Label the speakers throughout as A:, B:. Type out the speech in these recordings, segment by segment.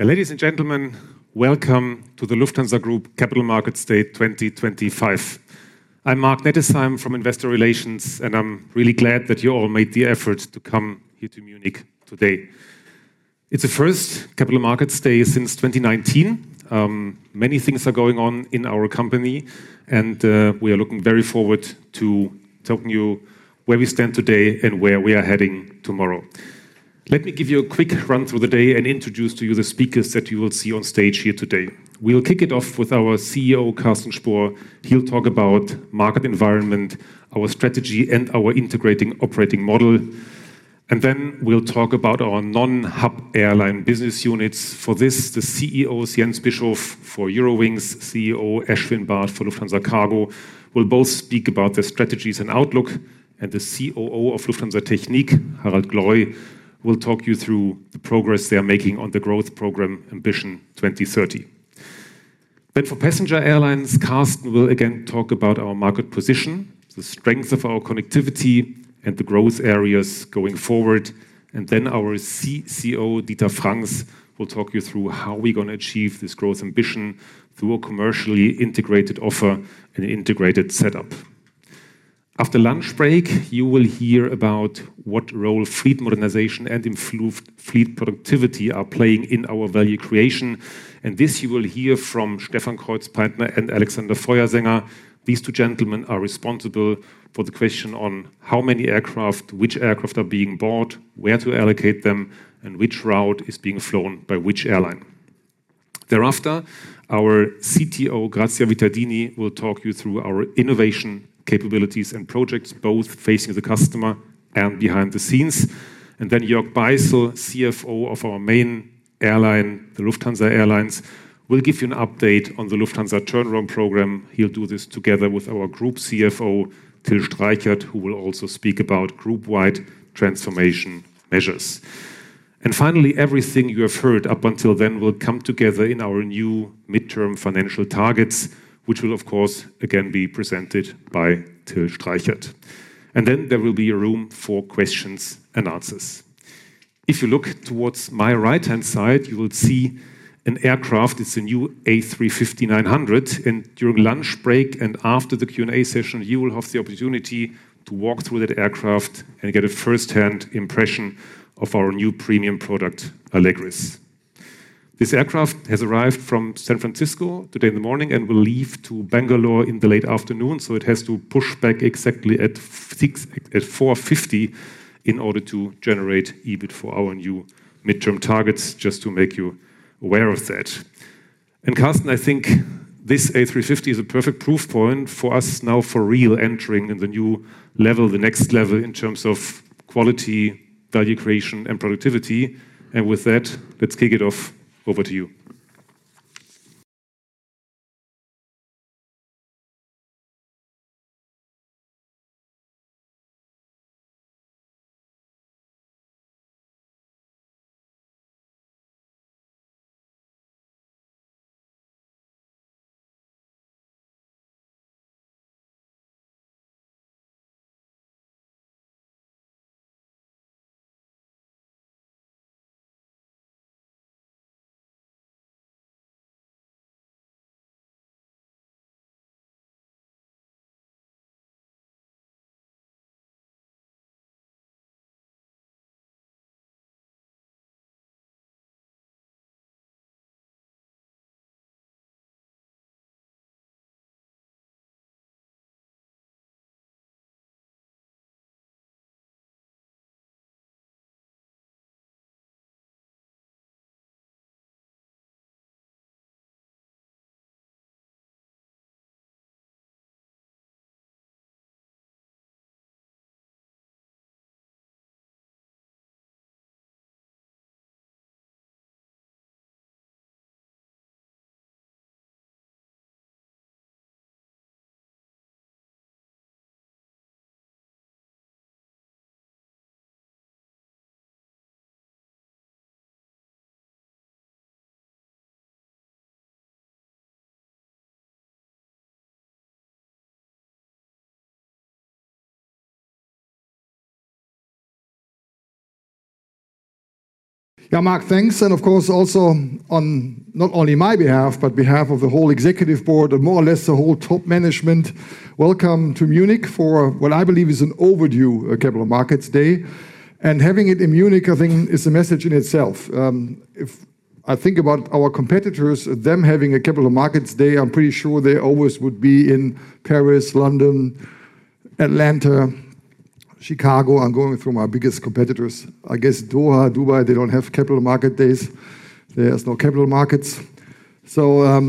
A: Ladies and gentlemen, welcome to the Lufthansa Group Capital Markets Day 2025. I'm Marc Nettesheim from Investor Relations, and I'm really glad that you all made the effort to come here to Munich today. It's the first Capital Markets Day since 2019. Many things are going on in our company, and we are looking very forward to telling you where we stand today and where we are heading tomorrow. Let me give you a quick run through the day and introduce to you the speakers that you will see on stage here today. We'll kick it off with our CEO, Carsten Spohr. He'll talk about the market environment, our strategy, and our integrating operating model. And then we'll talk about our non-hub airline business units. For this, the CEO, Jens Bischof, for Eurowings, CEO, Ashwin Bhat, for Lufthansa Cargo. We'll both speak about their strategies and outlook, and the COO of Lufthansa Technik, Harald Gloy, will talk you through the progress they're making on the growth program, Ambition 2030. Then for passenger airlines, Carsten will again talk about our market position, the strength of our connectivity, and the growth areas going forward. Then our CCO, Dieter Vranckx, will talk you through how we're going to achieve this growth ambition through a commercially integrated offer and an integrated setup. After lunch break, you will hear about what role fleet modernization and fleet productivity are playing in our value creation. This you will hear from Stefan Kreuzpaintner and Alexander Feuersänger. These two gentlemen are responsible for the question on how many aircraft, which aircraft are being bought, where to allocate them, and which route is being flown by which airline. Thereafter, our CTO, Grazia Vittadini, will talk you through our innovation capabilities and projects, both facing the customer and behind the scenes, and then Jörg Beißel, CFO of our main airline, the Lufthansa Airlines, will give you an update on the Lufthansa turnaround program. He'll do this together with our group CFO, Till Streichert, who will also speak about group-wide transformation measures, and finally, everything you have heard up until then will come together in our new midterm financial targets, which will, of course, again be presented by Till Streichert, and then there will be a room for questions and answers. If you look towards my right-hand side, you will see an aircraft. It's a new A350-900, and during lunch break and after the Q&A session, you will have the opportunity to walk through that aircraft and get a first-hand impression of our new premium product, Allegris. This aircraft has arrived from San Francisco today in the morning and will leave to Bangalore in the late afternoon, so it has to push back exactly at 4:50 P.M. in order to generate EBIT for our new midterm targets, just to make you aware of that, and Carsten, I think this A350 is a perfect proof point for us now for real entering the new level, the next level in terms of quality, value creation, and productivity, and with that, let's kick it off. Over to you.
B: Yeah, Marc, thanks, and of course, also on not only my behalf, but on behalf of the whole executive board and more or less the whole top management, welcome to Munich for what I believe is an overdue Capital Markets Day, and having it in Munich, I think, is a message in itself. If I think about our competitors them having a Capital Markets Day, I'm pretty sure they always would be in Paris, London, Atlanta, Chicago. I'm going through my biggest competitors. I guess Doha, Dubai, they don't have Capital Markets Days. There's no Capital Markets. So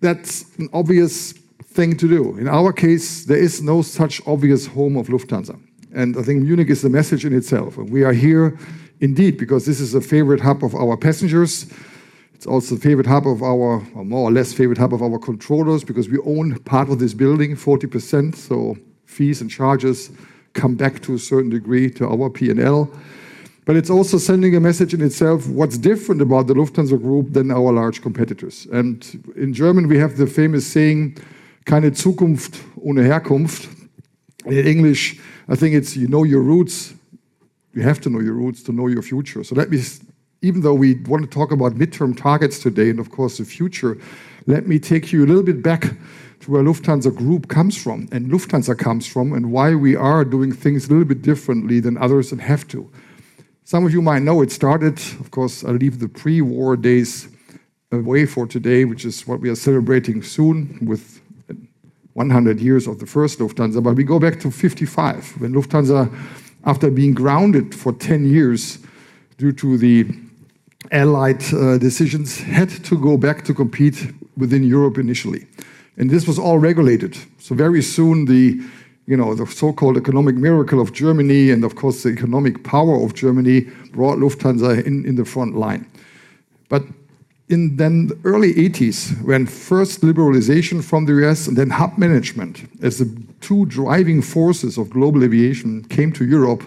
B: that's an obvious thing to do. In our case, there is no such obvious home of Lufthansa, and I think Munich is a message in itself. We are here indeed because this is a favorite hub of our passengers. It's also a favorite hub of our, or more or less favorite hub of our controllers because we own part of this building, 40%. So fees and charges come back to a certain degree to our P&L. But it's also sending a message in itself. What's different about the Lufthansa Group than our large competitors? In German, we have the famous saying, "Keine Zukunft, ohne Herkunft." In English, I think it's, "You know your roots. You have to know your roots to know your future." So let me, even though we want to talk about midterm targets today and of course the future, let me take you a little bit back to where Lufthansa Group comes from and Lufthansa comes from and why we are doing things a little bit differently than others that have to. Some of you might know it started, of course. I leave the pre-war days away for today, which is what we are celebrating soon with 100 years of the first Lufthansa. But we go back to 1955 when Lufthansa, after being grounded for 10 years due to the Allied decisions, had to go back to compete within Europe initially. And this was all regulated. So very soon, you know, the so-called economic miracle of Germany and, of course, the economic power of Germany brought Lufthansa in the front line. But then in the early 1980s, when first liberalization from the US and then hub management as the two driving forces of global aviation came to Europe,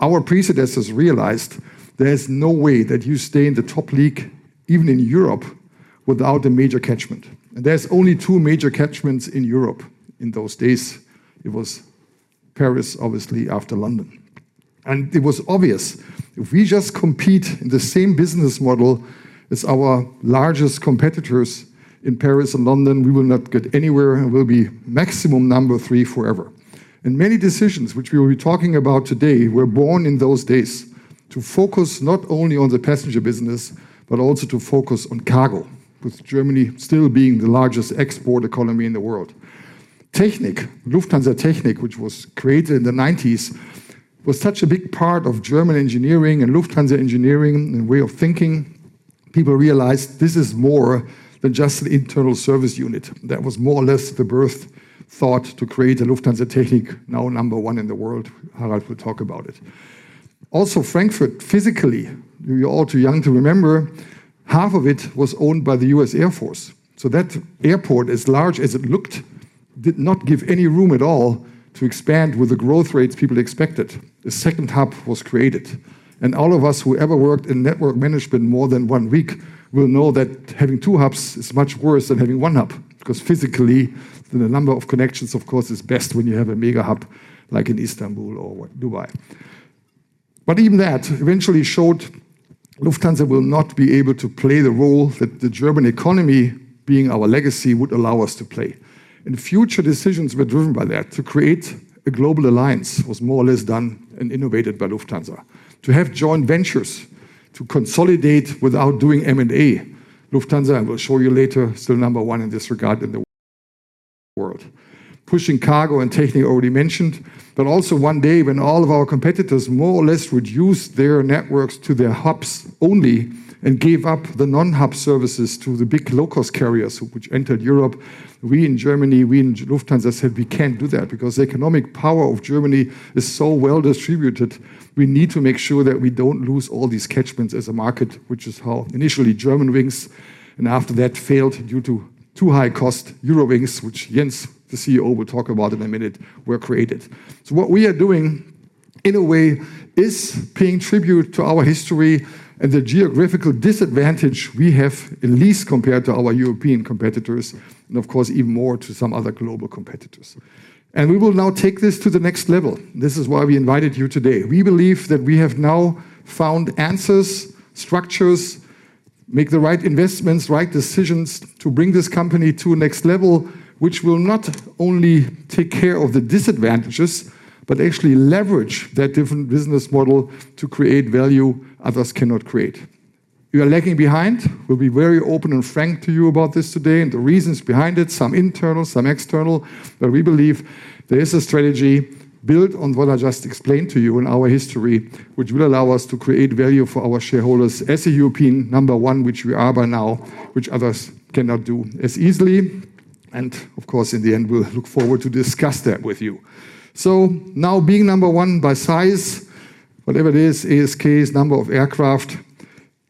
B: our predecessors realized there's no way that you stay in the top league, even in Europe, without a major catchment. And there's only two major catchments in Europe in those days. It was Paris, obviously, after London. And it was obvious, if we just compete in the same business model as our largest competitors in Paris and London, we will not get anywhere and we'll be maximum number three forever. Many decisions, which we will be talking about today, were born in those days to focus not only on the passenger business, but also to focus on cargo, with Germany still being the largest export economy in the world. Technik, Lufthansa Technik, which was created in the 1990s, was such a big part of German engineering and Lufthansa engineering and way of thinking. People realized this is more than just an internal service unit. That was more or less the birth thought to create a Lufthansa Technik, now number one in the world. Harald will talk about it. Also, Frankfurt, physically, you're all too young to remember, half of it was owned by the U.S. Air Force. So that airport, as large as it looked, did not give any room at all to expand with the growth rates people expected. The second hub was created. And all of us who ever worked in network management more than one week will know that having two hubs is much worse than having one hub because physically, the number of connections, of course, is best when you have a mega hub like in Istanbul or Dubai. But even that eventually showed Lufthansa will not be able to play the role that the German economy, being our legacy, would allow us to play. And future decisions were driven by that. To create a global alliance was more or less done and innovated by Lufthansa. To have joint ventures, to consolidate without doing M&A, Lufthansa, and we'll show you later, still number one in this regard in the world. Pushing Cargo and Technik, already mentioned, but also one day when all of our competitors more or less reduced their networks to their hubs only and gave up the non-hub services to the big low-cost carriers which entered Europe. We in Germany, we in Lufthansa said we can't do that because the economic power of Germany is so well distributed. We need to make sure that we don't lose all these catchments as a market, which is how initially Germanwings, and after that failed due to too high cost, Eurowings, which Jens, the CEO, will talk about in a minute, were created. What we are doing in a way is paying tribute to our history and the geographical disadvantage we have at least compared to our European competitors and of course even more to some other global competitors. We will now take this to the next level. This is why we invited you today. We believe that we have now found answers, structures, made the right investments, right decisions to bring this company to the next level, which will not only take care of the disadvantages, but actually leverage that different business model to create value others cannot create. You are lagging behind. We'll be very open and frank to you about this today and the reasons behind it, some internal, some external. But we believe there is a strategy built on what I just explained to you in our history, which will allow us to create value for our shareholders as a European number one, which we are by now, which others cannot do as easily. And of course, in the end, we'll look forward to discuss that with you. So now being number one by size, whatever it is, ASKs, number of aircraft,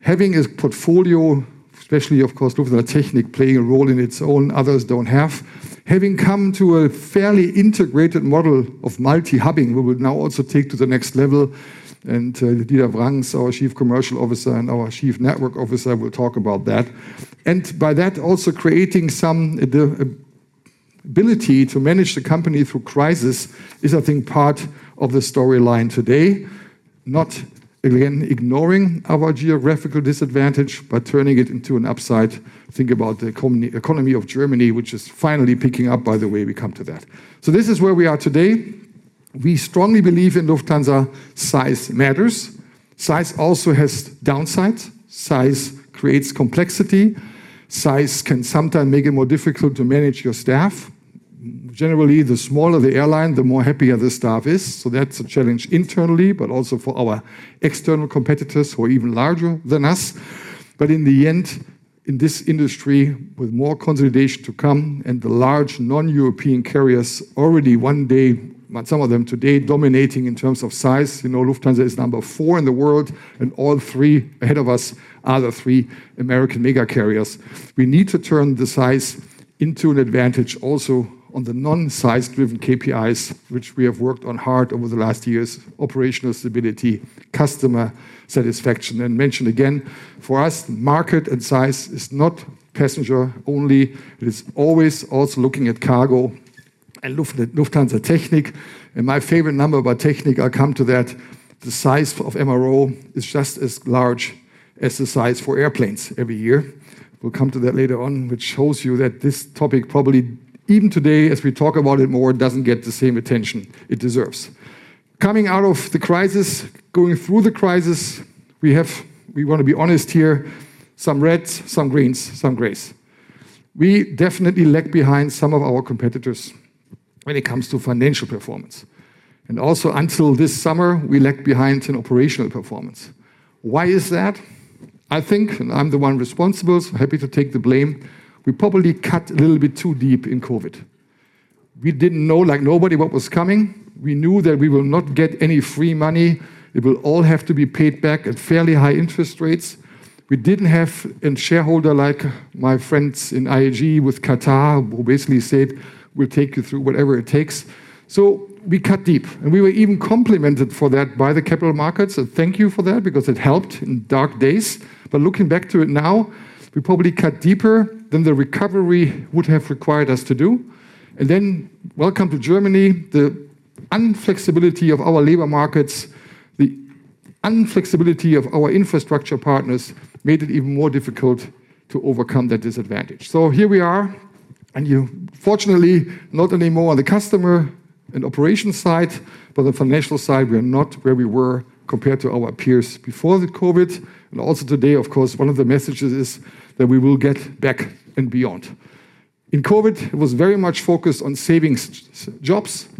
B: having a portfolio, especially of course Lufthansa Technik playing a role in its own, others don't have, having come to a fairly integrated model of multi-hubbing, we will now also take to the next level. And Dieter Vranckx, our Chief Commercial Officer and our Chief Network Officer, will talk about that. And by that, also creating some ability to manage the company through crisis is, I think, part of the storyline today. Not again ignoring our geographical disadvantage, but turning it into an upside. Think about the economy of Germany, which is finally picking up by the way we come to that. So this is where we are today. We strongly believe in Lufthansa. Size matters. Size also has downsides. Size creates complexity. Size can sometimes make it more difficult to manage your staff. Generally, the smaller the airline, the more happier the staff is. So that's a challenge internally, but also for our external competitors who are even larger than us. But in the end, in this industry, with more consolidation to come and the large non-European carriers already one day, some of them today dominating in terms of size, you know, Lufthansa is number four in the world and all three ahead of us are the three American mega carriers. We need to turn the size into an advantage also on the non-size-driven KPIs, which we have worked on hard over the last years: operational stability, customer satisfaction. And mentioned again, for us, market and size is not passenger only. It is always also looking at cargo and Lufthansa Technik. And my favorite number about Technik, I'll come to that. The size of MRO is just as large as the size for airplanes every year. We'll come to that later on, which shows you that this topic probably even today, as we talk about it more, doesn't get the same attention it deserves. Coming out of the crisis, going through the crisis, we have, we want to be honest here, some reds, some greens, some grays. We definitely lag behind some of our competitors when it comes to financial performance. And also until this summer, we lagged behind in operational performance. Why is that? I think, and I'm the one responsible, so happy to take the blame, we probably cut a little bit too deep in COVID. We didn't know, like nobody, what was coming. We knew that we will not get any free money. It will all have to be paid back at fairly high interest rates. We didn't have a shareholder like my friends in IAG with Qatar, who basically said, "We'll take you through whatever it takes." So we cut deep. And we were even complimented for that by the capital markets. And thank you for that because it helped in dark days. But looking back to it now, we probably cut deeper than the recovery would have required us to do. And then, welcome to Germany, the inflexibility of our labor markets, the inflexibility of our infrastructure partners made it even more difficult to overcome that disadvantage. So here we are. And you fortunately not anymore on the customer and operation side, but on the financial side, we are not where we were compared to our peers before the COVID. And also today, of course, one of the messages is that we will get back and beyond. In COVID, it was very much focused on saving jobs.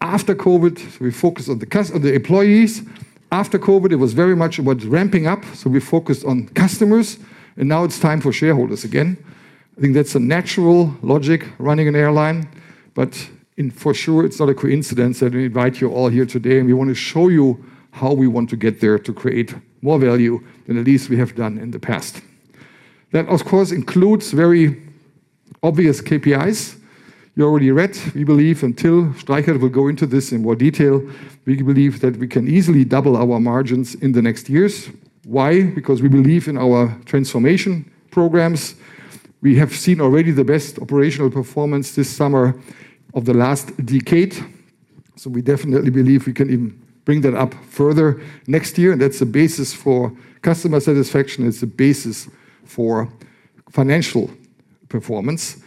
B: After COVID, we focused on the employees. After COVID, it was very much about ramping up, so we focused on customers, and now it's time for shareholders again. I think that's a natural logic running an airline, but for sure, it's not a coincidence that we invite you all here today, and we want to show you how we want to get there to create more value than at least we have done in the past. That, of course, includes very obvious KPIs. You already read, we believe, and Till Streichert will go into this in more detail. We believe that we can easily double our margins in the next years. Why? Because we believe in our transformation programs. We have seen already the best operational performance this summer of the last decade. We definitely believe we can even bring that up further next year. And that's a basis for customer satisfaction. It's a basis for financial performance.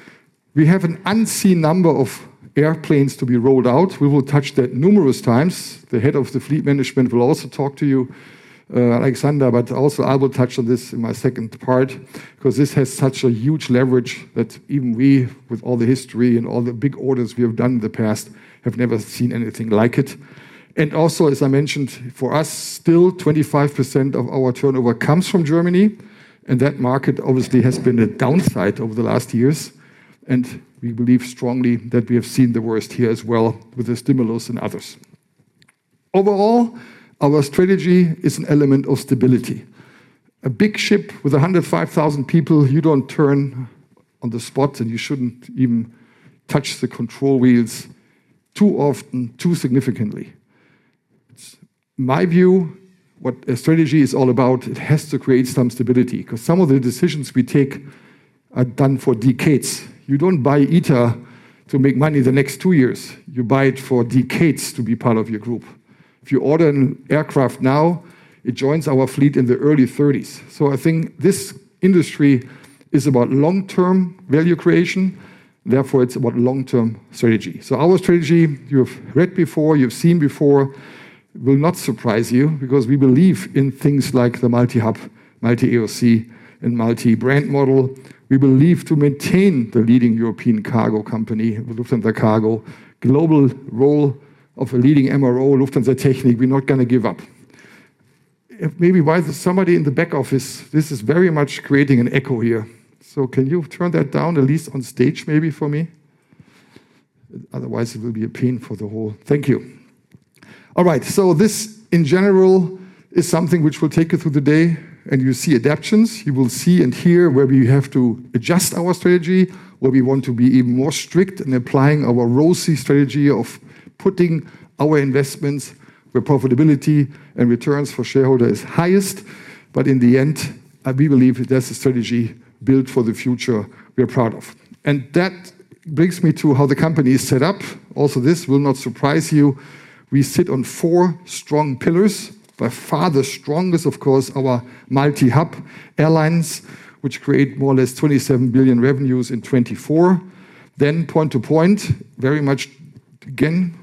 B: We have an unseen number of airplanes to be rolled out. We will touch that numerous times. The head of the fleet management will also talk to you, Alexander, but also I will touch on this in my second part because this has such a huge leverage that even we, with all the history and all the big orders we have done in the past, have never seen anything like it. And also, as I mentioned, for us, still 25% of our turnover comes from Germany. And that market obviously has been a downside over the last years. And we believe strongly that we have seen the worst here as well with the stimulus and others. Overall, our strategy is an element of stability. A big ship with 105,000 people, you don't turn on the spot and you shouldn't even touch the control wheels too often, too significantly. It's my view what a strategy is all about. It has to create some stability because some of the decisions we take are done for decades. You don't buy ITA to make money the next two years. You buy it for decades to be part of your group. If you order an aircraft now, it joins our fleet in the early 30s. So I think this industry is about long-term value creation. Therefore, it's about long-term strategy. So our strategy, you've read before, you've seen before, will not surprise you because we believe in things like the multi-hub, multi-AOC, and multi-brand model. We believe to maintain the leading European cargo company, Lufthansa Cargo, global role of a leading MRO, Lufthansa Technik, we're not going to give up. Maybe why there's somebody in the back office. This is very much creating an echo here. So can you turn that down, at least on stage maybe for me? Otherwise, it will be a pain for the whole. Thank you. All right. So this in general is something which will take you through the day, and you see adaptations. You will see and hear where we have to adjust our strategy, where we want to be even more strict in applying our ROCE strategy of putting our investments where profitability and returns for shareholders is highest, but in the end, we believe that's a strategy built for the future we're proud of, and that brings me to how the company is set up. Also, this will not surprise you. We sit on four strong pillars, by far the strongest, of course, our multi-hub airlines, which create more or less 27 billion in revenues in 2024. Then point to point, very much again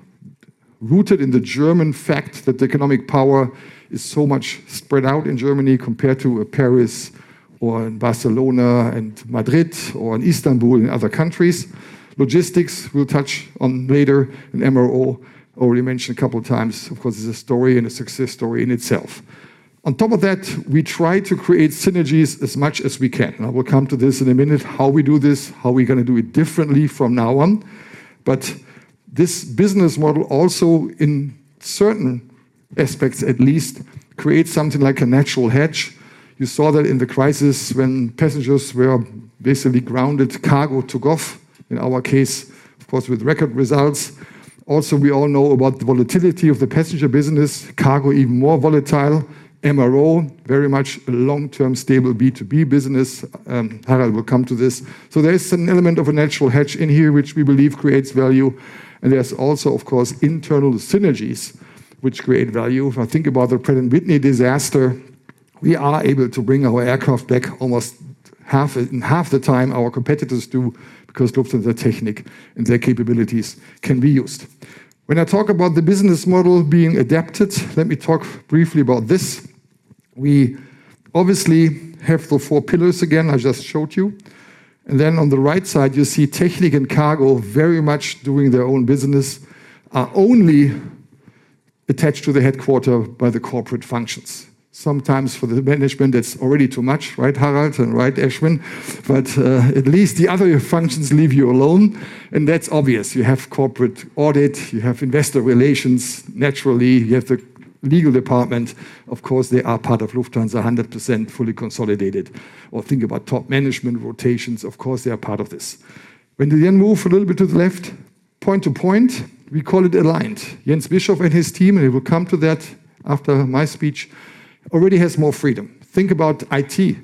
B: rooted in the German fact that the economic power is so much spread out in Germany compared to Paris or in Barcelona and Madrid or in Istanbul and other countries. Logistics we'll touch on later in MRO, already mentioned a couple of times. Of course, it's a story and a success story in itself. On top of that, we try to create synergies as much as we can, and I will come to this in a minute, how we do this, how we're going to do it differently from now on, but this business model also in certain aspects at least creates something like a natural hedge. You saw that in the crisis when passengers were basically grounded, cargo took off. In our case, of course, with record results. Also, we all know about the volatility of the passenger business, cargo even more volatile, MRO, very much a long-term stable B2B business. Harald will come to this, so there's an element of a natural hedge in here, which we believe creates value, and there's also, of course, internal synergies which create value. If I think about the Pratt & Whitney disaster, we are able to bring our aircraft back almost half the time our competitors do because Lufthansa Technik and their capabilities can be used. When I talk about the business model being adapted, let me talk briefly about this. We obviously have the four pillars again I just showed you. Then on the right side, you see Technik and Cargo very much doing their own business, are only attached to the headquarters by the corporate functions. Sometimes for the management, it's already too much, right, Harald, and right, Ashwin? But at least the other functions leave you alone. And that's obvious. You have corporate audit, you have investor relations, naturally. You have the legal department. Of course, they are part of Lufthansa, 100% fully consolidated. Or think about top management rotations. Of course, they are part of this. When we then move a little bit to the left, point to point, we call it aligned. Jens Bischof and his team, and we will come to that after my speech, already has more freedom. Think about IT,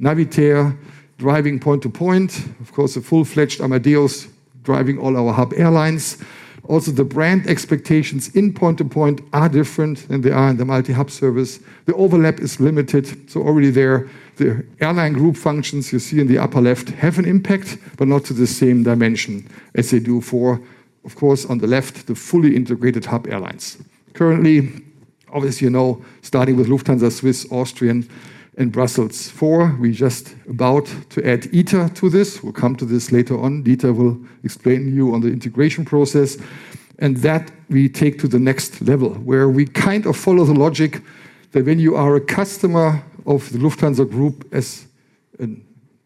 B: Navitaire, driving point to point. Of course, the full-fledged Amadeus driving all our hub airlines. Also, the brand expectations in point-to-point are different than they are in the multi-hub service. The overlap is limited. So already there, the airline group functions you see in the upper left have an impact, but not to the same dimension as they do for, of course, on the left, the fully integrated hub airlines. Currently, obviously, you know, starting with Lufthansa, Swiss, Austrian, and Brussels – four, we just about to add ITA to this. We'll come to this later on. Dieter will explain to you on the integration process. And that we take to the next level where we kind of follow the logic that when you are a customer of the Lufthansa Group as a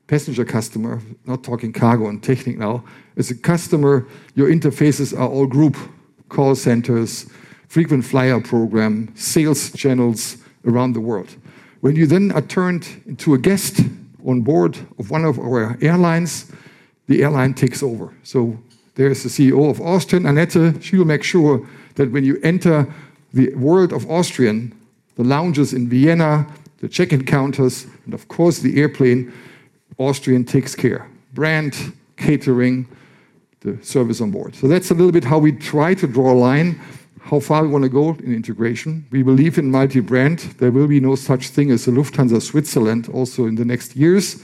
B: passenger customer, not talking cargo and Technik now, as a customer, your interfaces are all Group: call centers, frequent flyer program, sales channels around the world. When you then are turned into a guest on board of one of our airlines, the airline takes over. So there is the CEO of Austrian, Annette. She will make sure that when you enter the world of Austrian, the lounges in Vienna, the check-in counters, and of course, the airplane, Austrian takes care. Brand, catering, the service on board. So that's a little bit how we try to draw a line, how far we want to go in integration. We believe in multi-brand. There will be no such thing as a Lufthansa Switzerland also in the next years.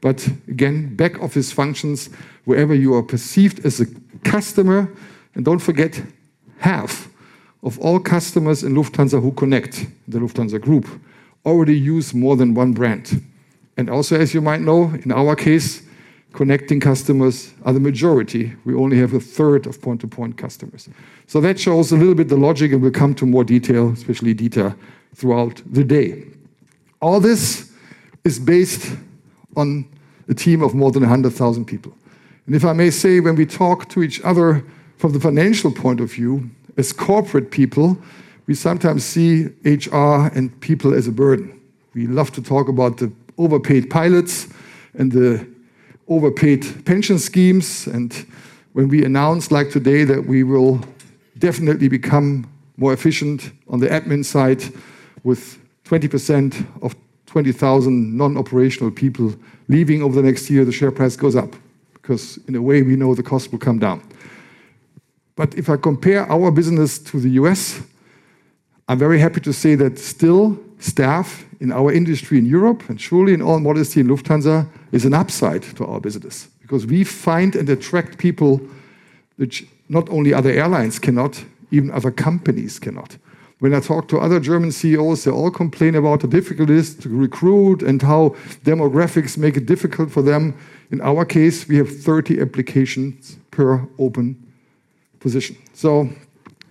B: But again, back office functions, wherever you are perceived as a customer. And don't forget, half of all customers in Lufthansa who connect in the Lufthansa Group already use more than one brand. And also, as you might know, in our case, connecting customers are the majority. We only have a third of point-to-point customers. So that shows a little bit the logic, and we'll come to more detail, especially Dieter, throughout the day. All this is based on a team of more than 100,000 people. And if I may say, when we talk to each other from the financial point of view, as corporate people, we sometimes see HR and people as a burden. We love to talk about the overpaid pilots and the overpaid pension schemes. And when we announce like today that we will definitely become more efficient on the admin side with 20% of 20,000 non-operational people leaving over the next year, the share price goes up because in a way, we know the cost will come down. But if I compare our business to the U.S., I'm very happy to say that still staff in our industry in Europe and surely in all modesty in Lufthansa is an upside to our business because we find and attract people which not only other airlines cannot, even other companies cannot. When I talk to other German CEOs, they all complain about the difficulties to recruit and how demographics make it difficult for them. In our case, we have 30 applications per open position. So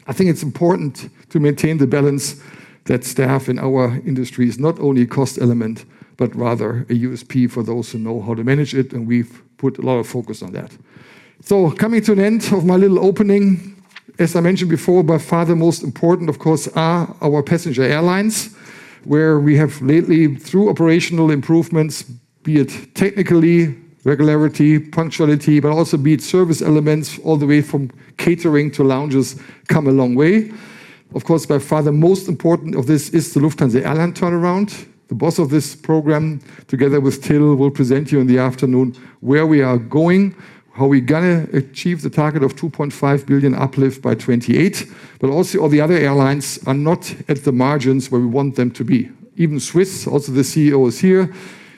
B: I think it's important to maintain the balance that staff in our industry is not only a cost element, but rather a USP for those who know how to manage it, and we've put a lot of focus on that. So coming to an end of my little opening, as I mentioned before, by far the most important, of course, are our passenger airlines, where we have lately, through operational improvements, be it technically, regularity, punctuality, but also be it service elements all the way from catering to lounges come a long way. Of course, by far the most important of this is the Lufthansa Airlines turnaround. The boss of this program, together with Till, will present you in the afternoon where we are going, how we're going to achieve the target of 2.5 billion uplift by 2028. But also all the other airlines are not at the margins where we want them to be. Even Swiss, also the CEO is here.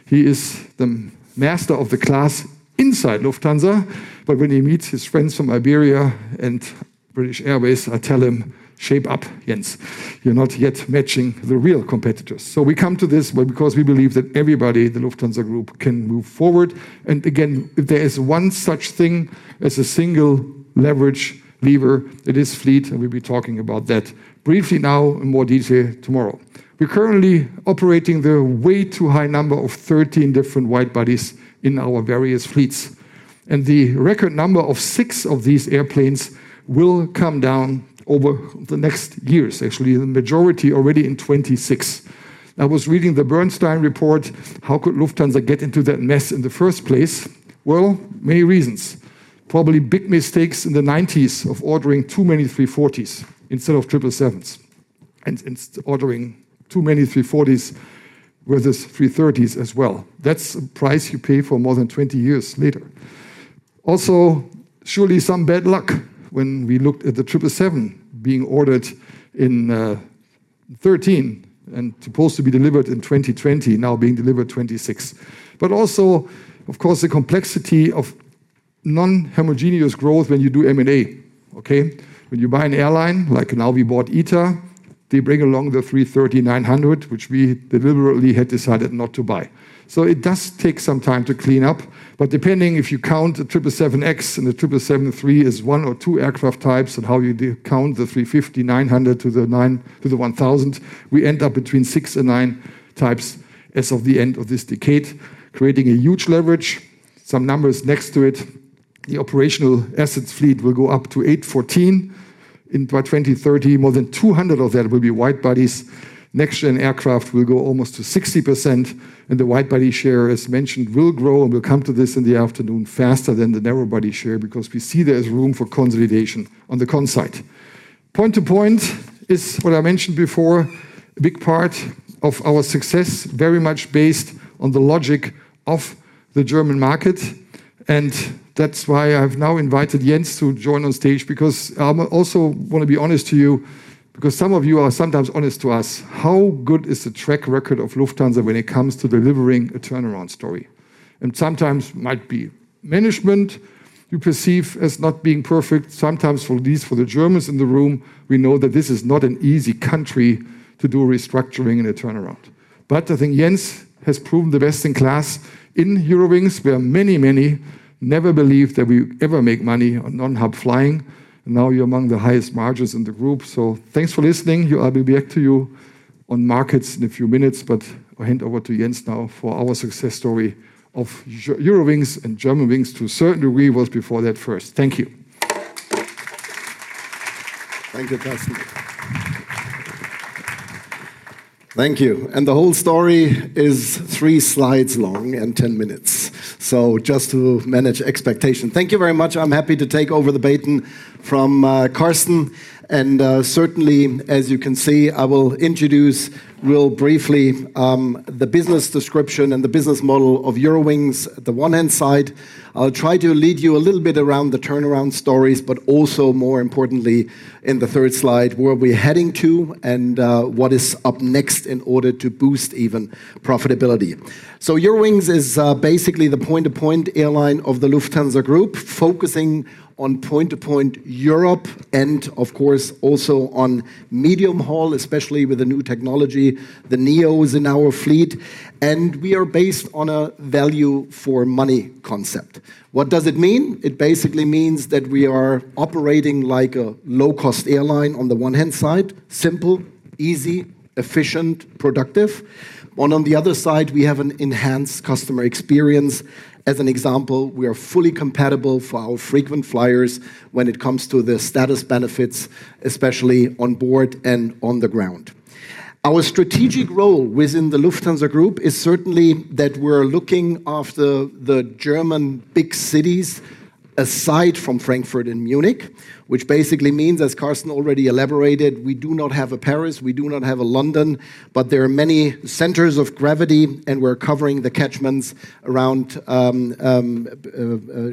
B: He is the master of the class inside Lufthansa. But when he meets his friends from Iberia and British Airways, I tell him, "Shape up, Jens. You're not yet matching the real competitors." We come to this because we believe that everybody in the Lufthansa Group can move forward. Again, if there is one such thing as a single leverage lever, it is fleet. We'll be talking about that briefly now in more detail tomorrow. We're currently operating the way too high number of 13 different wide bodies in our various fleets. The record number of six of these airplanes will come down over the next years. Actually, the majority already in 2026. I was reading the Bernstein report. How could Lufthansa get into that mess in the first place? Many reasons. Probably big mistakes in the 1990s of ordering too many 340s instead of 777s. Ordering too many 340s versus 330s as well. That's a price you pay for more than 20 years later. Also, surely some bad luck when we looked at the 777 being ordered in 2013 and supposed to be delivered in 2020, now being delivered 2026. But also, of course, the complexity of non-homogeneous growth when you do M&A. Okay? When you buy an airline, like now we bought ITA, they bring along the 330-900, which we deliberately had decided not to buy. So it does take some time to clean up. But depending if you count the 777X and the 777-300 as one or two aircraft types and how you count the 350-900 to the 1000, we end up between six and nine types as of the end of this decade, creating a huge leverage. Some numbers next to it. The operational assets fleet will go up to 814. By 2030, more than 200 of that will be wide bodies. Next-gen aircraft will go almost to 60%. The wide body share, as mentioned, will grow, and we'll come to this in the afternoon, faster than the narrow body share because we see there is room for consolidation on the customer side. Point-to-point is what I mentioned before, a big part of our success very much based on the logic of the German market. That's why I've now invited Jens to join on stage because I also want to be honest to you because some of you are sometimes honest to us. How good is the track record of Lufthansa when it comes to delivering a turnaround story? And sometimes management you perceive as not being perfect. Sometimes, at least for the Germans in the room, we know that this is not an easy country to do restructuring and a turnaround. But I think Jens has proven the best in class in Eurowings, where many, many never believed that we ever make money on non-hub flying. And now you're among the highest margins in the group. So thanks for listening. You'll be back to you on markets in a few minutes, but I'll hand over to Jens now for our success story of Eurowings and Germanwings to a certain degree was before that first. Thank you.
C: Thank you, Carsten. Thank you. And the whole story is three slides long and 10 minutes. So just to manage expectation. Thank you very much. I'm happy to take over the baton from Carsten. And certainly, as you can see, I will introduce really briefly the business description and the business model of Eurowings on the one hand side. I'll try to lead you a little bit around the turnaround stories, but also more importantly in the third slide, where we're heading to and what is up next in order to boost even profitability. So Eurowings is basically the point-to-point airline of the Lufthansa Group, focusing on point-to-point Europe and, of course, also on medium haul, especially with the new technology, the Neo is in our fleet. And we are based on a value for money concept. What does it mean? It basically means that we are operating like a low-cost airline on the one-hand side, simple, easy, efficient, productive. On the other side, we have an enhanced customer experience. As an example, we are fully compatible for our frequent flyers when it comes to the status benefits, especially on board and on the ground. Our strategic role within the Lufthansa Group is certainly that we're looking after the German big cities aside from Frankfurt and Munich, which basically means, as Carsten already elaborated, we do not have a Paris, we do not have a London, but there are many centers of gravity, and we're covering the catchments around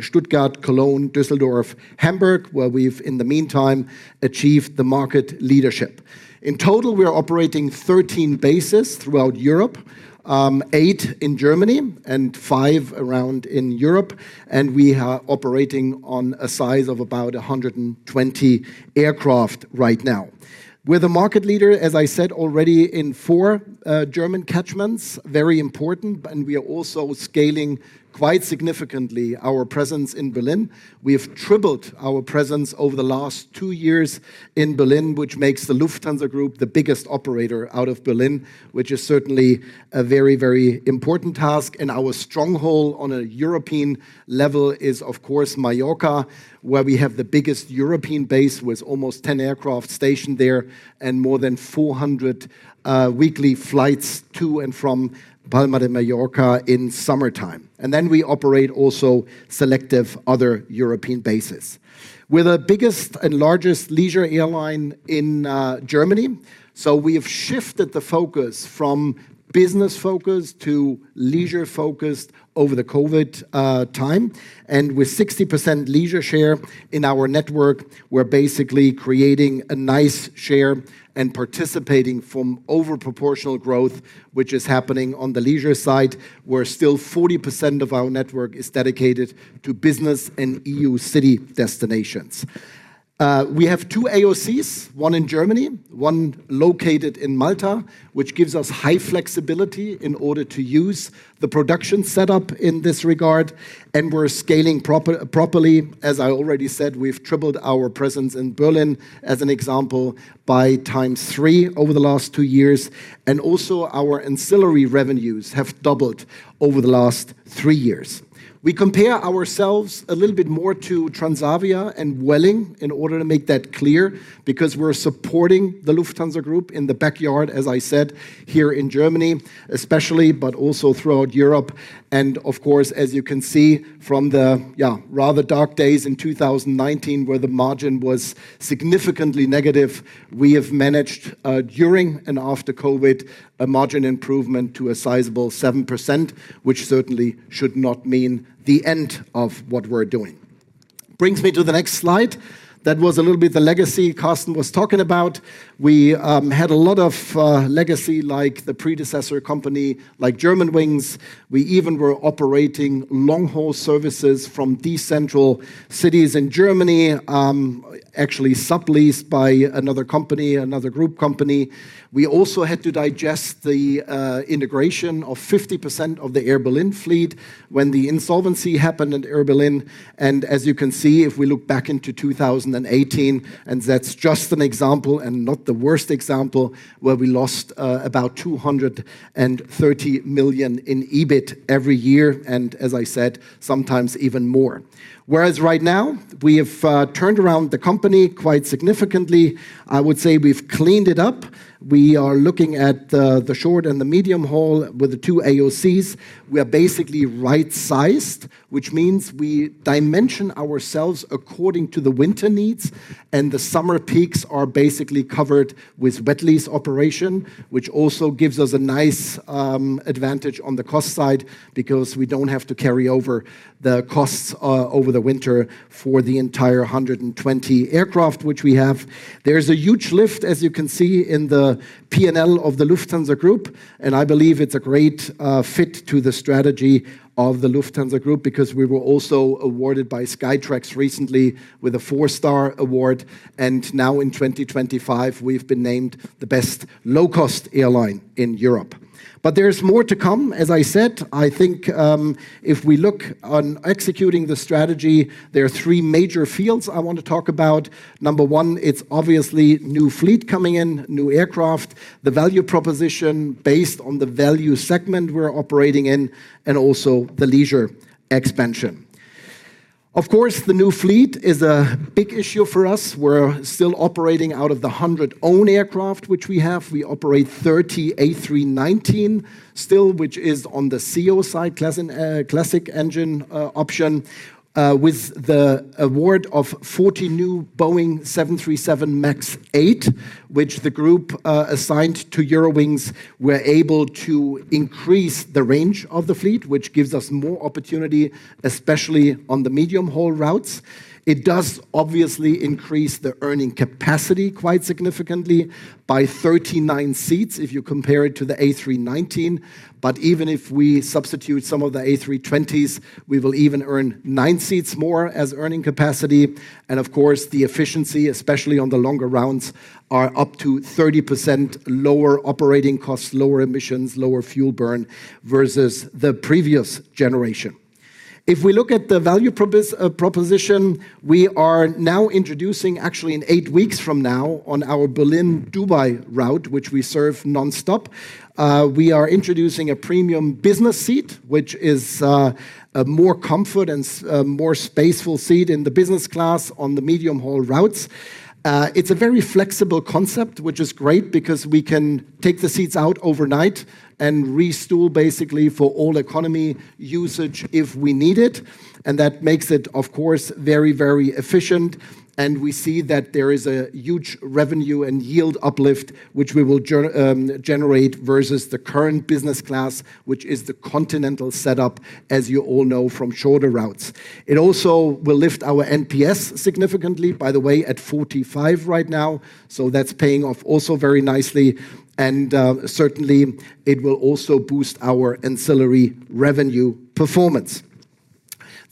C: Stuttgart, Cologne, Düsseldorf, Hamburg, where we've in the meantime achieved the market leadership. In total, we're operating 13 bases throughout Europe, eight in Germany and five around in Europe. And we are operating on a size of about 120 aircraft right now. We're the market leader, as I said already, in four German catchments, very important. And we are also scaling quite significantly our presence in Berlin. We have tripled our presence over the last two years in Berlin, which makes the Lufthansa Group the biggest operator out of Berlin, which is certainly a very, very important task, and our stronghold on a European level is, of course, Mallorca, where we have the biggest European base with almost 10 aircraft stationed there and more than 400 weekly flights to and from Palma de Mallorca in summertime, and then we operate also selective other European bases. We're the biggest and largest leisure airline in Germany, so we have shifted the focus from business focus to leisure focused over the COVID time, and with 60% leisure share in our network, we're basically creating a nice share and participating from overproportional growth, which is happening on the leisure side, where still 40% of our network is dedicated to business and EU city destinations. We have two AOCs, one in Germany, one located in Malta, which gives us high flexibility in order to use the production setup in this regard. And we're scaling properly. As I already said, we've tripled our presence in Berlin, as an example, by times three over the last two years. And also our ancillary revenues have doubled over the last three years. We compare ourselves a little bit more to Transavia and Vueling in order to make that clear because we're supporting the Lufthansa Group in the backyard, as I said, here in Germany, especially, but also throughout Europe. And of course, as you can see from the rather dark days in 2019, where the margin was significantly negative, we have managed during and after COVID a margin improvement to a sizable 7%, which certainly should not mean the end of what we're doing. Brings me to the next slide. That was a little bit the legacy Carsten was talking about. We had a lot of legacy like the predecessor company like Germanwings. We even were operating long-haul services from decentral cities in Germany, actually subleased by another company, another group company. We also had to digest the integration of 50% of the Air Berlin fleet when the insolvency happened in Air Berlin. And as you can see, if we look back into 2018, and that's just an example and not the worst example, where we lost about 230 million in EBIT every year. And as I said, sometimes even more. Whereas right now, we have turned around the company quite significantly. I would say we've cleaned it up. We are looking at the short and the medium haul with the two AOCs. We are basically right-sized, which means we dimension ourselves according to the winter needs. And the summer peaks are basically covered with wet lease operation, which also gives us a nice advantage on the cost side because we don't have to carry over the costs over the winter for the entire 120 aircraft, which we have. There's a huge lift, as you can see, in the P&L of the Lufthansa Group. And I believe it's a great fit to the strategy of the Lufthansa Group because we were also awarded by Skytrax recently with a four-star award. And now in 2025, we've been named the best low-cost airline in Europe. But there's more to come. As I said, I think if we look on executing the strategy, there are three major fields I want to talk about. Number one, it's obviously new fleet coming in, new aircraft, the value proposition based on the value segment we're operating in, and also the leisure expansion. Of course, the new fleet is a big issue for us. We're still operating out of the 100 own aircraft, which we have. We operate 30 A319 still, which is on the CEO side, classic engine option, with the award of 40 new Boeing 737 MAX 8, which the group assigned to Eurowings. We're able to increase the range of the fleet, which gives us more opportunity, especially on the medium-haul routes. It does obviously increase the earning capacity quite significantly by 39 seats if you compare it to the A319. But even if we substitute some of the A320s, we will even earn nine seats more as earning capacity. And of course, the efficiency, especially on the longer rounds, are up to 30% lower operating costs, lower emissions, lower fuel burn versus the previous generation. If we look at the value proposition, we are now introducing, actually in eight weeks from now, on our Berlin-Dubai route, which we serve non-stop, we are introducing a premium business seat, which is a more comfort and more spaceful seat in the business class on the medium-haul routes. It's a very flexible concept, which is great because we can take the seats out overnight and restool basically for all economy usage if we need it. And that makes it, of course, very, very efficient. And we see that there is a huge revenue and yield uplift, which we will generate versus the current business class, which is the continental setup, as you all know from shorter routes. It also will lift our NPS significantly, by the way, at 45 right now. So that's paying off also very nicely. And certainly, it will also boost our ancillary revenue performance.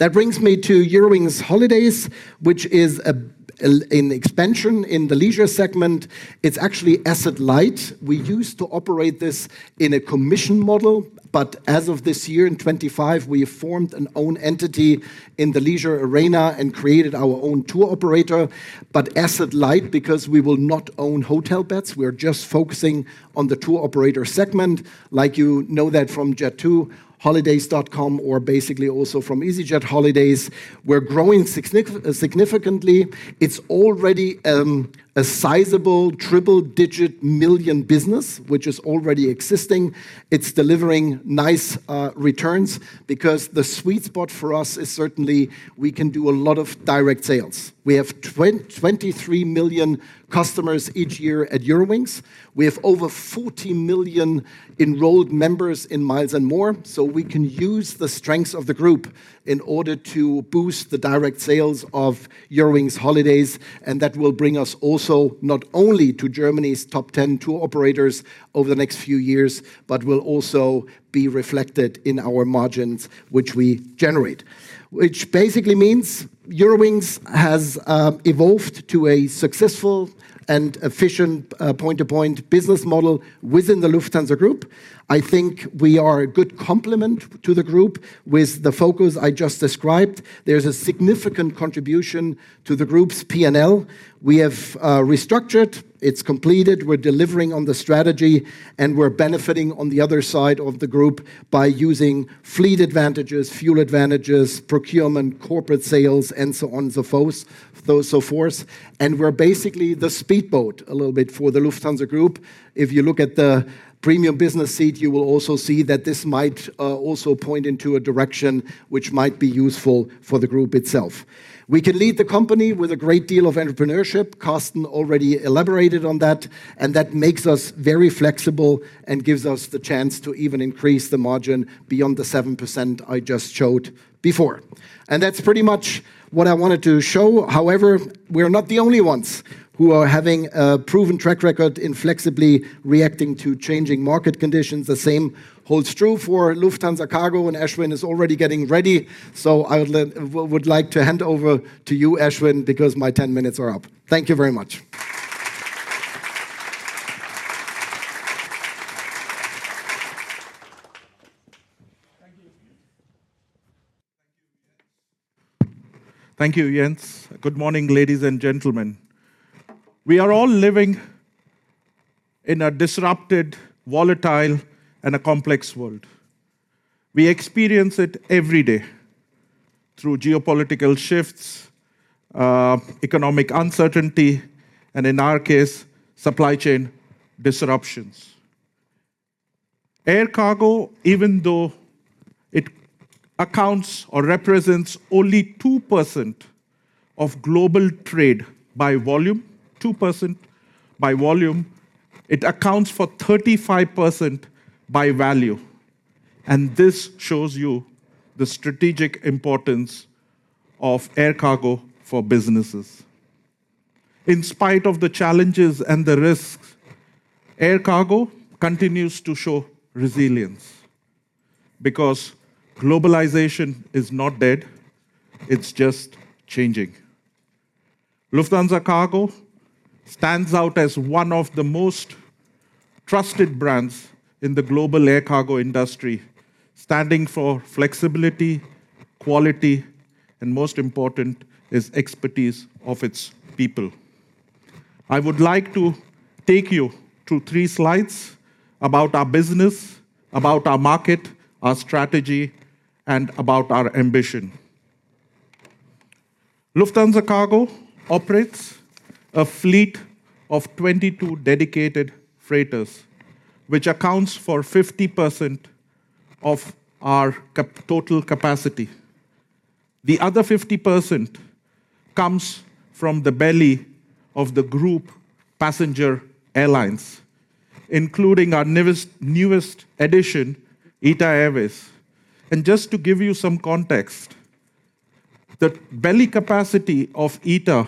C: That brings me to Eurowings Holidays, which is an expansion in the leisure segment. It's actually asset light. We used to operate this in a commission model, but as of this year in 2025, we formed an own entity in the leisure arena and created our own tour operator. But asset light, because we will not own hotel beds, we're just focusing on the tour operator segment. Like you know that from jet2holidays.com or basically also from easyJet holidays, we're growing significantly. It's already a sizable triple-digit million business, which is already existing. It's delivering nice returns because the sweet spot for us is certainly we can do a lot of direct sales. We have 23 million customers each year at Eurowings. We have over 40 million enrolled members in Miles & More. So we can use the strengths of the group in order to boost the direct sales of Eurowings Holidays. And that will bring us also not only to Germany's top 10 tour operators over the next few years, but will also be reflected in our margins, which we generate. Which basically means Eurowings has evolved to a successful and efficient point-to-point business model within the Lufthansa Group. I think we are a good complement to the group with the focus I just described. There's a significant contribution to the group's P&L. We have restructured. It's completed. We're delivering on the strategy. And we're benefiting on the other side of the group by using fleet advantages, fuel advantages, procurement, corporate sales, and so on and so forth. And we're basically the speedboat a little bit for the Lufthansa Group. If you look at the premium business seat, you will also see that this might also point into a direction which might be useful for the group itself. We can lead the company with a great deal of entrepreneurship. Carsten already elaborated on that. And that makes us very flexible and gives us the chance to even increase the margin beyond the 7% I just showed before. And that's pretty much what I wanted to show. However, we're not the only ones who are having a proven track record in flexibly reacting to changing market conditions. The same holds true for Lufthansa Cargo, and Ashwin is already getting ready. So I would like to hand over to you, Ashwin, because my 10 minutes are up. Thank you very much.
D: Thank you, Jens. Good morning, ladies and gentlemen. We are all living in a disrupted, volatile, and a complex world. We experience it every day through geopolitical shifts, economic uncertainty, and in our case, supply chain disruptions. Air Cargo, even though it accounts or represents only 2% of global trade by volume, 2% by volume, accounts for 35% by value, and this shows you the strategic importance of Air Cargo for businesses. In spite of the challenges and the risks, Air Cargo continues to show resilience because globalization is not dead. It's just changing. Lufthansa Cargo stands out as one of the most trusted brands in the global Air Cargo industry, standing for flexibility, quality, and most important is expertise of its people. I would like to take you through three slides about our business, about our market, our strategy, and about our ambition. Lufthansa Cargo operates a fleet of 22 dedicated freighters, which accounts for 50% of our total capacity. The other 50% comes from the belly of the group passenger airlines, including our newest addition, ITA Airways. Just to give you some context, the belly capacity of ITA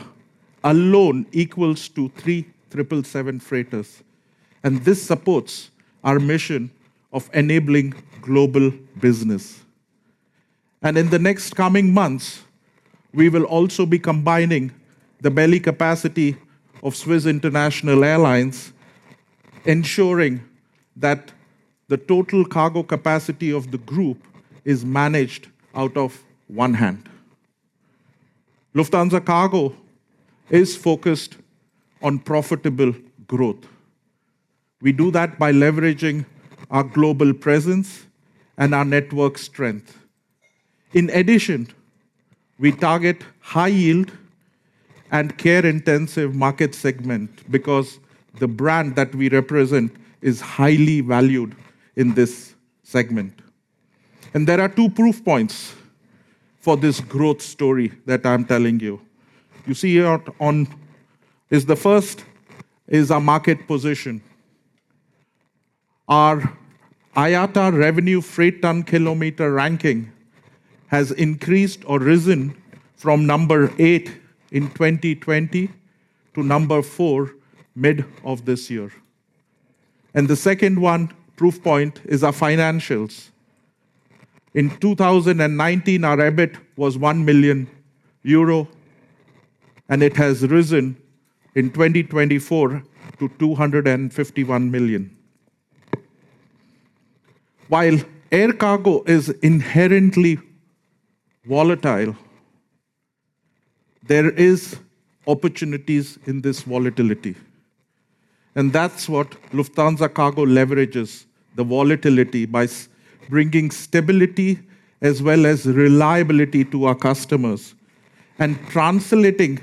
D: alone equals to three 777 freighters. This supports our mission of enabling global business. In the next coming months, we will also be combining the belly capacity of Swiss International Air Lines, ensuring that the total cargo capacity of the group is managed out of one hand. Lufthansa Cargo is focused on profitable growth. We do that by leveraging our global presence and our network strength. In addition, we target high-yield and care-intensive market segment because the brand that we represent is highly valued in this segment. There are two proof points for this growth story that I'm telling you. You see here on this is the first: our market position. Our IATA revenue freight ton kilometer ranking has increased or risen from number eight in 2020 to number four mid of this year. The second one proof point is our financials. In 2019, our EBIT was 1 million euro, and it has risen in 2024 to 251 million EUR. While Air Cargo is inherently volatile, there are opportunities in this volatility. That's what Lufthansa Cargo leverages, the volatility by bringing stability as well as reliability to our customers and translating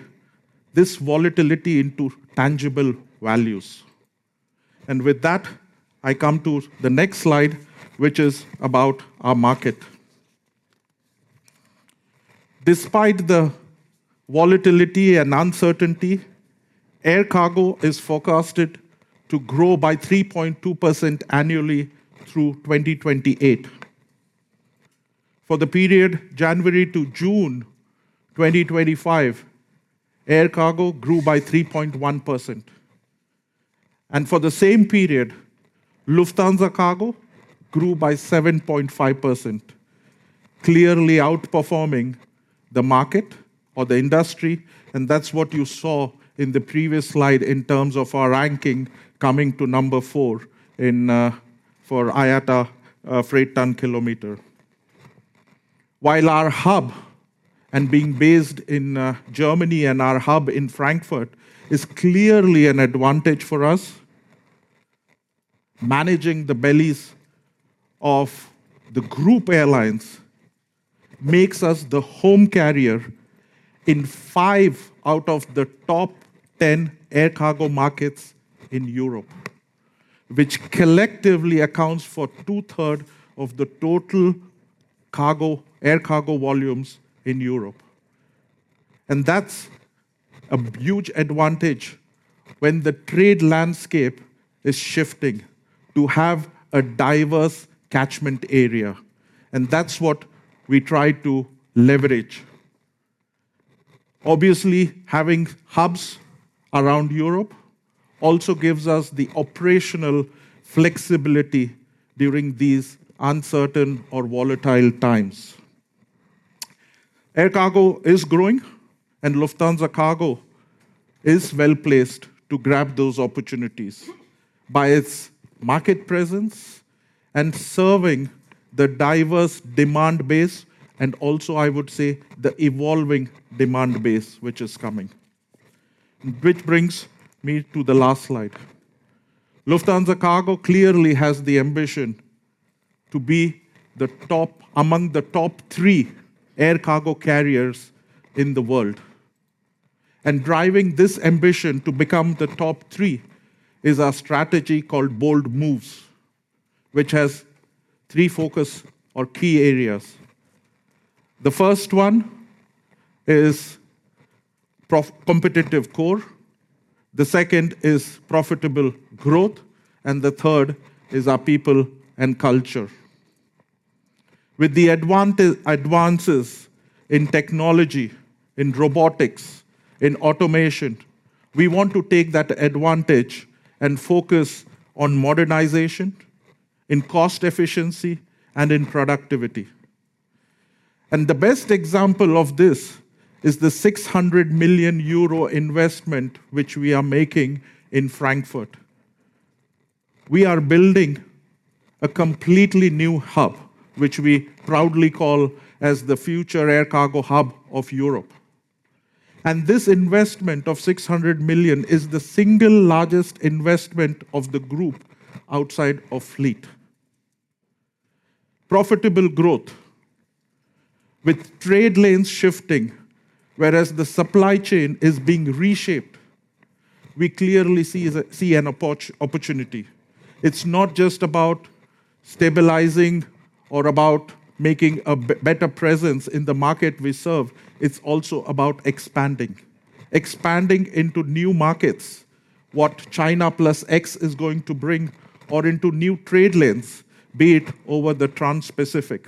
D: this volatility into tangible values. With that, I come to the next slide, which is about our market. Despite the volatility and uncertainty, Air Cargo is forecasted to grow by 3.2% annually through 2028. For the period January to June 2025, Air Cargo grew by 3.1%. And for the same period, Lufthansa Cargo grew by 7.5%, clearly outperforming the market or the industry. And that's what you saw in the previous slide in terms of our ranking coming to number four for IATA freight ton kilometer. While our hub and being based in Germany and our hub in Frankfurt is clearly an advantage for us, managing the bellies of the group airlines makes us the home carrier in five out of the top 10 air cargo markets in Europe, which collectively accounts for two-thirds of the total air cargo volumes in Europe. And that's a huge advantage when the trade landscape is shifting to have a diverse catchment area. And that's what we try to leverage. Obviously, having hubs around Europe also gives us the operational flexibility during these uncertain or volatile times. Air cargo is growing, and Lufthansa Cargo is well placed to grab those opportunities by its market presence and serving the diverse demand base. Also, I would say the evolving demand base, which is coming, which brings me to the last slide. Lufthansa Cargo clearly has the ambition to be among the top three air cargo carriers in the world. Driving this ambition to become the top three is our strategy called Bold Moves, which has three focus or key areas. The first one is competitive core. The second is profitable growth. The third is our people and culture. With the advances in technology, in robotics, in automation, we want to take that advantage and focus on modernization, in cost efficiency, and in productivity. The best example of this is the 600 million euro investment which we are making in Frankfurt. We are building a completely new hub, which we proudly call as the future Air Cargo hub of Europe. This investment of 600 million is the single largest investment of the group outside of fleet. Profitable growth. With trade lanes shifting, whereas the supply chain is being reshaped, we clearly see an opportunity. It's not just about stabilizing or about making a better presence in the market we serve. It's also about expanding, expanding into new markets, what China plus X is going to bring, or into new trade lanes, be it over the Trans-Pacific.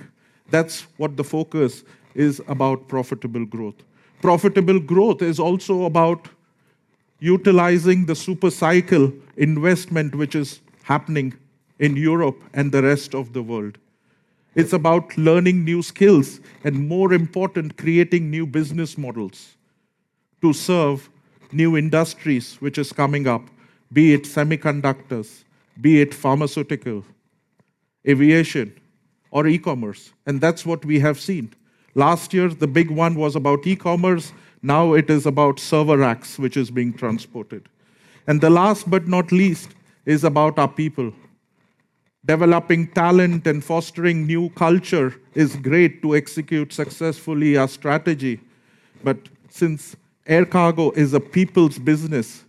D: That's what the focus is about: profitable growth. Profitable growth is also about utilizing the super cycle investment, which is happening in Europe and the rest of the world. It's about learning new skills and, more important, creating new business models to serve new industries, which is coming up, be it semiconductors, be it pharmaceutical, aviation, or e-commerce. And that's what we have seen. Last year, the big one was about e-commerce. Now it is about server racks, which is being transported. And the last but not least is about our people. Developing talent and fostering new culture is great to execute successfully our strategy. But since Air Cargo is a people's business,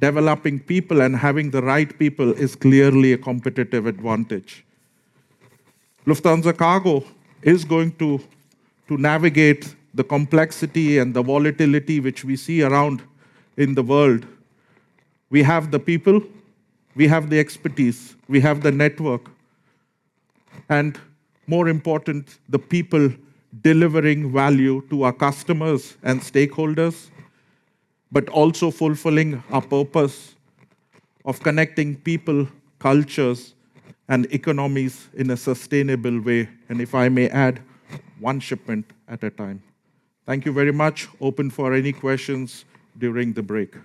D: developing people and having the right people is clearly a competitive advantage. Lufthansa Cargo is going to navigate the complexity and the volatility which we see around in the world. We have the people, we have the expertise, we have the network, and more important, the people delivering value to our customers and stakeholders, but also fulfilling our purpose of connecting people, cultures, and economies in a sustainable way. And if I may add, one shipment at a time. Thank you very much. Open for any questions during the break.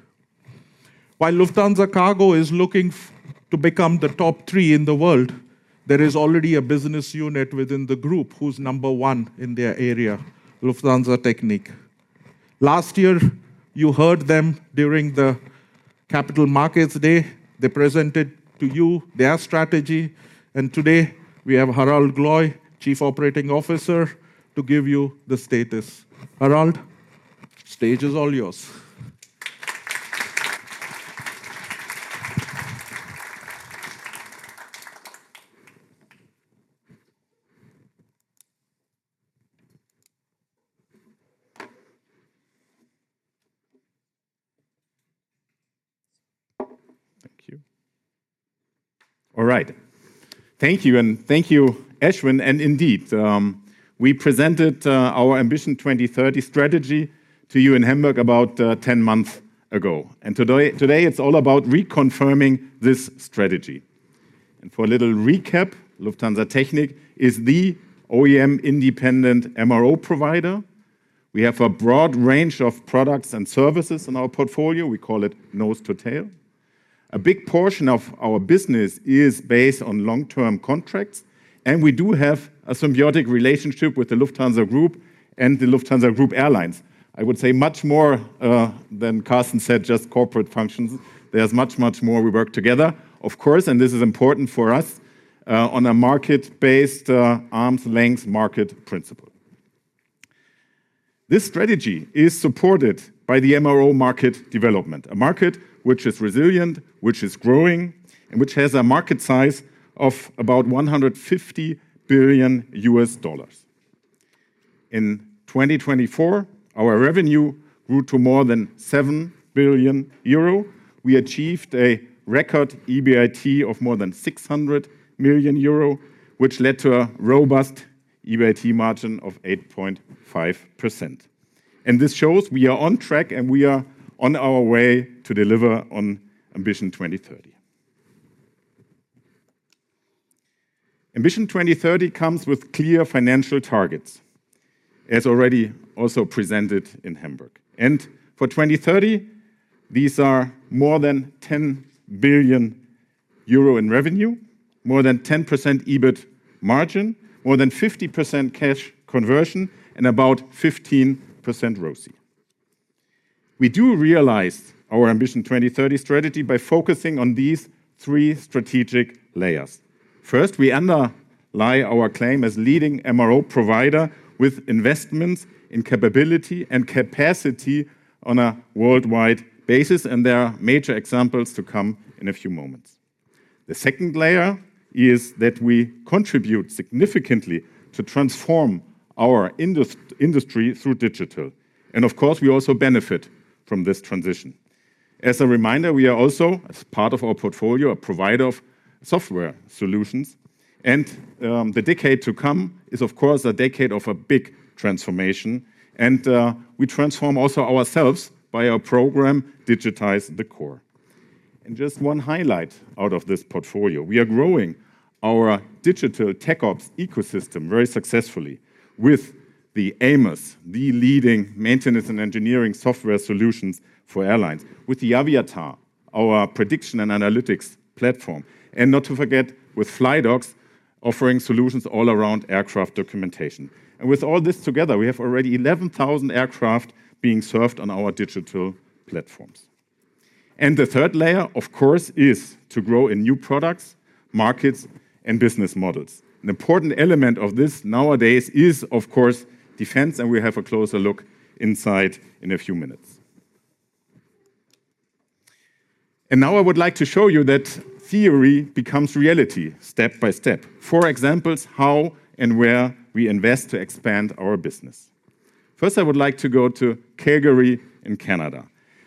D: While Lufthansa Cargo is looking to become the top three in the world, there is already a business unit within the group who's number one in their area, Lufthansa Technik. Last year, you heard them during the Capital Markets Day. They presented to you their strategy. And today, we have Harald Gloy, Chief Operating Officer, to give you the status. Harald, stage is all yours.
E: Thank you. All right. Thank you. And thank you, Ashwin. Indeed, we presented our Ambition 2030 strategy to you in Hamburg about 10 months ago. Today, it's all about reconfirming this strategy. For a little recap, Lufthansa Technik is the OEM independent MRO provider. We have a broad range of products and services in our portfolio. We call it nose to tail. A big portion of our business is based on long-term contracts. We do have a symbiotic relationship with the Lufthansa Group and the Lufthansa Group Airlines. I would say much more than Carsten said, just corporate functions. There's much, much more we work together, of course, and this is important for us on a market-based arm's-length market principle. This strategy is supported by the MRO market development, a market which is resilient, which is growing, and which has a market size of about $150 billion. In 2024, our revenue grew to more than 7 billion euro. We achieved a record EBIT of more than 600 million euro, which led to a robust EBIT margin of 8.5%, and this shows we are on track and we are on our way to deliver on Ambition 2030. Ambition 2030 comes with clear financial targets, as already also presented in Hamburg, and for 2030, these are more than 10 billion euro in revenue, more than 10% EBIT margin, more than 50% cash conversion, and about 15% ROCE. We do realize our Ambition 2030 strategy by focusing on these three strategic layers. First, we underlie our claim as leading MRO provider with investments in capability and capacity on a worldwide basis, and there are major examples to come in a few moments. The second layer is that we contribute significantly to transform our industry through digital. Of course, we also benefit from this transition. As a reminder, we are also, as part of our portfolio, a provider of software solutions. The decade to come is, of course, a decade of a big transformation. We transform also ourselves by our program, Digitize the Core. Just one highlight out of this portfolio, we are growing our digital tech ops ecosystem very successfully with the AMOS, the leading maintenance and engineering software solutions for airlines, with the AVIATAR, our prediction and analytics platform, and not to forget with flydocs offering solutions all around aircraft documentation. With all this together, we have already 11,000 aircraft being served on our digital platforms. The third layer, of course, is to grow in new products, markets, and business models. An important element of this nowadays is, of course, defense, and we have a closer look inside in a few minutes. And now I would like to show you that theory becomes reality step by step, four examples how and where we invest to expand our business. First, I would like to go to Calgary in Canada.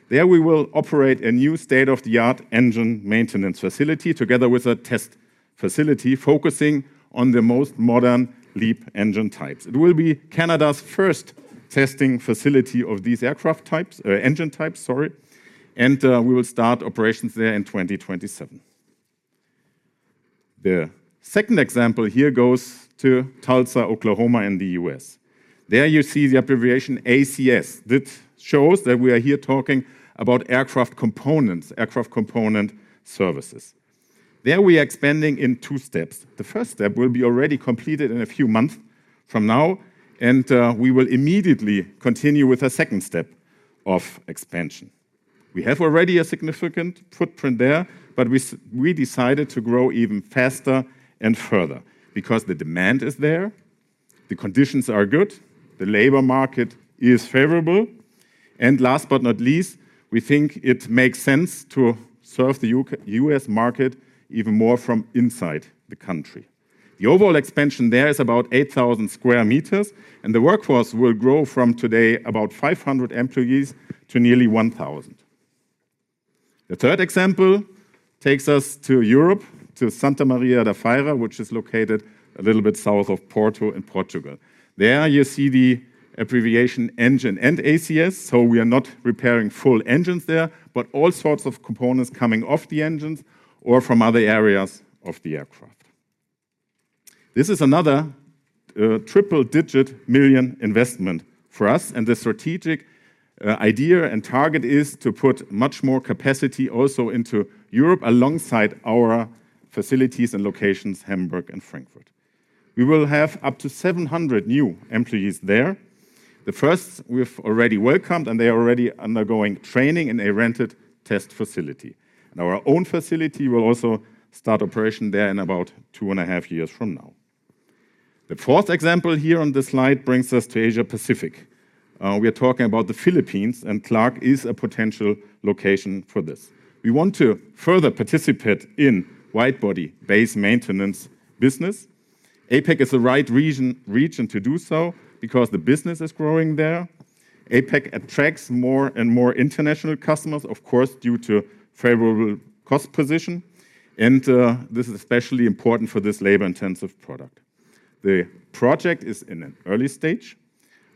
E: There we will operate a new state-of-the-art engine maintenance facility together with a test facility focusing on the most modern LEAP engine types. It will be Canada's first testing facility of these aircraft types, engine types, sorry, and we will start operations there in 2027. The second example here goes to Tulsa, Oklahoma in the U.S. There you see the abbreviation ACS. This shows that we are here talking about aircraft components, aircraft component services. There we are expanding in two steps. The first step will be already completed in a few months from now, and we will immediately continue with a second step of expansion. We have already a significant footprint there, but we decided to grow even faster and further because the demand is there, the conditions are good, the labor market is favorable, and last but not least, we think it makes sense to serve the U.S. market even more from inside the country. The overall expansion there is about 8,000 square meters, and the workforce will grow from today about 500 employees to nearly 1,000. The third example takes us to Europe, to Santa Maria da Feira, which is located a little bit south of Porto in Portugal. There you see the abbreviation engine and ACS, so we are not repairing full engines there, but all sorts of components coming off the engines or from other areas of the aircraft. This is another triple-digit million investment for us, and the strategic idea and target is to put much more capacity also into Europe alongside our facilities and locations, Hamburg and Frankfurt. We will have up to 700 new employees there. The first we've already welcomed, and they are already undergoing training in a rented test facility, and our own facility will also start operation there in about two and a half years from now. The fourth example here on this slide brings us to Asia-Pacific. We are talking about the Philippines, and Clark is a potential location for this. We want to further participate in widebody base maintenance business. APEC is the right region to do so because the business is growing there. APEC attracts more and more international customers, of course, due to favorable cost position. And this is especially important for this labor-intensive product. The project is in an early stage.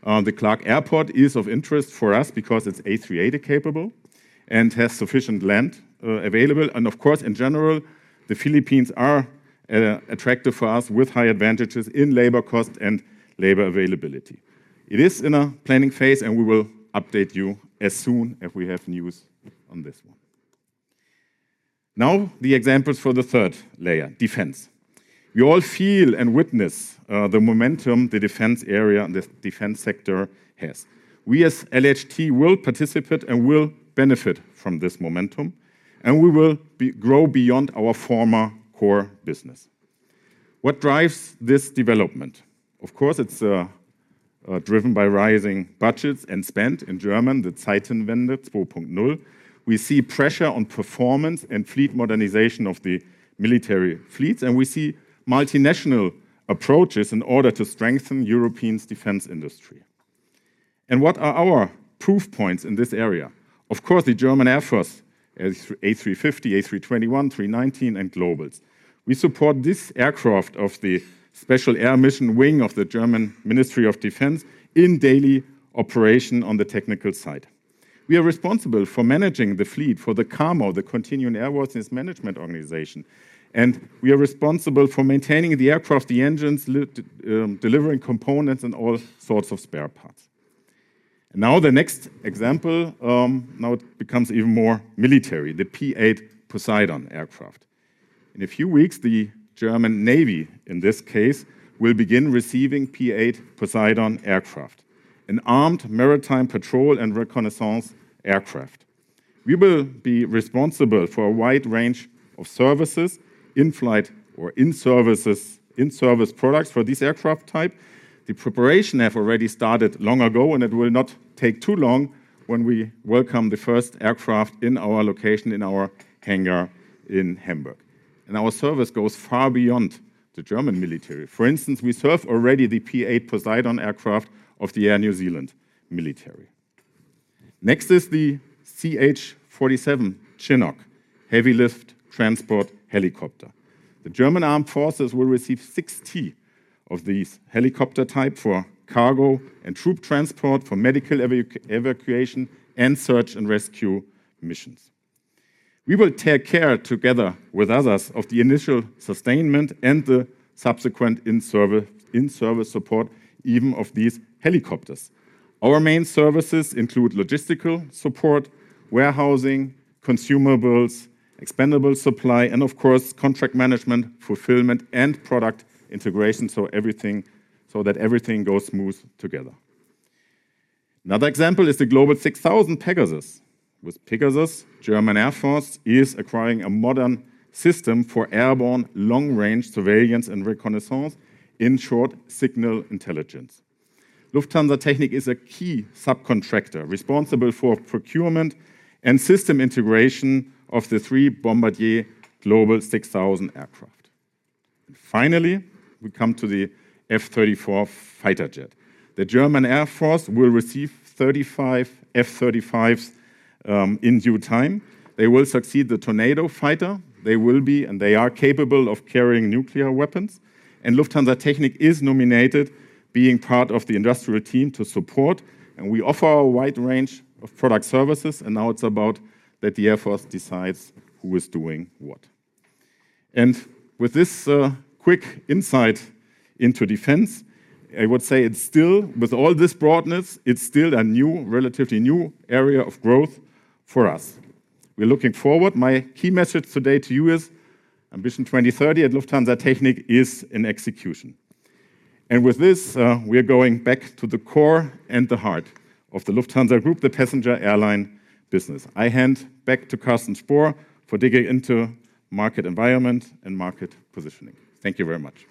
E: The Clark Airport is of interest for us because it's A380 capable and has sufficient land available. And of course, in general, the Philippines are attractive for us with high advantages in labor cost and labor availability. It is in a planning phase, and we will update you as soon as we have news on this one. Now, the examples for the third layer, defense. We all feel and witness the momentum the defense area and the defense sector has. We, as LHT, will participate and will benefit from this momentum, and we will grow beyond our former core business. What drives this development? Of course, it's driven by rising budgets and spending in Germany, the Zeitenwende 2.0. We see pressure on performance and fleet modernization of the military fleets, and we see multinational approaches in order to strengthen Europe's defense industry. What are our proof points in this area? Of course, the German Air Force A350, A321, A319, and Globals. We support these aircraft of the special air mission wing of the German Ministry of Defense in daily operation on the technical side. We are responsible for managing the fleet for the CAMO, the Continuing Airworthiness Management Organization, and we are responsible for maintaining the aircraft, the engines, delivering components, and all sorts of spare parts. Now, the next example. Now it becomes even more military, the P-8 Poseidon aircraft. In a few weeks, the German Navy, in this case, will begin receiving P-8 Poseidon aircraft, an armed maritime patrol and reconnaissance aircraft. We will be responsible for a wide range of services in flight or in service products for this aircraft type. The preparation has already started long ago, and it will not take too long when we welcome the first aircraft in our location, in our hangar in Hamburg, and our service goes far beyond the German military. For instance, we serve already the P-8 Poseidon aircraft of the Air New Zealand Military. Next is the CH-47 Chinook, heavy-lift transport helicopter. The German armed forces will receive 60 of these helicopter types for cargo and troop transport, for medical evacuation and search and rescue missions. We will take care together with others of the initial sustainment and the subsequent in-service support even of these helicopters. Our main services include logistical support, warehousing, consumables, expendable supply, and of course, contract management, fulfillment, and product integration, so that everything goes smooth together. Another example is the Global 6000 Pegasus. With Pegasus, German Air Force is acquiring a modern system for airborne long-range surveillance and reconnaissance in short signals intelligence. Lufthansa Technik is a key subcontractor responsible for procurement and system integration of the three Bombardier Global 6000 aircraft. Finally, we come to the F-35 fighter jet. The German Air Force will receive 35 F-35s in due time. They will succeed the Tornado fighter. They will be, and they are capable of carrying nuclear weapons. Lufthansa Technik is nominated being part of the industrial team to support, and we offer a wide range of product services, and now it's about that the Air Force decides who is doing what. And with this quick insight into defense, I would say it's still, with all this broadness, it's still a relatively new area of growth for us. We're looking forward. My key message today to you is Ambition 2030 at Lufthansa Technik is in execution. And with this, we are going back to the core and the heart of the Lufthansa Group, the passenger airline business. I hand back to Carsten Spohr for digging into market environment and market positioning. Thank you very much.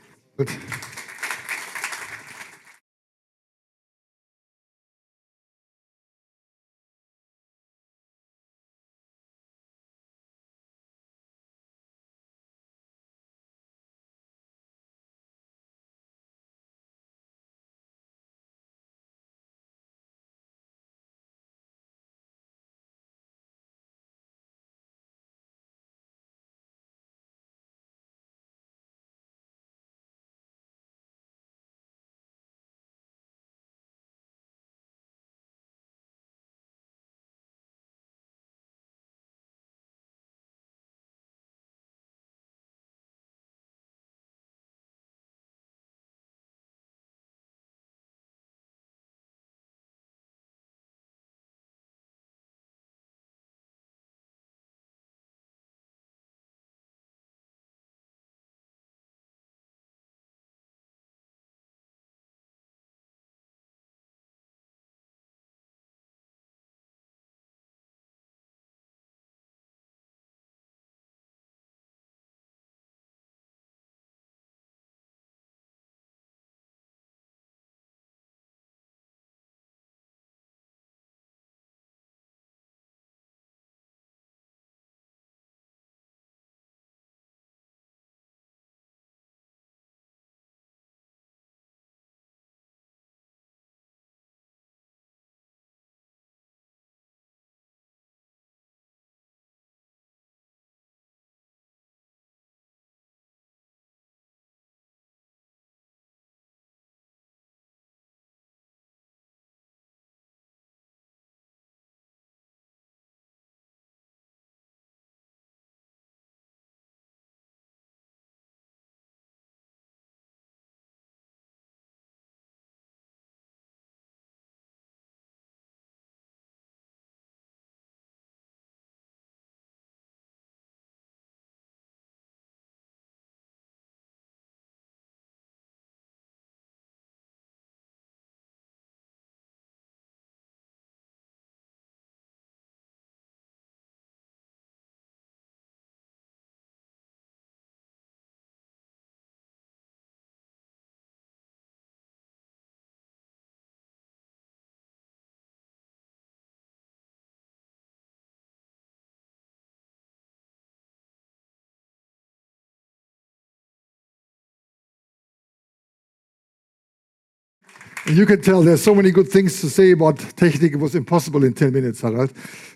B: You can tell there are so many good things to say, but Technik was impossible in 10 minutes,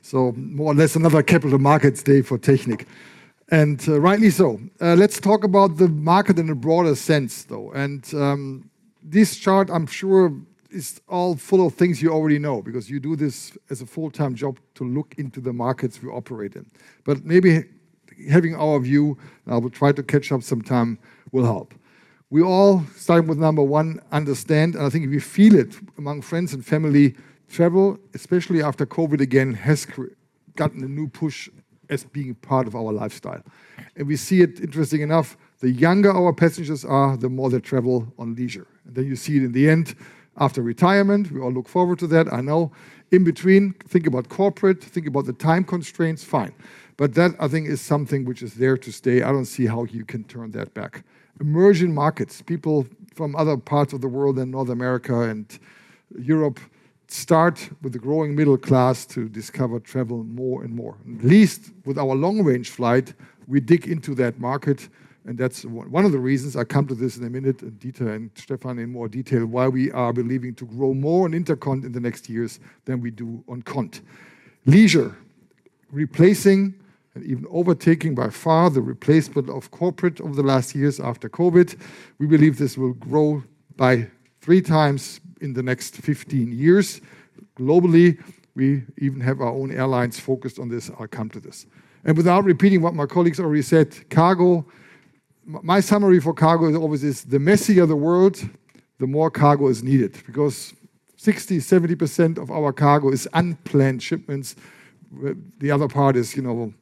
B: so more or less another capital markets day for Technik. And rightly so. Let's talk about the market in a broader sense, though. This chart, I'm sure, is all full of things you already know because you do this as a full-time job to look into the markets we operate in. Maybe having our view, I will try to catch up sometime, will help. We all start with number one, understand, and I think we feel it among friends and family. Travel, especially after COVID again, has gotten a new push as being part of our lifestyle. We see it. Interesting enough, the younger our passengers are, the more they travel on leisure. You see it in the end, after retirement. We all look forward to that, I know. In between, think about corporate, think about the time constraints, fine. That, I think, is something which is there to stay. I don't see how you can turn that back. Emerging markets, people from other parts of the world and North America and Europe start with the growing middle class to discover travel more and more. At least with our long-range flight, we dig into that market, and that's one of the reasons I come to this in a minute, and Dieter and Stefan in more detail, why we are believing to grow more on intercon in the next years than we do on cont. Leisure, replacing and even overtaking by far the replacement of corporate over the last years after COVID. We believe this will grow by three times in the next 15 years. Globally, we even have our own airlines focused on this. I'll come to this. Without repeating what my colleagues already said, cargo, my summary for cargo is always the messier the world, the more cargo is needed because 60%-70% of our cargo is unplanned shipments. The other part is, you know,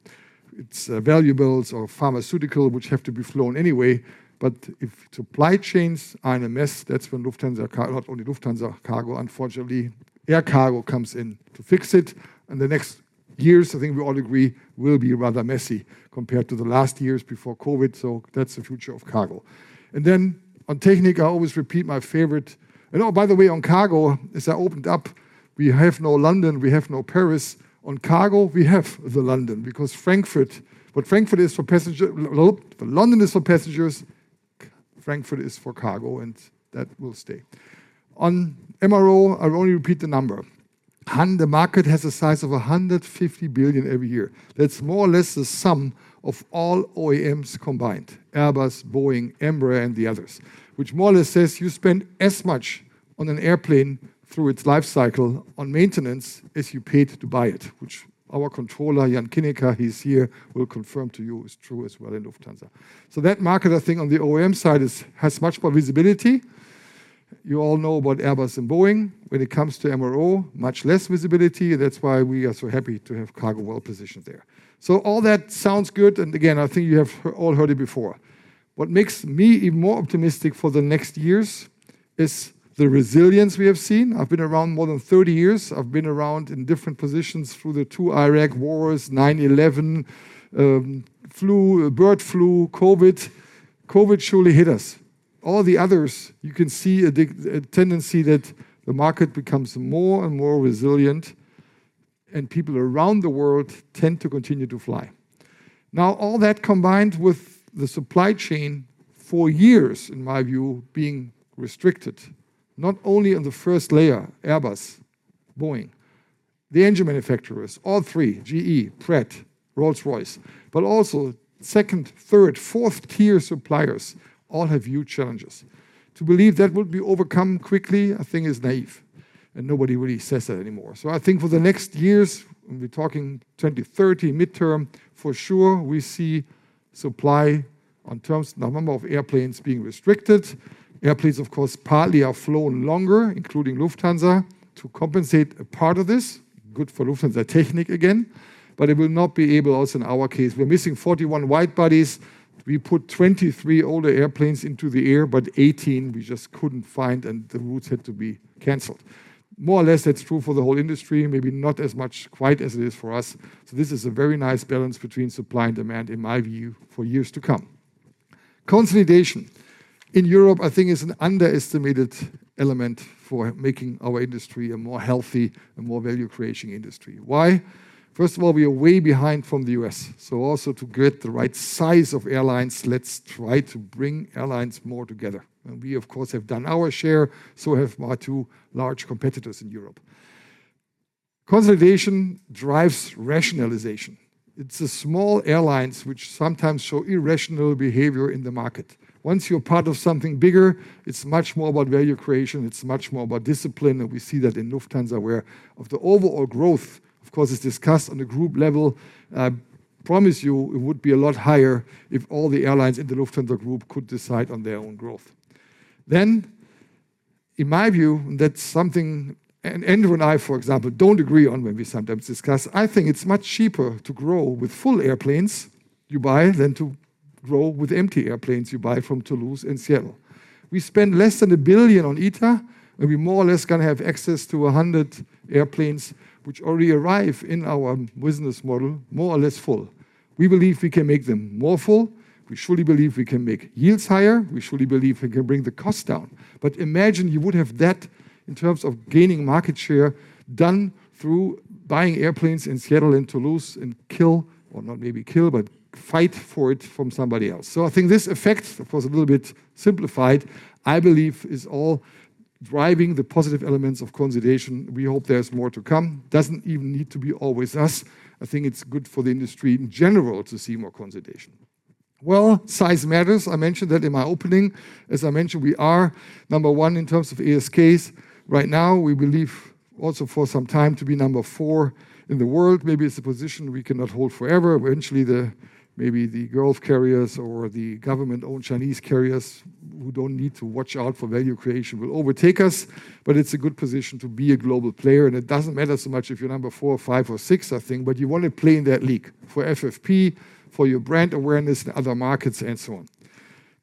B: it's valuables or pharmaceuticals which have to be flown anyway. But if supply chains are in a mess, that's when Lufthansa, not only Lufthansa Cargo, unfortunately, air cargo comes in to fix it. The next years, I think we all agree, will be rather messy compared to the last years before COVID. That's the future of cargo. Then on Technik, I always repeat my favorite. Oh, by the way, on cargo, as I opened up, we have no London, we have no Paris. On cargo, we have the London because Frankfurt, but Frankfurt is for passengers. London is for passengers. Frankfurt is for cargo, and that will stay. On MRO, I'll only repeat the number. The market has a size of 150 billion every year. That's more or less the sum of all OEMs combined, Airbus, Boeing, Embraer, and the others, which more or less says you spend as much on an airplane through its lifecycle on maintenance as you paid to buy it, which our controller, Jan Knikker, he's here, will confirm to you is true as well in Lufthansa. So that market, I think, on the OEM side has much more visibility. You all know about Airbus and Boeing. When it comes to MRO, much less visibility. That's why we are so happy to have cargo well positioned there. So all that sounds good. And again, I think you have all heard it before. What makes me even more optimistic for the next years is the resilience we have seen. I've been around more than 30 years. I've been around in different positions through the two Iraq wars, 9/11, bird flu, COVID. COVID surely hit us. All the others, you can see a tendency that the market becomes more and more resilient, and people around the world tend to continue to fly. Now, all that combined with the supply chain for years, in my view, being restricted, not only on the first layer, Airbus, Boeing, the engine manufacturers, all three, GE, Pratt, Rolls-Royce, but also second, third, fourth tier suppliers all have huge challenges. To believe that would be overcome quickly, I think, is naive, and nobody really says that anymore. So I think for the next years, we're talking 2030, midterm, for sure, we see supply in terms of number of airplanes being restricted. Airplanes, of course, partly are flown longer, including Lufthansa, to compensate a part of this. Good for Lufthansa Technik again, but it will not be able also in our case. We're missing 41 widebodies. We put 23 older airplanes into the air, but 18 we just couldn't find, and the routes had to be canceled. More or less, that's true for the whole industry, maybe not as much quite as it is for us. So this is a very nice balance between supply and demand, in my view, for years to come. Consolidation in Europe, I think, is an underestimated element for making our industry a more healthy and more value-creating industry. Why? First of all, we are way behind from the U.S. So also to get the right size of airlines, let's try to bring airlines more together. And we, of course, have done our share. So we have our two large competitors in Europe. Consolidation drives rationalization. It's the small airlines which sometimes show irrational behavior in the market. Once you're part of something bigger, it's much more about value creation. It's much more about discipline. And we see that in Lufthansa, whereas the overall growth, of course, is discussed on a group level. I promise you, it would be a lot higher if all the airlines in the Lufthansa Group could decide on their own growth. Then, in my view, that's something Andrew and I, for example, don't agree on when we sometimes discuss. I think it's much cheaper to grow with full airplanes you buy than to grow with empty airplanes you buy from Toulouse and Seattle. We spend less than €1 billion on ITA, and we more or less can have access to 100 airplanes which already arrive in our business model more or less full. We believe we can make them more full. We surely believe we can make yields higher. We surely believe we can bring the cost down. But imagine you would have that in terms of gaining market share done through buying airplanes in Seattle and Toulouse and kill, or not maybe kill, but fight for it from somebody else. So I think this effect, of course, a little bit simplified, I believe, is all driving the positive elements of consolidation. We hope there's more to come. Doesn't even need to be always us. I think it's good for the industry in general to see more consolidation. Well, size matters. I mentioned that in my opening. As I mentioned, we are number one in terms of ASKs. Right now, we believe also for some time to be number four in the world. Maybe it's a position we cannot hold forever. Eventually, maybe the Gulf carriers or the government-owned Chinese carriers who don't need to watch out for value creation will overtake us. But it's a good position to be a global player. And it doesn't matter so much if you're number four or five or six, I think, but you want to play in that league for FFP, for your brand awareness in other markets and so on.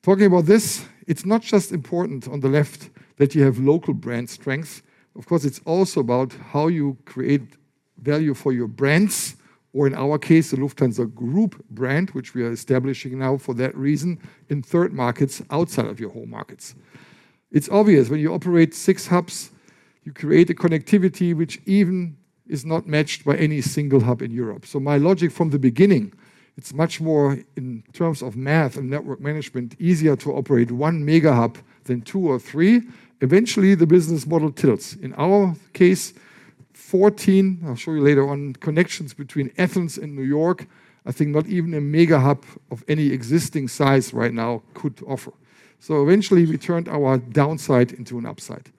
B: Talking about this, it's not just important on the left that you have local brand strength. Of course, it's also about how you create value for your brands, or in our case, the Lufthansa Group brand, which we are establishing now for that reason in third markets outside of your home markets. It's obvious when you operate six hubs, you create a connectivity which even is not matched by any single hub in Europe. So my logic from the beginning, it's much more in terms of math and network management, easier to operate one mega hub than two or three. Eventually, the business model tilts. In our case, 14, I'll show you later on, connections between Athens and New York, I think not even a mega hub of any existing size right now could offer. So eventually, we turned our downside into an upside.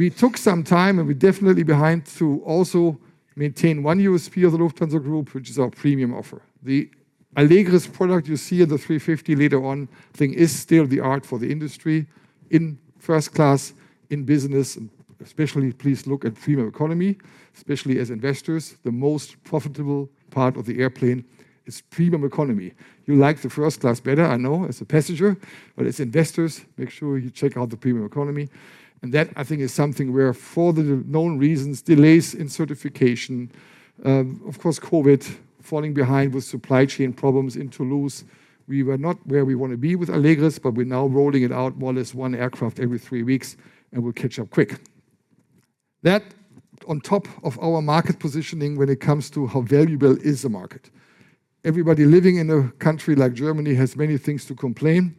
B: We took some time, and we're definitely behind to also maintain one USP of the Lufthansa Group, which is our premium offer. The Allegris product you see at the 350 later on, I think, is still the state of the art for the industry in first class in business. Especially, please look at premium economy, especially as investors. The most profitable part of the airplane is premium economy. You like the first class better, I know, as a passenger, but as investors, make sure you check out the premium economy. And that, I think, is something where, for the known reasons, delays in certification, of course, COVID, falling behind with supply chain problems in Toulouse. We were not where we want to be with Allegris, but we're now rolling it out more or less one aircraft every three weeks, and we'll catch up quick. That, on top of our market positioning when it comes to how valuable is the market. Everybody living in a country like Germany has many things to complain.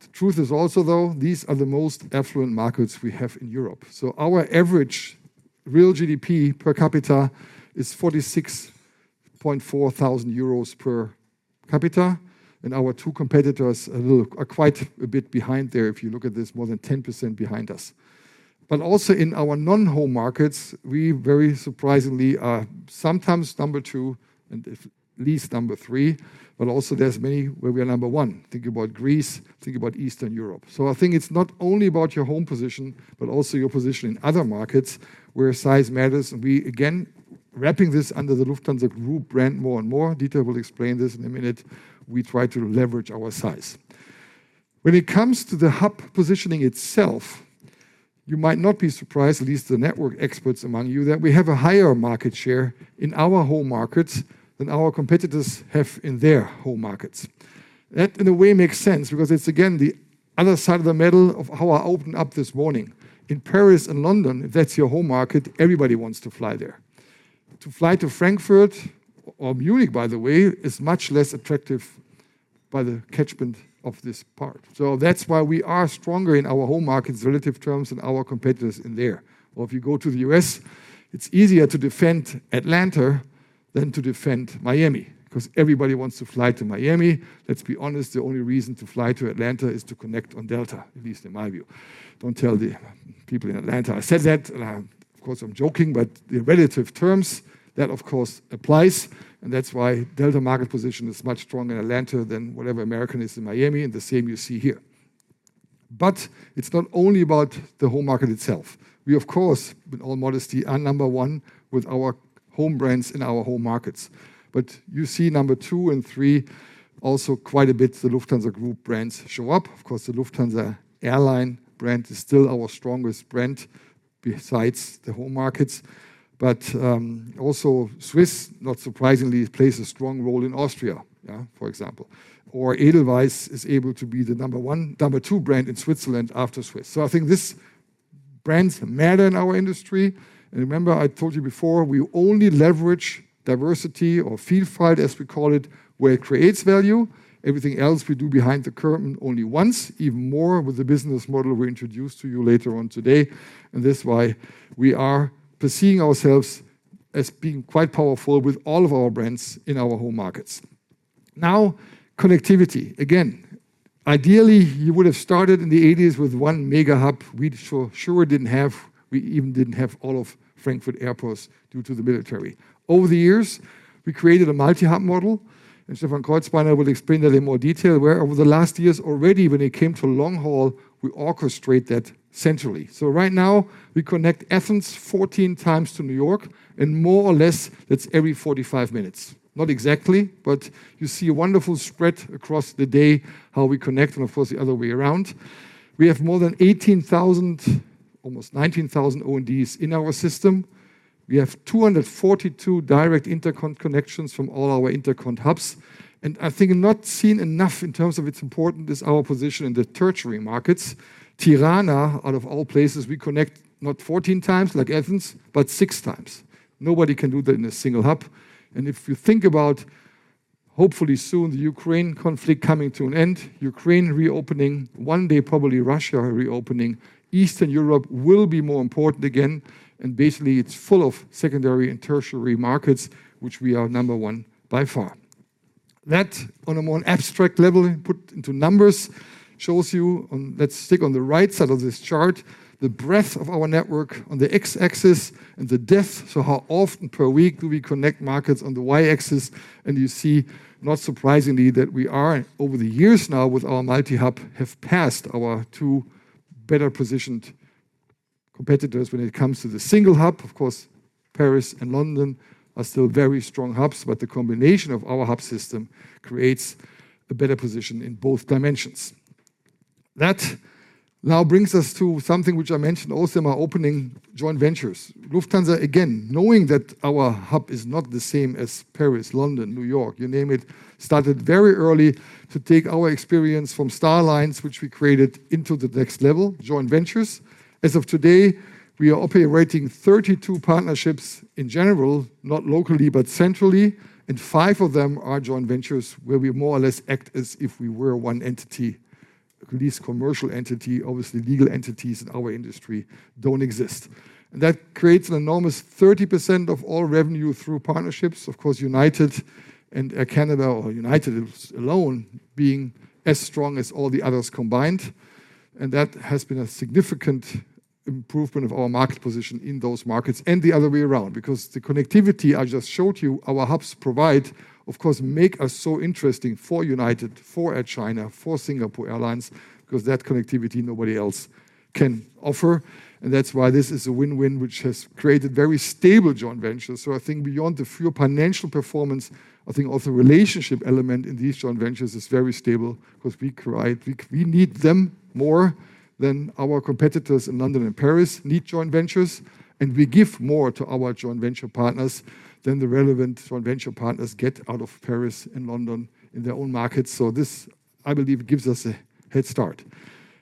B: The truth is also, though, these are the most affluent markets we have in Europe. Our average real GDP per capita is 46,400 euros per capita. Our two competitors are quite a bit behind there if you look at this, more than 10% behind us. In our non-home markets, we very surprisingly are sometimes number two and at least number three, but also there's many where we are number one. Think about Greece, think about Eastern Europe. I think it's not only about your home position, but also your position in other markets where size matters. We, again, are wrapping this under the Lufthansa Group brand more and more. Dieter will explain this in a minute. We try to leverage our size. When it comes to the hub positioning itself, you might not be surprised, at least the network experts among you, that we have a higher market share in our home markets than our competitors have in their home markets. That in a way makes sense because it's, again, the other side of the medal of how I opened up this morning. In Paris and London, if that's your home market, everybody wants to fly there. To fly to Frankfurt or Munich, by the way, is much less attractive by the catchment of this part. So that's why we are stronger in our home markets relative terms than our competitors in there. Or if you go to the U.S., it's easier to defend Atlanta than to defend Miami because everybody wants to fly to Miami. Let's be honest, the only reason to fly to Atlanta is to connect on Delta, at least in my view. Don't tell the people in Atlanta I said that. Of course, I'm joking, but in relative terms, that of course applies, and that's why Delta's market position is much stronger in Atlanta than whatever American is in Miami, and the same you see here, but it's not only about the home market itself. We, of course, with all modesty, are number one with our home brands in our home markets, but you see number two and three also quite a bit the Lufthansa Group brands show up. Of course, the Lufthansa Airlines brand is still our strongest brand besides the home markets, but also Swiss, not surprisingly, plays a strong role in Austria, for example. Or Edelweiss is able to be the number one or number two brand in Switzerland after Swiss. So I think these brands matter in our industry. And remember, I told you before, we only leverage diversity or field fight, as we call it, where it creates value. Everything else we do behind the curtain only once, even more with the business model we introduced to you later on today. And this is why we are positioning ourselves as being quite powerful with all of our brands in our home markets. Now, connectivity. Again, ideally, you would have started in the 1980s with one mega hub. We sure didn't have. We even didn't have all of Frankfurt Airport due to the military. Over the years, we created a multi-hub model. And Stefan Kreuzpaintner, I will explain that in more detail, where over the last years already, when it came to long haul, we orchestrate that centrally. So right now, we connect Athens 14 times to New York, and more or less, that's every 45 minutes. Not exactly, but you see a wonderful spread across the day how we connect, and of course, the other way around. We have more than 18,000, almost 19,000 O&Ds in our system. We have 242 direct interconnections from all our intercon hubs. And I think not seen enough in terms of its importance is our position in the tertiary markets. Tirana, out of all places, we connect not 14 times like Athens, but six times. Nobody can do that in a single hub. If you think about hopefully soon the Ukraine conflict coming to an end, Ukraine reopening, one day probably Russia reopening, Eastern Europe will be more important again. Basically, it's full of secondary and tertiary markets, which we are number one by far. That on a more abstract level, put into numbers, shows you, and let's stick on the right side of this chart, the breadth of our network on the X-axis and the depth. How often per week do we connect markets on the Y-axis? You see, not surprisingly, that we are over the years now with our multi-hub have passed our two better positioned competitors when it comes to the single hub. Of course, Paris and London are still very strong hubs, but the combination of our hub system creates a better position in both dimensions. That now brings us to something which I mentioned also in my opening joint ventures. Lufthansa, again, knowing that our hub is not the same as Paris, London, New York, you name it, started very early to take our experience from Star Alliance, which we created, into the next level, joint ventures. As of today, we are operating 32 partnerships in general, not locally, but centrally, and five of them are joint ventures where we more or less act as if we were one entity, at least commercial entity. Obviously, legal entities in our industry don't exist, and that creates an enormous 30% of all revenue through partnerships, of course, United and Air Canada or United alone being as strong as all the others combined. That has been a significant improvement of our market position in those markets and the other way around because the connectivity I just showed you our hubs provide, of course, makes us so interesting for United, for Air China, for Singapore Airlines because that connectivity nobody else can offer. And that's why this is a win-win, which has created very stable joint ventures. So I think beyond the pure financial performance, I think also the relationship element in these joint ventures is very stable because we need them more than our competitors in London and Paris need joint ventures. And we give more to our joint venture partners than the relevant joint venture partners get out of Paris and London in their own markets. So this, I believe, gives us a head start.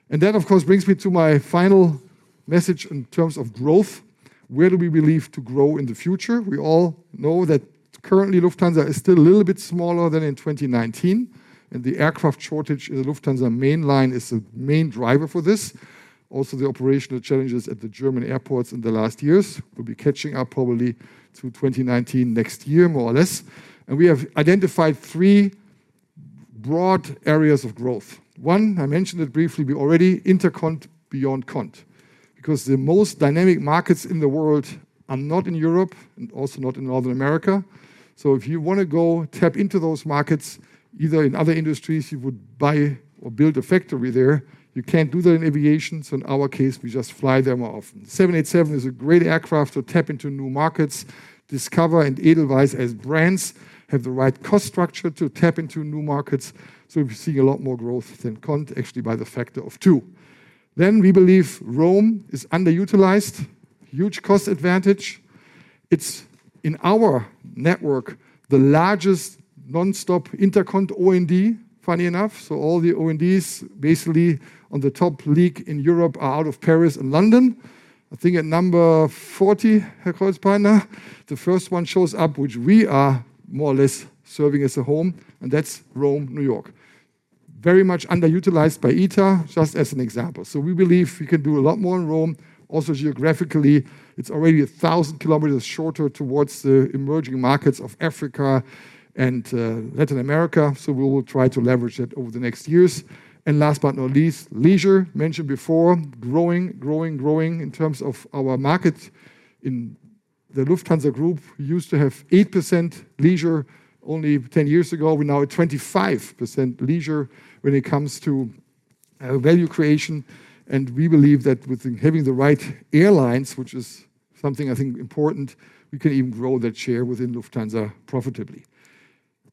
B: And that, of course, brings me to my final message in terms of growth. Where do we believe to grow in the future? We all know that currently Lufthansa is still a little bit smaller than in 2019. And the aircraft shortage in the Lufthansa main line is the main driver for this. Also, the operational challenges at the German airports in the last years will be catching up probably to 2019 next year, more or less. And we have identified three broad areas of growth. One, I mentioned it briefly, we already interconnect beyond continents because the most dynamic markets in the world are not in Europe and also not in North America. So if you want to go tap into those markets, either in other industries, you would buy or build a factory there. You can't do that in aviation. So in our case, we just fly there more often. 787 is a great aircraft to tap into new markets. Discover and Edelweiss as brands have the right cost structure to tap into new markets. We've seen a lot more growth than con, actually by the factor of two. We believe Rome is underutilized, huge cost advantage. It's in our network the largest nonstop intercon O&D, funny enough. All the O&Ds basically on the top league in Europe are out of Paris and London. I think at number 40, Herr Kreuzpaintner, the first one shows up, which we are more or less serving as a home. That's Rome, New York. Very much underutilized by ITA, just as an example. We believe we can do a lot more in Rome. Also, geographically, it's already 1,000 km shorter towards the emerging markets of Africa and Latin America. We will try to leverage that over the next years. And last but not least, leisure, mentioned before, growing, growing, growing in terms of our market. In the Lufthansa Group, we used to have 8% leisure only 10 years ago. We're now at 25% leisure when it comes to value creation. And we believe that with having the right airlines, which is something I think important, we can even grow that share within Lufthansa profitably.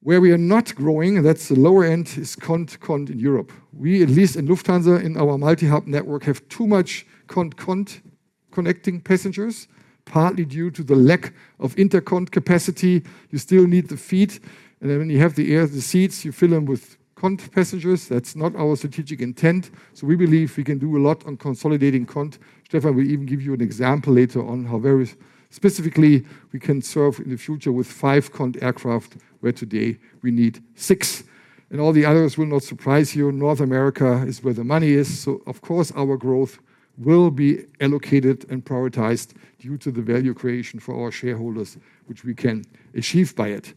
B: Where we are not growing, and that's the lower end, is connecting in Europe. We, at least in Lufthansa, in our multi-hub network, have too much connecting passengers, partly due to the lack of intercon capacity. You still need the fleet. And then when you have the aircraft, the seats, you fill them with connecting passengers. That's not our strategic intent. So we believe we can do a lot on consolidating connecting. Stefan will even give you an example later on how very specifically we can serve in the future with five A320 aircraft where today we need six. And all the others will not surprise you. North America is where the money is. So of course, our growth will be allocated and prioritized due to the value creation for our shareholders, which we can achieve by it.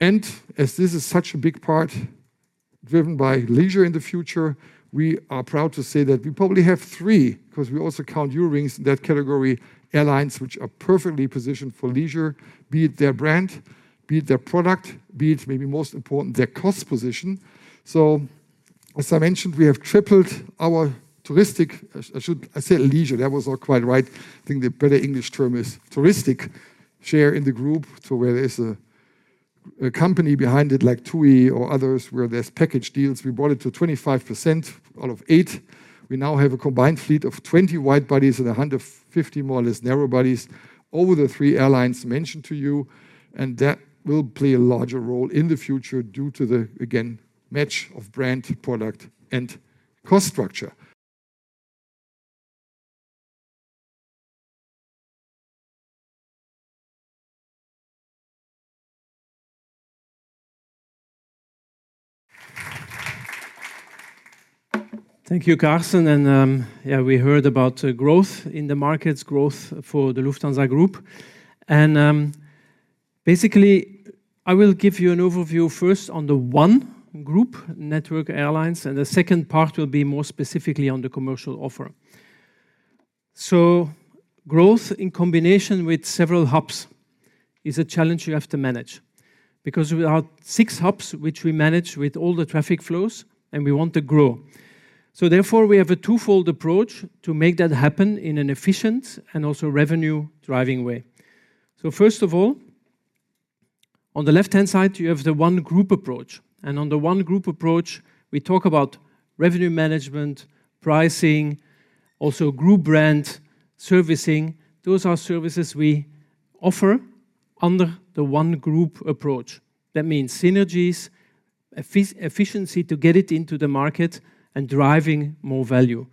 B: And as this is such a big part driven by leisure in the future, we are proud to say that we probably have three because we also count Eurowings in that category airlines, which are perfectly positioned for leisure, be it their brand, be it their product, be it maybe most important their cost position. So as I mentioned, we have tripled our touristic. I should say leisure. That was not quite right. I think the better English term is touristic share in the group. So where there is a company behind it like TUI or others where there's package deals, we brought it to 25% out of eight. We now have a combined fleet of 20 wide bodies and 150 more or less narrow bodies over the three airlines mentioned to you. And that will play a larger role in the future due to the, again, match of brand, product, and cost structure.
F: Thank you, Carsten. And yeah, we heard about growth in the markets, growth for the Lufthansa Group. And basically, I will give you an overview first on the One Group, network airlines, and the second part will be more specifically on the commercial offer. Growth in combination with several hubs is a challenge you have to manage because we are six hubs, which we manage with all the traffic flows, and we want to grow. Therefore, we have a twofold approach to make that happen in an efficient and also revenue-driving way. First of all, on the left-hand side, you have the One Group approach. On the One Group approach, we talk about revenue management, pricing, also group brand servicing. Those are services we offer under the One Group approach. That means synergies, efficiency to get it into the market and driving more value.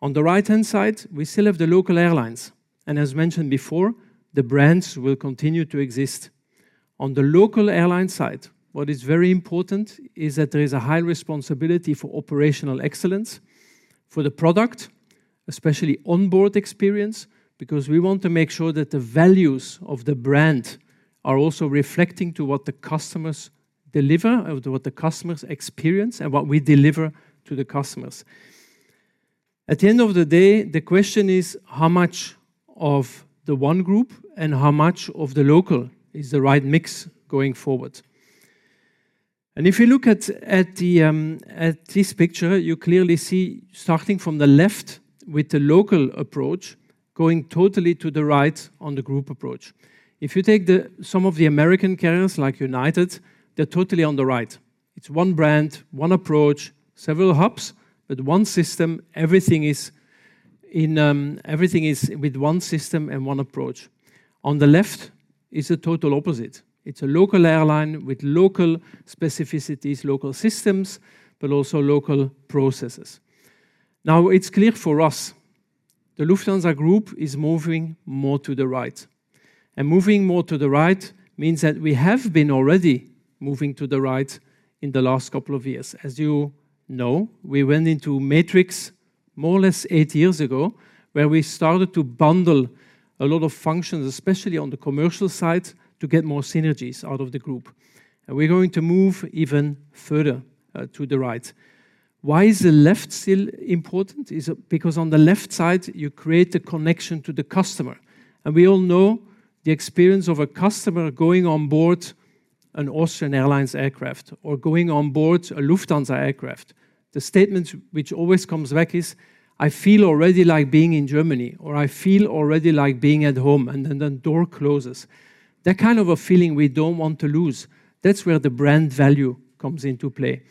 F: On the right-hand side, we still have the local airlines. As mentioned before, the brands will continue to exist. On the local airline side, what is very important is that there is a high responsibility for operational excellence for the product, especially onboard experience, because we want to make sure that the values of the brand are also reflecting to what the customers deliver, what the customers experience, and what we deliver to the customers. At the end of the day, the question is how much of the One Group and how much of the local is the right mix going forward, and if you look at this picture, you clearly see starting from the left with the local approach going totally to the right on the group approach. If you take some of the American carriers like United, they're totally on the right. It's one brand, one approach, several hubs, but one system, everything is with one system and one approach. On the left is a total opposite. It's a local airline with local specificities, local systems, but also local processes. Now, it's clear for us, the Lufthansa Group is moving more to the right, and moving more to the right means that we have been already moving to the right in the last couple of years. As you know, we went into matrix more or less eight years ago where we started to bundle a lot of functions, especially on the commercial side to get more synergies out of the group, and we're going to move even further to the right. Why is the left still important? It's because on the left side, you create a connection to the customer, and we all know the experience of a customer going on board an Austrian Airlines aircraft or going on board a Lufthansa aircraft. The statement which always comes back is, "I feel already like being in Germany," or "I feel already like being at home," and then the door closes. That kind of a feeling we don't want to lose. That's where the brand value comes into play.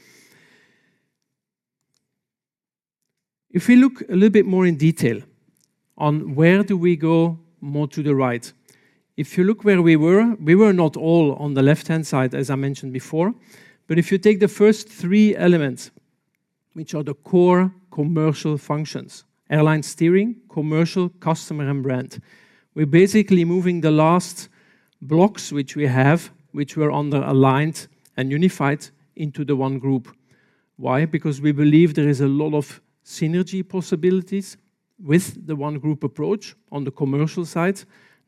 F: If we look a little bit more in detail on where do we go more to the right, if you look where we were, we were not all on the left-hand side, as I mentioned before. But if you take the first three elements, which are the core commercial functions, airline steering, commercial, customer, and brand, we're basically moving the last blocks which we have, which were underaligned and unified into the One Group. Why? Because we believe there is a lot of synergy possibilities with the One Group approach on the commercial side,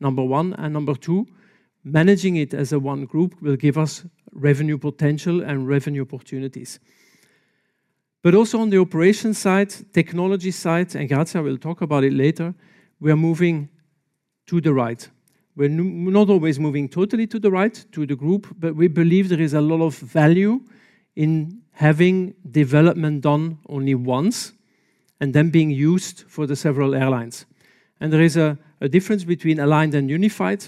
F: number one. Number two, managing it as One Group will give us revenue potential and revenue opportunities. But also on the operation side, technology side, and Gartner will talk about it later, we are moving to the right. We're not always moving totally to the right, to the group, but we believe there is a lot of value in having development done only once and then being used for the several airlines. There is a difference between aligned and unified,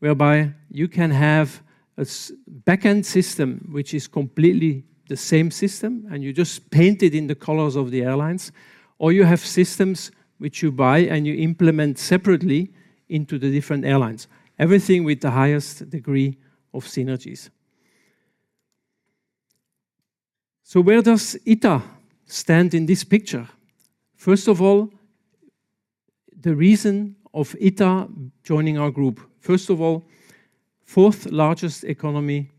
F: whereby you can have a back-end system which is completely the same system and you just paint it in the colors of the airlines, or you have systems which you buy and you implement separately into the different airlines, everything with the highest degree of synergies. So where does ITA stand in this picture? First of all, the reason of ITA joining our group, first of all, fourth largest economy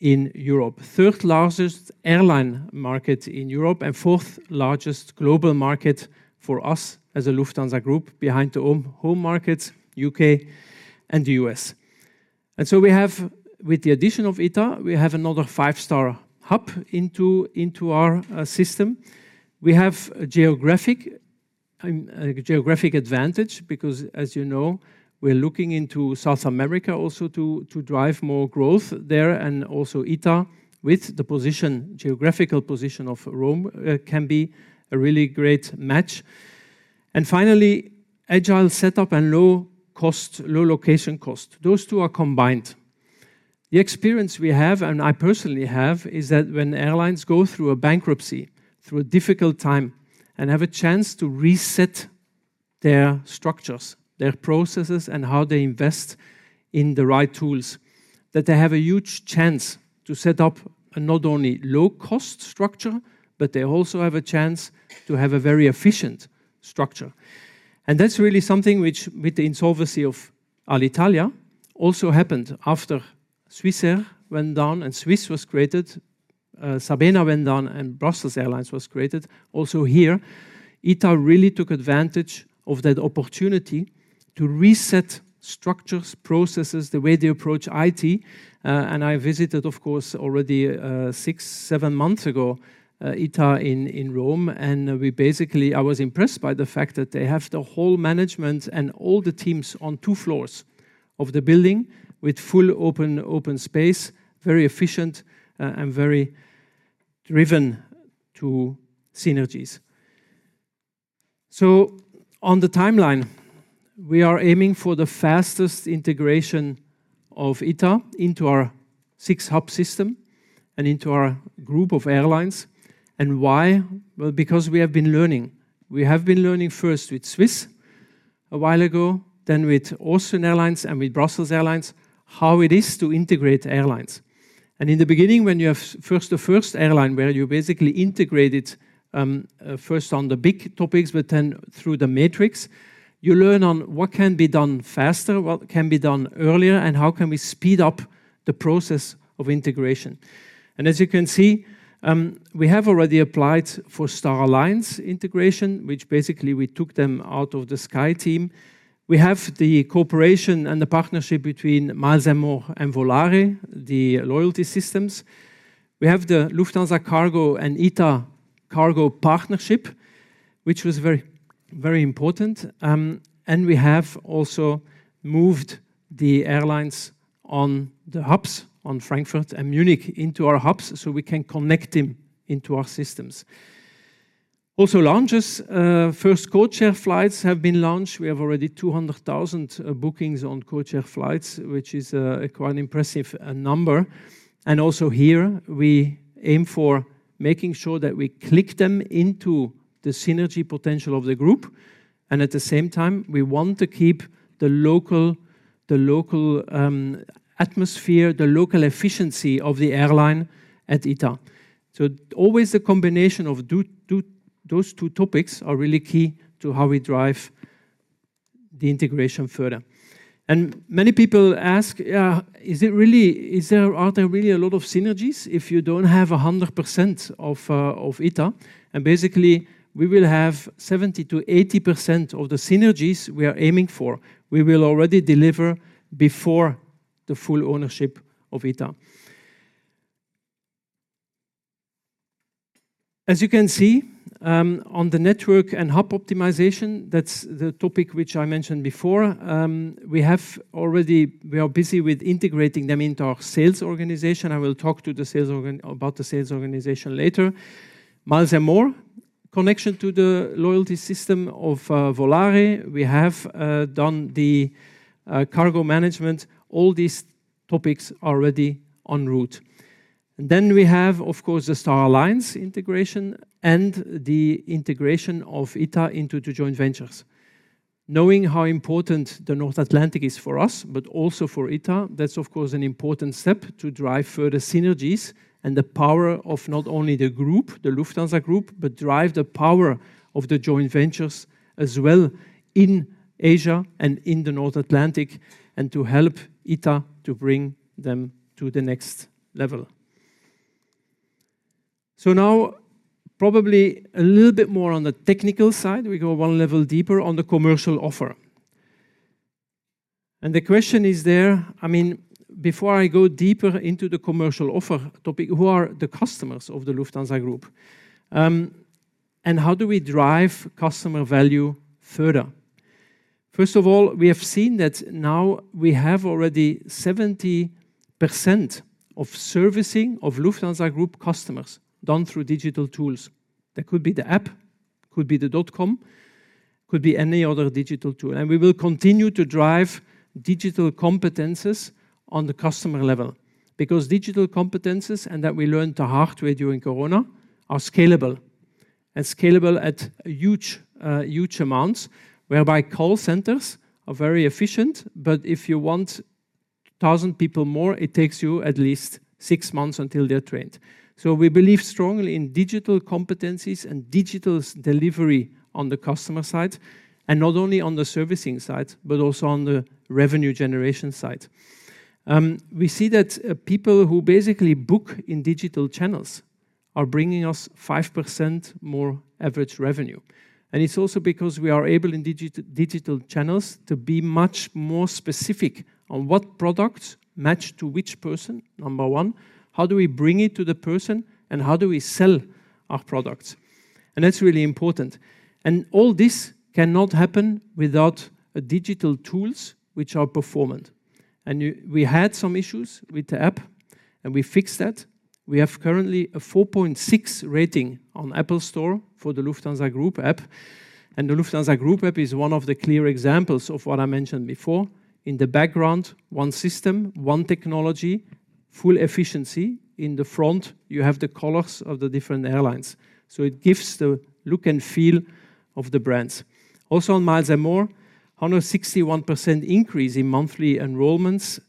F: in Europe, third largest airline market in Europe, and fourth largest global market for us as a Lufthansa Group behind the home market, U.K. and the U.S. With the addition of ITA, we have another five-star hub into our system. We have a geographic advantage because, as you know, we're looking into South America also to drive more growth there. Also ITA, with the geographical position of Rome, can be a really great match. Finally, agile setup and low cost, low location cost, those two are combined. The experience we have, and I personally have, is that when airlines go through a bankruptcy, through a difficult time, and have a chance to reset their structures, their processes, and how they invest in the right tools, that they have a huge chance to set up not only low-cost structure, but they also have a chance to have a very efficient structure. And that's really something which, with the insolvency of Alitalia, also happened after Swissair went down and Swiss was created, Sabena went down, and Brussels Airlines was created. Also here, ITA really took advantage of that opportunity to reset structures, processes, the way they approach IT. And I visited, of course, already six, seven months ago, ITA in Rome. And we basically, I was impressed by the fact that they have the whole management and all the teams on two floors of the building with full open space, very efficient and very driven to synergies. So on the timeline, we are aiming for the fastest integration of ITA into our six-hub system and into our group of airlines. And why? Well, because we have been learning. We have been learning first with Swiss a while ago, then with Austrian Airlines and with Brussels Airlines, how it is to integrate airlines. And in the beginning, when you have first the first airline where you basically integrate it first on the big topics, but then through the matrix, you learn on what can be done faster, what can be done earlier, and how can we speed up the process of integration. As you can see, we have already applied for Star Alliance integration, which basically we took them out of the SkyTeam. We have the cooperation and the partnership between Miles & More and Volare, the loyalty systems. We have the Lufthansa Cargo and ITA Cargo partnership, which was very, very important. We have also moved the airlines on the hubs on Frankfurt and Munich into our hubs so we can connect them into our systems. Also, lounges, first codeshare flights have been launched. We have already 200,000 bookings on codeshare flights, which is quite an impressive number. Also here, we aim for making sure that we click them into the synergy potential of the group. At the same time, we want to keep the local atmosphere, the local efficiency of the airline at ITA. So always the combination of those two topics are really key to how we drive the integration further. And many people ask, yeah, is it really, are there really a lot of synergies if you don't have 100% of ITA? And basically, we will have 70%-80% of the synergies we are aiming for. We will already deliver before the full ownership of ITA. As you can see, on the network and hub optimization, that's the topic which I mentioned before. We have already, we are busy with integrating them into our sales organization. I will talk to the sales about the sales organization later. Miles & More, connection to the loyalty system of Volare. We have done the cargo management, all these topics already en route. And then we have, of course, the Star Alliance integration and the integration of ITA into two joint ventures. Knowing how important the North Atlantic is for us, but also for ITA, that's of course an important step to drive further synergies and the power of not only the group, the Lufthansa Group, but drive the power of the joint ventures as well in Asia and in the North Atlantic and to help ITA to bring them to the next level. Now probably a little bit more on the technical side, we go one level deeper on the commercial offer. The question is there, I mean, before I go deeper into the commercial offer topic, who are the customers of the Lufthansa Group? And how do we drive customer value further? First of all, we have seen that now we have already 70% of servicing of Lufthansa Group customers done through digital tools. That could be the app, could be the dot-com, could be any other digital tool. And we will continue to drive digital competencies on the customer level because digital competencies, and that we learned the hard way during Corona, are scalable and scalable at huge amounts, whereby call centers are very efficient. But if you want 1,000 people more, it takes you at least six months until they're trained. So we believe strongly in digital competencies and digital delivery on the customer side, and not only on the servicing side, but also on the revenue generation side. We see that people who basically book in digital channels are bringing us 5% more average revenue. And it's also because we are able in digital channels to be much more specific on what products match to which person, number one, how do we bring it to the person, and how do we sell our products? And that's really important. And all this cannot happen without digital tools which are performant. And we had some issues with the app, and we fixed that. We have currently a 4.6 rating on App Store for the Lufthansa Group App. And the Lufthansa Group App is one of the clear examples of what I mentioned before. In the background, one system, one technology, full efficiency. In the front, you have the colors of the different airlines. So it gives the look and feel of the brands. Also on Miles & More, 161% increase in monthly enrollments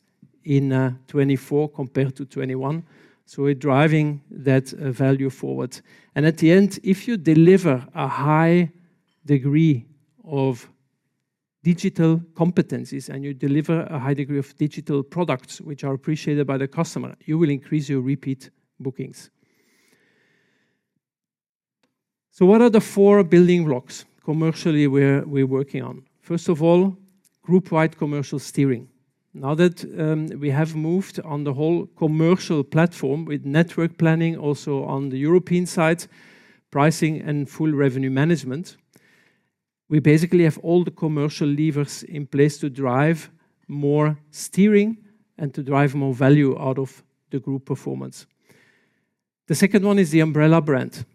F: in 2024 compared to 2021. So we're driving that value forward. At the end, if you deliver a high degree of digital competencies and you deliver a high degree of digital products which are appreciated by the customer, you will increase your repeat bookings. What are the four building blocks commercially we're working on? First of all, group-wide commercial steering. Now that we have moved on the whole commercial platform with network planning, also on the European side, pricing and full revenue management, we basically have all the commercial levers in place to drive more steering and to drive more value out of the group performance. The second one is the umbrella brand.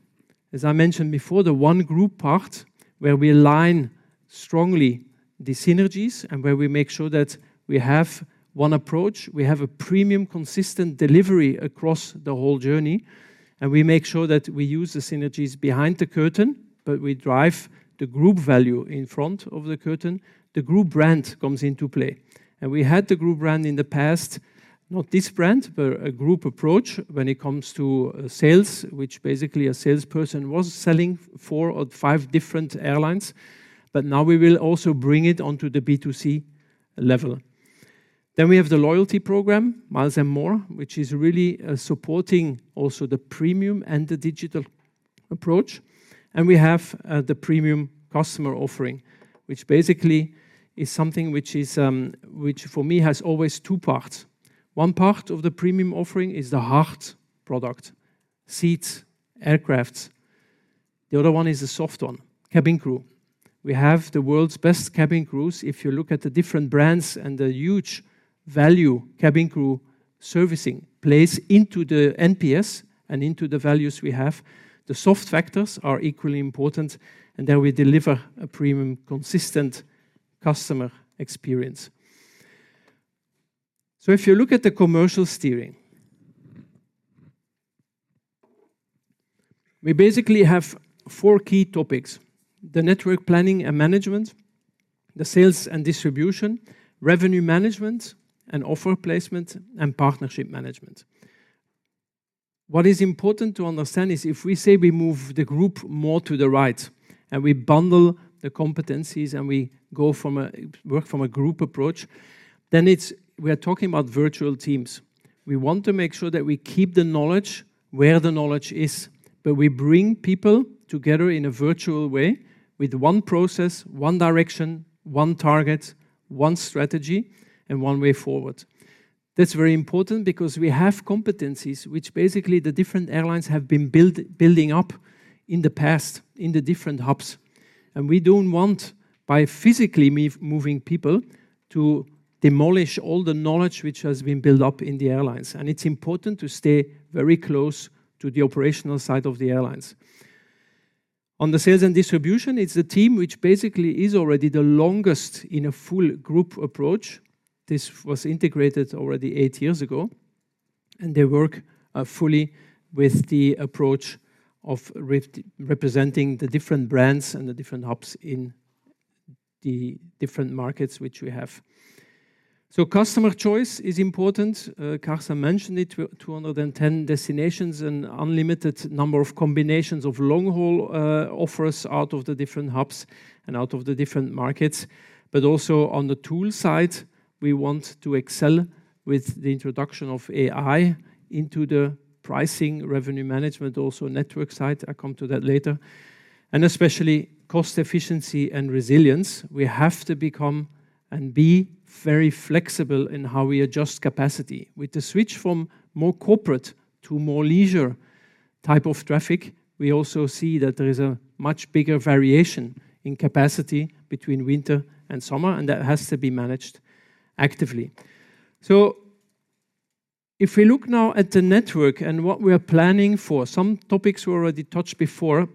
F: As I mentioned before, the One Group part where we align strongly the synergies and where we make sure that we have one approach, we have a premium consistent delivery across the whole journey. We make sure that we use the synergies behind the curtain, but we drive the group value in front of the curtain. The group brand comes into play. We had the group brand in the past, not this brand, but a group approach when it comes to sales, which basically a salesperson was selling four or five different airlines. But now we will also bring it onto the B2C level. Then we have the loyalty program, Miles & More, which is really supporting also the premium and the digital approach. We have the premium customer offering, which basically is something which for me has always two parts. One part of the premium offering is the hard product, seats, aircrafts. The other one is the soft one, cabin crew. We have the world's best cabin crews. If you look at the different brands and the huge value cabin crew servicing plays into the NPS and into the values we have, the soft factors are equally important, and then we deliver a premium consistent customer experience. So if you look at the commercial steering, we basically have four key topics: the network planning and management, the sales and distribution, revenue management, and offer placement and partnership management. What is important to understand is if we say we move the group more to the right and we bundle the competencies and we work from a group approach, then we are talking about virtual teams. We want to make sure that we keep the knowledge where the knowledge is, but we bring people together in a virtual way with one process, one direction, one target, one strategy, and one way forward. That's very important because we have competencies which basically the different airlines have been building up in the past in the different hubs. And we don't want by physically moving people to demolish all the knowledge which has been built up in the airlines. And it's important to stay very close to the operational side of the airlines. On the sales and distribution, it's a team which basically is already the longest in a full group approach. This was integrated already eight years ago. And they work fully with the approach of representing the different brands and the different hubs in the different markets which we have. So customer choice is important. Carsten mentioned it, 210 destinations and unlimited number of combinations of long-haul offers out of the different hubs and out of the different markets. But also on the tool side, we want to excel with the introduction of AI into the pricing, revenue management, also network side. I'll come to that later. And especially cost efficiency and resilience. We have to become and be very flexible in how we adjust capacity. With the switch from more corporate to more leisure type of traffic, we also see that there is a much bigger variation in capacity between winter and summer, and that has to be managed actively. So if we look now at the network and what we are planning for, some topics we already touched before,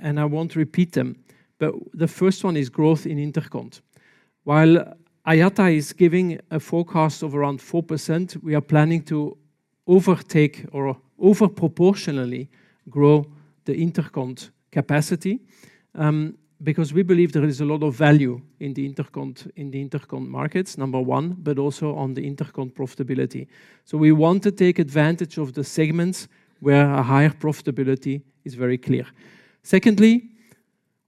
F: and I won't repeat them, but the first one is growth in intercon. While IATA is giving a forecast of around 4%, we are planning to overtake or overproportionally grow the intercon capacity because we believe there is a lot of value in the intercon markets, number one, but also on the intercon profitability. So we want to take advantage of the segments where a higher profitability is very clear. Secondly,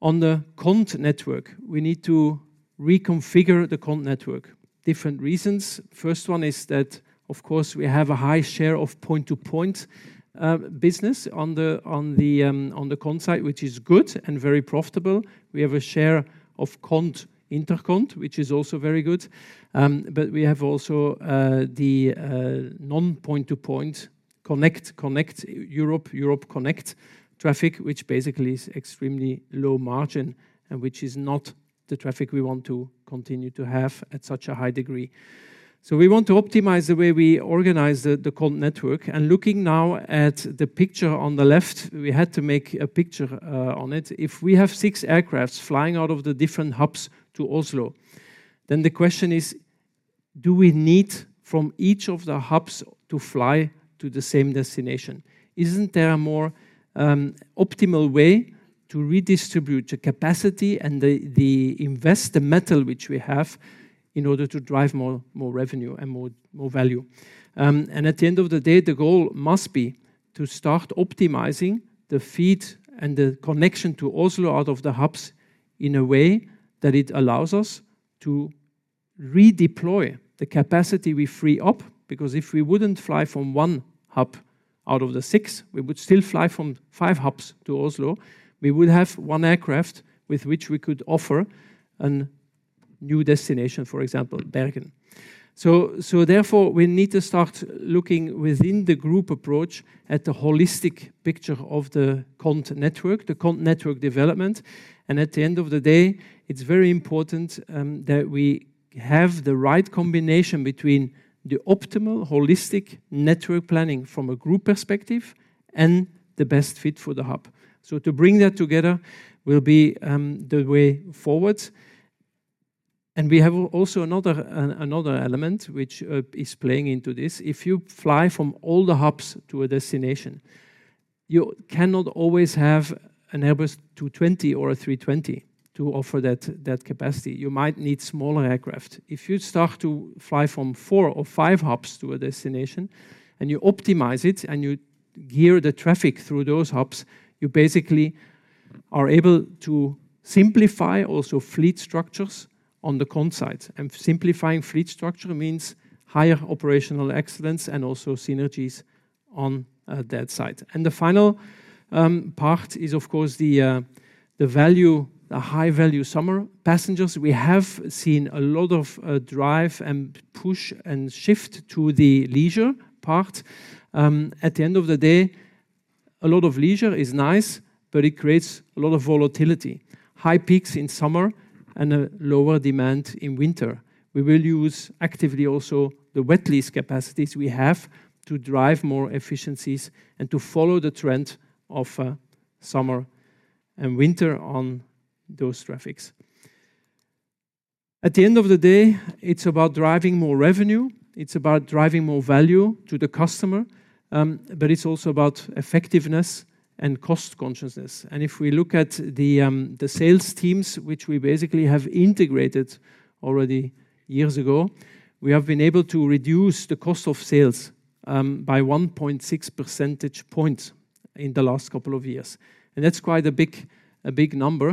F: on the connected network, we need to reconfigure the connected network. Different reasons. First one is that, of course, we have a high share of point-to-point business on the connected side, which is good and very profitable. We have a share of connected intercons, which is also very good. But we have also the non-point-to-point connect, connect Europe, Europe connect traffic, which basically is extremely low margin and which is not the traffic we want to continue to have at such a high degree. We want to optimize the way we organize the connected network. Looking now at the picture on the left, we had to make a picture on it. If we have six aircraft flying out of the different hubs to Oslo, then the question is, do we need from each of the hubs to fly to the same destination? Isn't there a more optimal way to redistribute the capacity and to use the metal which we have in order to drive more revenue and more value? The goal must be to start optimizing the feed and the connection to Oslo out of the hubs in a way that it allows us to redeploy the capacity we free up. Because if we wouldn't fly from one hub out of the six, we would still fly from five hubs to Oslo. We would have one aircraft with which we could offer a new destination, for example, Bergen. So therefore, we need to start looking within the group approach at the holistic picture of the connected network, the connected network development. And at the end of the day, it's very important that we have the right combination between the optimal holistic network planning from a group perspective and the best fit for the hub. So to bring that together will be the way forward. And we have also another element which is playing into this. If you fly from all the hubs to a destination, you cannot always have an Airbus A220 or an A320 to offer that capacity. You might need smaller aircraft. If you start to fly from four or five hubs to a destination and you optimize it and you gear the traffic through those hubs, you basically are able to simplify also fleet structures on the Cont side. Simplifying fleet structure means higher operational excellence and also synergies on that side. The final part is, of course, the value, the high-value summer passengers. We have seen a lot of drive and push and shift to the leisure part. At the end of the day, a lot of leisure is nice, but it creates a lot of volatility. High peaks in summer and a lower demand in winter. We will use actively also the wet lease capacities we have to drive more efficiencies and to follow the trend of summer and winter on those traffics. At the end of the day, it's about driving more revenue. It's about driving more value to the customer, but it's also about effectiveness and cost consciousness. And if we look at the sales teams, which we basically have integrated already years ago, we have been able to reduce the cost of sales by 1.6 percentage points in the last couple of years. And that's quite a big number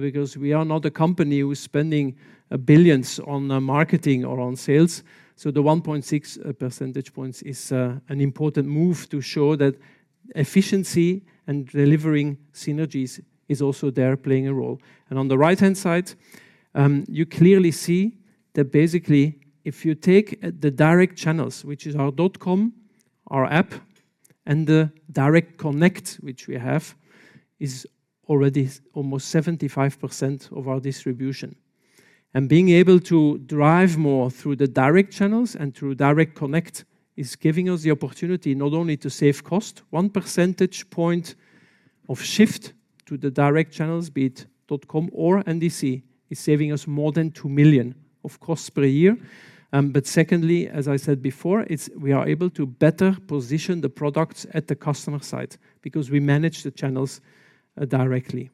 F: because we are not a company who's spending billions on marketing or on sales. So the 1.6 percentage points is an important move to show that efficiency and delivering synergies is also there playing a role. And on the right-hand side, you clearly see that basically if you take the direct channels, which is our dot-com, our app, and the Direct Connect, which we have, is already almost 75% of our distribution. Being able to drive more through the direct channels and through Direct Connect is giving us the opportunity not only to save cost. One percentage point of shift to the direct channels, be it dot-com or NDC, is saving us more than 2 million of costs per year. But secondly, as I said before, we are able to better position the products at the customer side because we manage the channels directly.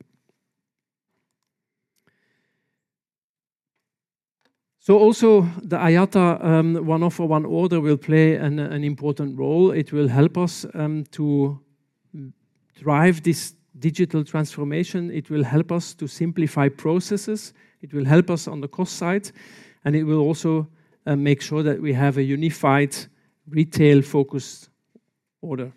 F: So also the IATA One Order will play an important role. It will help us to drive this digital transformation. It will help us to simplify processes. It will help us on the cost side, and it will also make sure that we have a unified retail-focused order.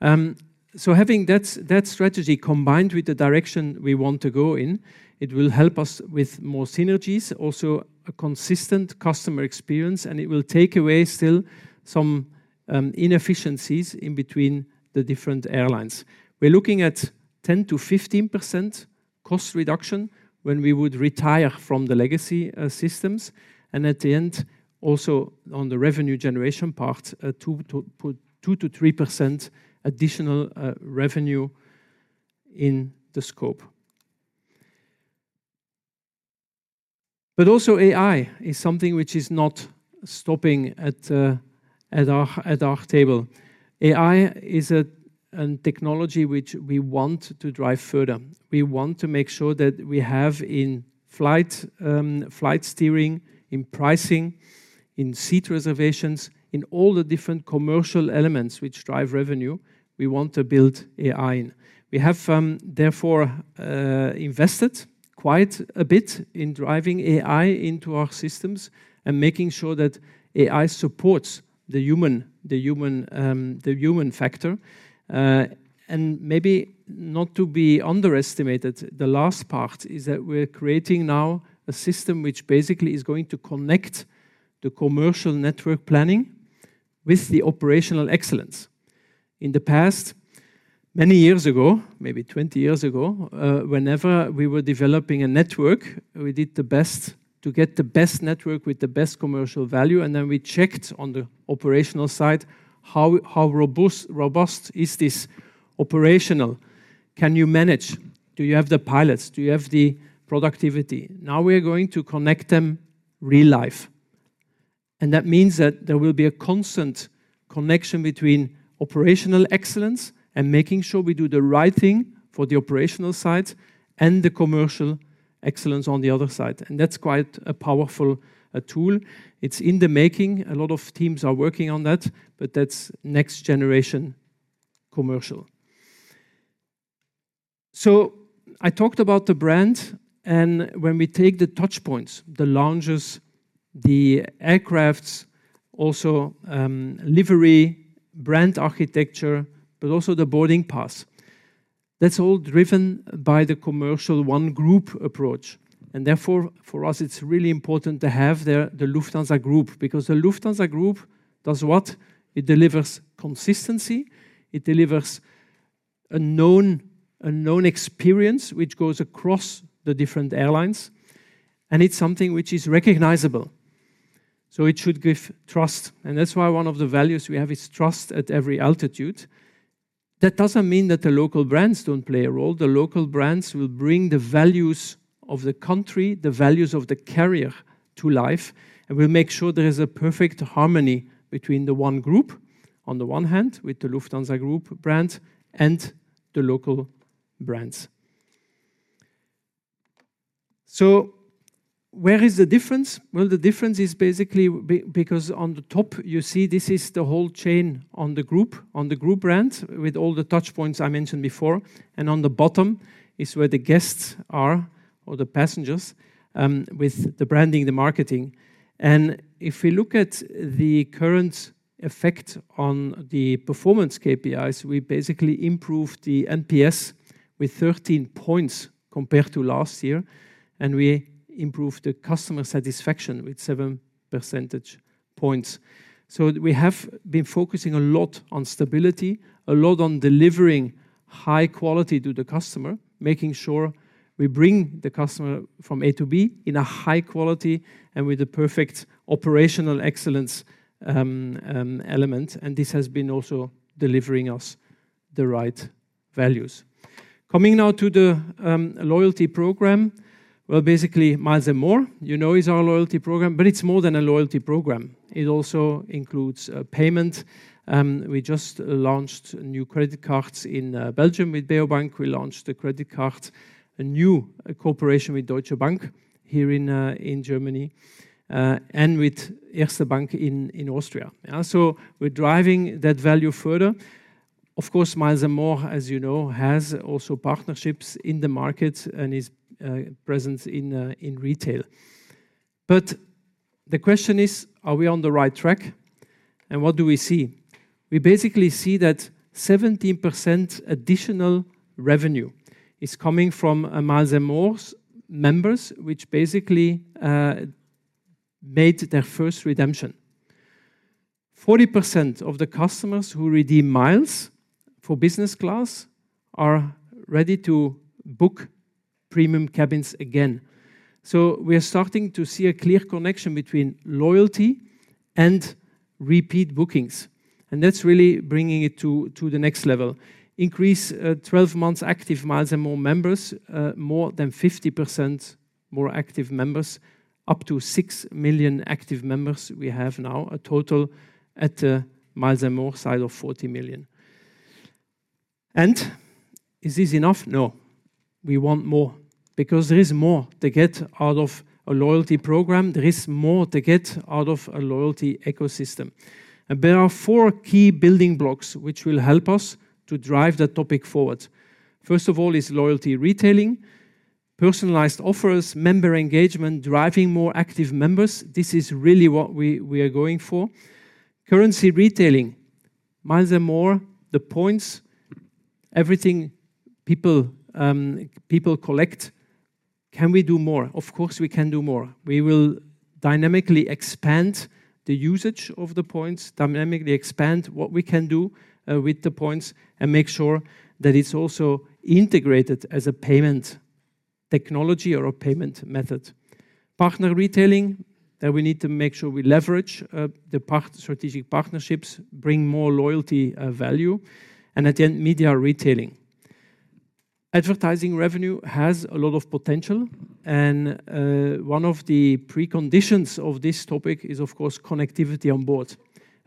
F: Having that strategy combined with the direction we want to go in, it will help us with more synergies, also a consistent customer experience, and it will take away still some inefficiencies in between the different airlines. We're looking at 10%-15% cost reduction when we would retire from the legacy systems. And at the end, also on the revenue generation part, 2%-3% additional revenue in the scope. But also AI is something which is not stopping at our table. AI is a technology which we want to drive further. We want to make sure that we have in flight steering, in pricing, in seat reservations, in all the different commercial elements which drive revenue, we want to build AI in. We have therefore invested quite a bit in driving AI into our systems and making sure that AI supports the human factor. And maybe not to be underestimated, the last part is that we're creating now a system which basically is going to connect the commercial network planning with the operational excellence. In the past, many years ago, maybe 20 years ago, whenever we were developing a network, we did the best to get the best network with the best commercial value. And then we checked on the operational side, how robust is this operational? Can you manage? Do you have the pilots? Do you have the productivity? Now we're going to connect them real life. And that means that there will be a constant connection between operational excellence and making sure we do the right thing for the operational side and the commercial excellence on the other side. And that's quite a powerful tool. It's in the making. A lot of teams are working on that, but that's next generation commercial. I talked about the brand, and when we take the touch points, the lounges, the aircraft, also livery, brand architecture, but also the boarding pass, that's all driven by the commercial One Group approach. And therefore, for us, it's really important to have the Lufthansa Group because the Lufthansa Group does what? It delivers consistency. It delivers a known experience which goes across the different airlines, and it's something which is recognizable. So it should give trust. And that's why one of the values we have is trust at every altitude. That doesn't mean that the local brands don't play a role. The local brands will bring the values of the country, the values of the carrier to life, and will make sure there is a perfect harmony between the One Group on the one hand with the Lufthansa Group brands and the local brands. Where is the difference? The difference is basically because on the top, you see this is the whole chain on the group, on the group brands with all the touch points I mentioned before. On the bottom is where the guests are or the passengers with the branding, the marketing. If we look at the current effect on the performance KPIs, we basically improved the NPS with 13 points compared to last year. We improved the customer satisfaction with seven percentage points. We have been focusing a lot on stability, a lot on delivering high quality to the customer, making sure we bring the customer from A to B in a high quality and with the perfect operational excellence element. This has been also delivering us the right values. Coming now to the loyalty program, well, basically Miles & More, you know, is our loyalty program, but it's more than a loyalty program. It also includes payment. We just launched new credit cards in Belgium with Beobank. We launched the credit cards, a new cooperation with Deutsche Bank here in Germany and with Erste Bank in Austria. So we're driving that value further. Of course, Miles & More, as you know, has also partnerships in the market and is present in retail. But the question is, are we on the right track? And what do we see? We basically see that 17% additional revenue is coming from Miles & More members, which basically made their first redemption. 40% of the customers who redeem Miles for business class are ready to book premium cabins again. So we are starting to see a clear connection between loyalty and repeat bookings. That's really bringing it to the next level. Increase 12 months active Miles & More members, more than 50% more active members, up to six million active members we have now, a total at the Miles & More side of 40 million. Is this enough? No, we want more because there is more to get out of a loyalty program. There is more to get out of a loyalty ecosystem. There are four key building blocks which will help us to drive the topic forward. First of all is loyalty retailing, personalized offers, member engagement, driving more active members. This is really what we are going for. Currency retailing, Miles & More, the points, everything people collect. Can we do more? Of course, we can do more. We will dynamically expand the usage of the points, dynamically expand what we can do with the points and make sure that it's also integrated as a payment technology or a payment method. Partner retailing, we need to make sure we leverage the strategic partnerships, bring more loyalty value, and at the end, media retailing. Advertising revenue has a lot of potential, and one of the preconditions of this topic is, of course, connectivity on board,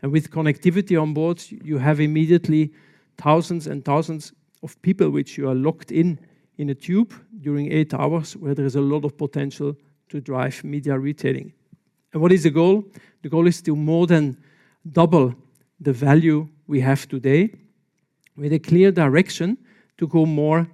F: and with connectivity on board, you have immediately thousands and thousands of people which you are locked in a tube during eight hours where there is a lot of potential to drive media retailing, and what is the goal? The goal is to more than double the value we have today with a clear direction to go more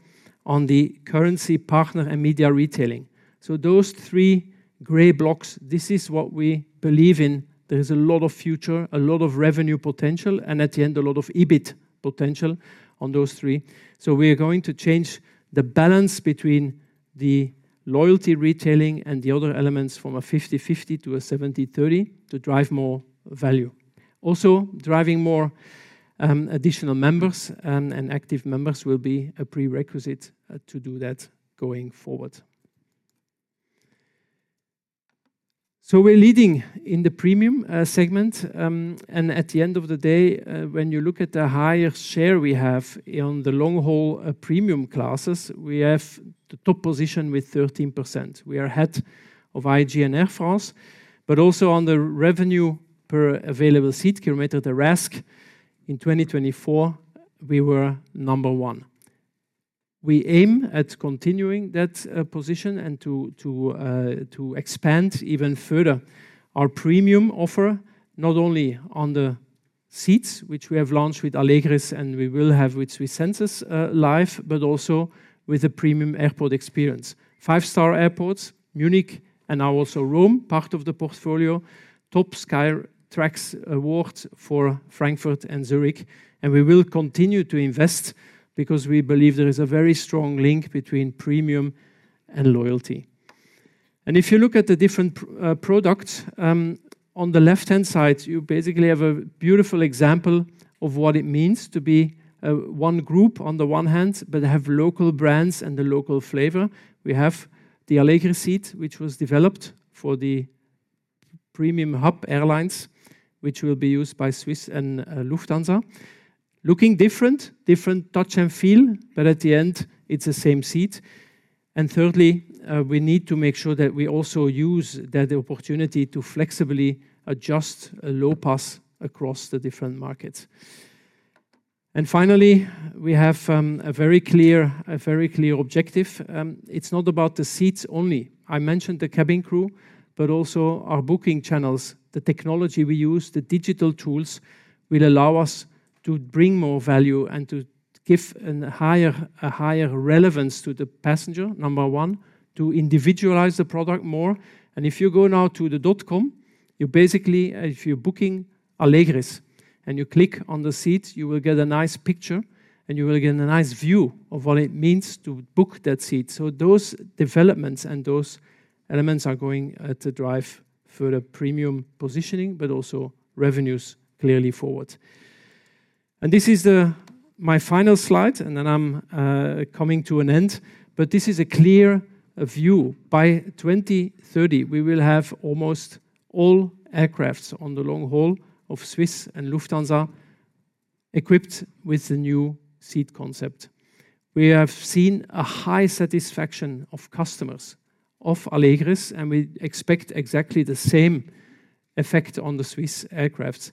F: on the currency partner and media retailing. So those three gray blocks, this is what we believe in. There is a lot of future, a lot of revenue potential, and at the end, a lot of EBIT potential on those three. So we are going to change the balance between the loyalty retailing and the other elements from a 50-50 to a 70-30 to drive more value. Also, driving more additional members and active members will be a prerequisite to do that going forward. So we're leading in the premium segment. And at the end of the day, when you look at the higher share we have on the long-haul premium classes, we have the top position with 13%. We are ahead of IAG and Air France, but also on the revenue per available seat kilometer, the RASK in 2024, we were number one. We aim at continuing that position and to expand even further our premium offer, not only on the seats, which we have launched with Allegris and we will have with SWISS Senses Live, but also with the premium airport experience. Five-star airports, Munich and now also Rome, part of the portfolio, top Skytrax awards for Frankfurt and Zurich. And we will continue to invest because we believe there is a very strong link between premium and loyalty. And if you look at the different products on the left-hand side, you basically have a beautiful example of what it means to be One Group on the one hand, but have local brands and the local flavor. We have the Allegris seat, which was developed for the premium hub airlines, which will be used by Swiss and Lufthansa. Looking different, different touch and feel, but at the end, it's the same seat. And thirdly, we need to make sure that we also use that opportunity to flexibly adjust LOPA across the different markets. And finally, we have a very clear objective. It's not about the seats only. I mentioned the cabin crew, but also our booking channels, the technology we use, the digital tools will allow us to bring more value and to give a higher relevance to the passenger, number one, to individualize the product more. And if you go now to the dot-com, you basically, if you're booking Allegris and you click on the seat, you will get a nice picture and you will get a nice view of what it means to book that seat. So those developments and those elements are going to drive further premium positioning, but also revenues clearly forward. This is my final slide, and then I'm coming to an end, but this is a clear view. By 2030, we will have almost all aircraft on the long haul of Swiss and Lufthansa equipped with the new seat concept. We have seen a high satisfaction of customers of Allegris, and we expect exactly the same effect on the Swiss aircraft.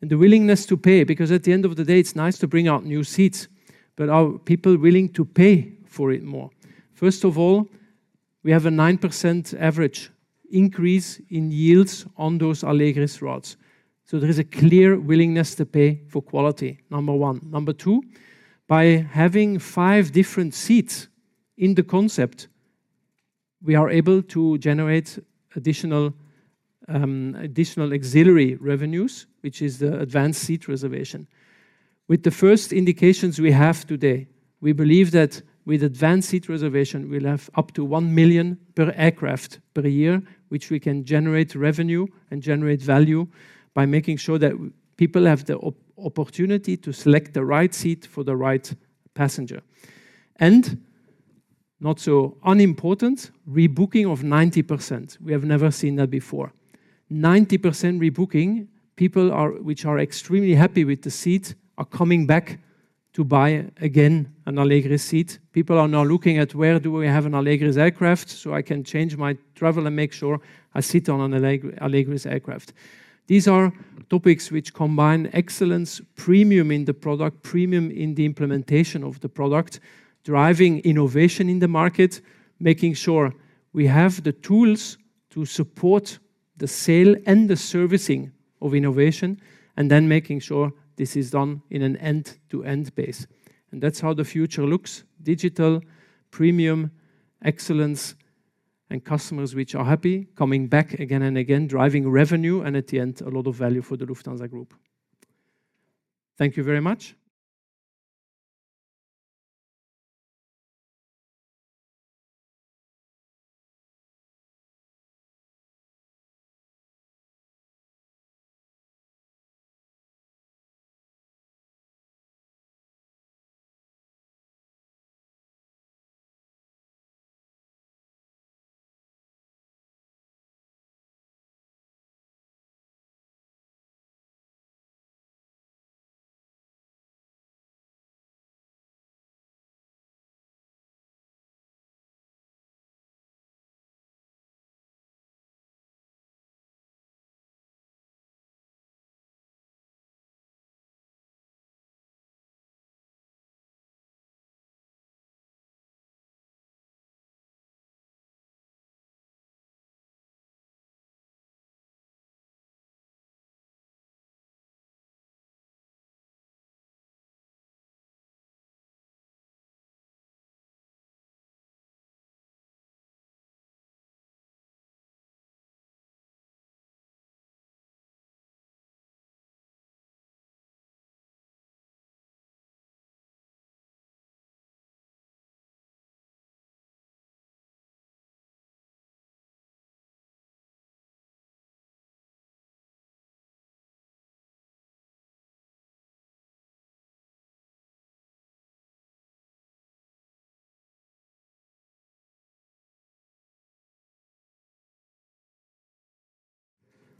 F: The willingness to pay, because at the end of the day, it's nice to bring out new seats, but are people willing to pay for it more? First of all, we have a 9% average increase in yields on those Allegris routes. So there is a clear willingness to pay for quality, number one. Number two, by having five different seats in the concept, we are able to generate additional ancillary revenues, which is the advanced seat reservation. With the first indications we have today, we believe that with advanced seat reservation, we'll have up to one million per aircraft per year, which we can generate revenue and generate value by making sure that people have the opportunity to select the right seat for the right passenger, and not so unimportant, rebooking of 90%. We have never seen that before. 90% rebooking, people which are extremely happy with the seat are coming back to buy again an Allegris seat. People are now looking at where do I have an Allegris aircraft so I can change my travel and make sure I sit on an Allegris aircraft. These are topics which combine excellence, premium in the product, premium in the implementation of the product, driving innovation in the market, making sure we have the tools to support the sale and the servicing of innovation, and then making sure this is done in an end-to-end base, and that's how the future looks: digital, premium, excellence, and customers which are happy, coming back again and again, driving revenue, and at the end, a lot of value for the Lufthansa Group. Thank you very much.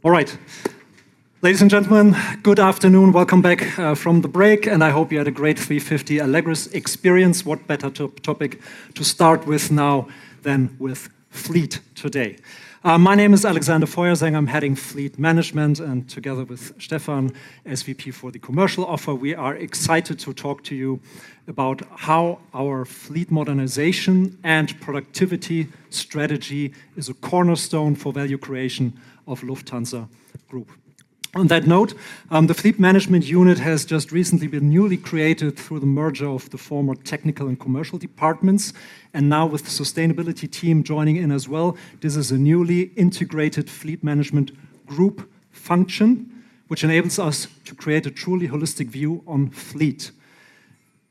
G: All right, ladies and gentlemen, good afternoon. Welcome back from the break, and I hope you had a great A350 Allegris experience. What better topic to start with now than with fleet today? My name is Alexander Feuersänger. I'm heading fleet management, and together with Stefan, SVP for the commercial offer, we are excited to talk to you about how our fleet modernization and productivity strategy is a cornerstone for value creation of Lufthansa Group. On that note, the fleet management unit has just recently been newly created through the merger of the former technical and commercial departments, and now with the sustainability team joining in as well. This is a newly integrated fleet management group function, which enables us to create a truly holistic view on fleet,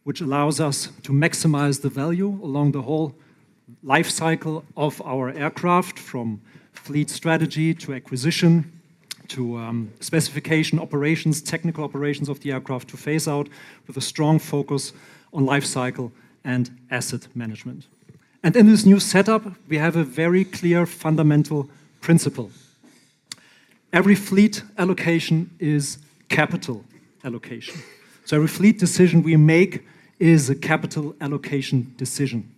G: which allows us to maximize the value along the whole lifecycle of our aircraft, from fleet strategy to acquisition to specification operations, technical operations of the aircraft to phase out, with a strong focus on lifecycle and asset management. In this new setup, we have a very clear fundamental principle. Every fleet allocation is capital allocation. So every fleet decision we make is a capital allocation decision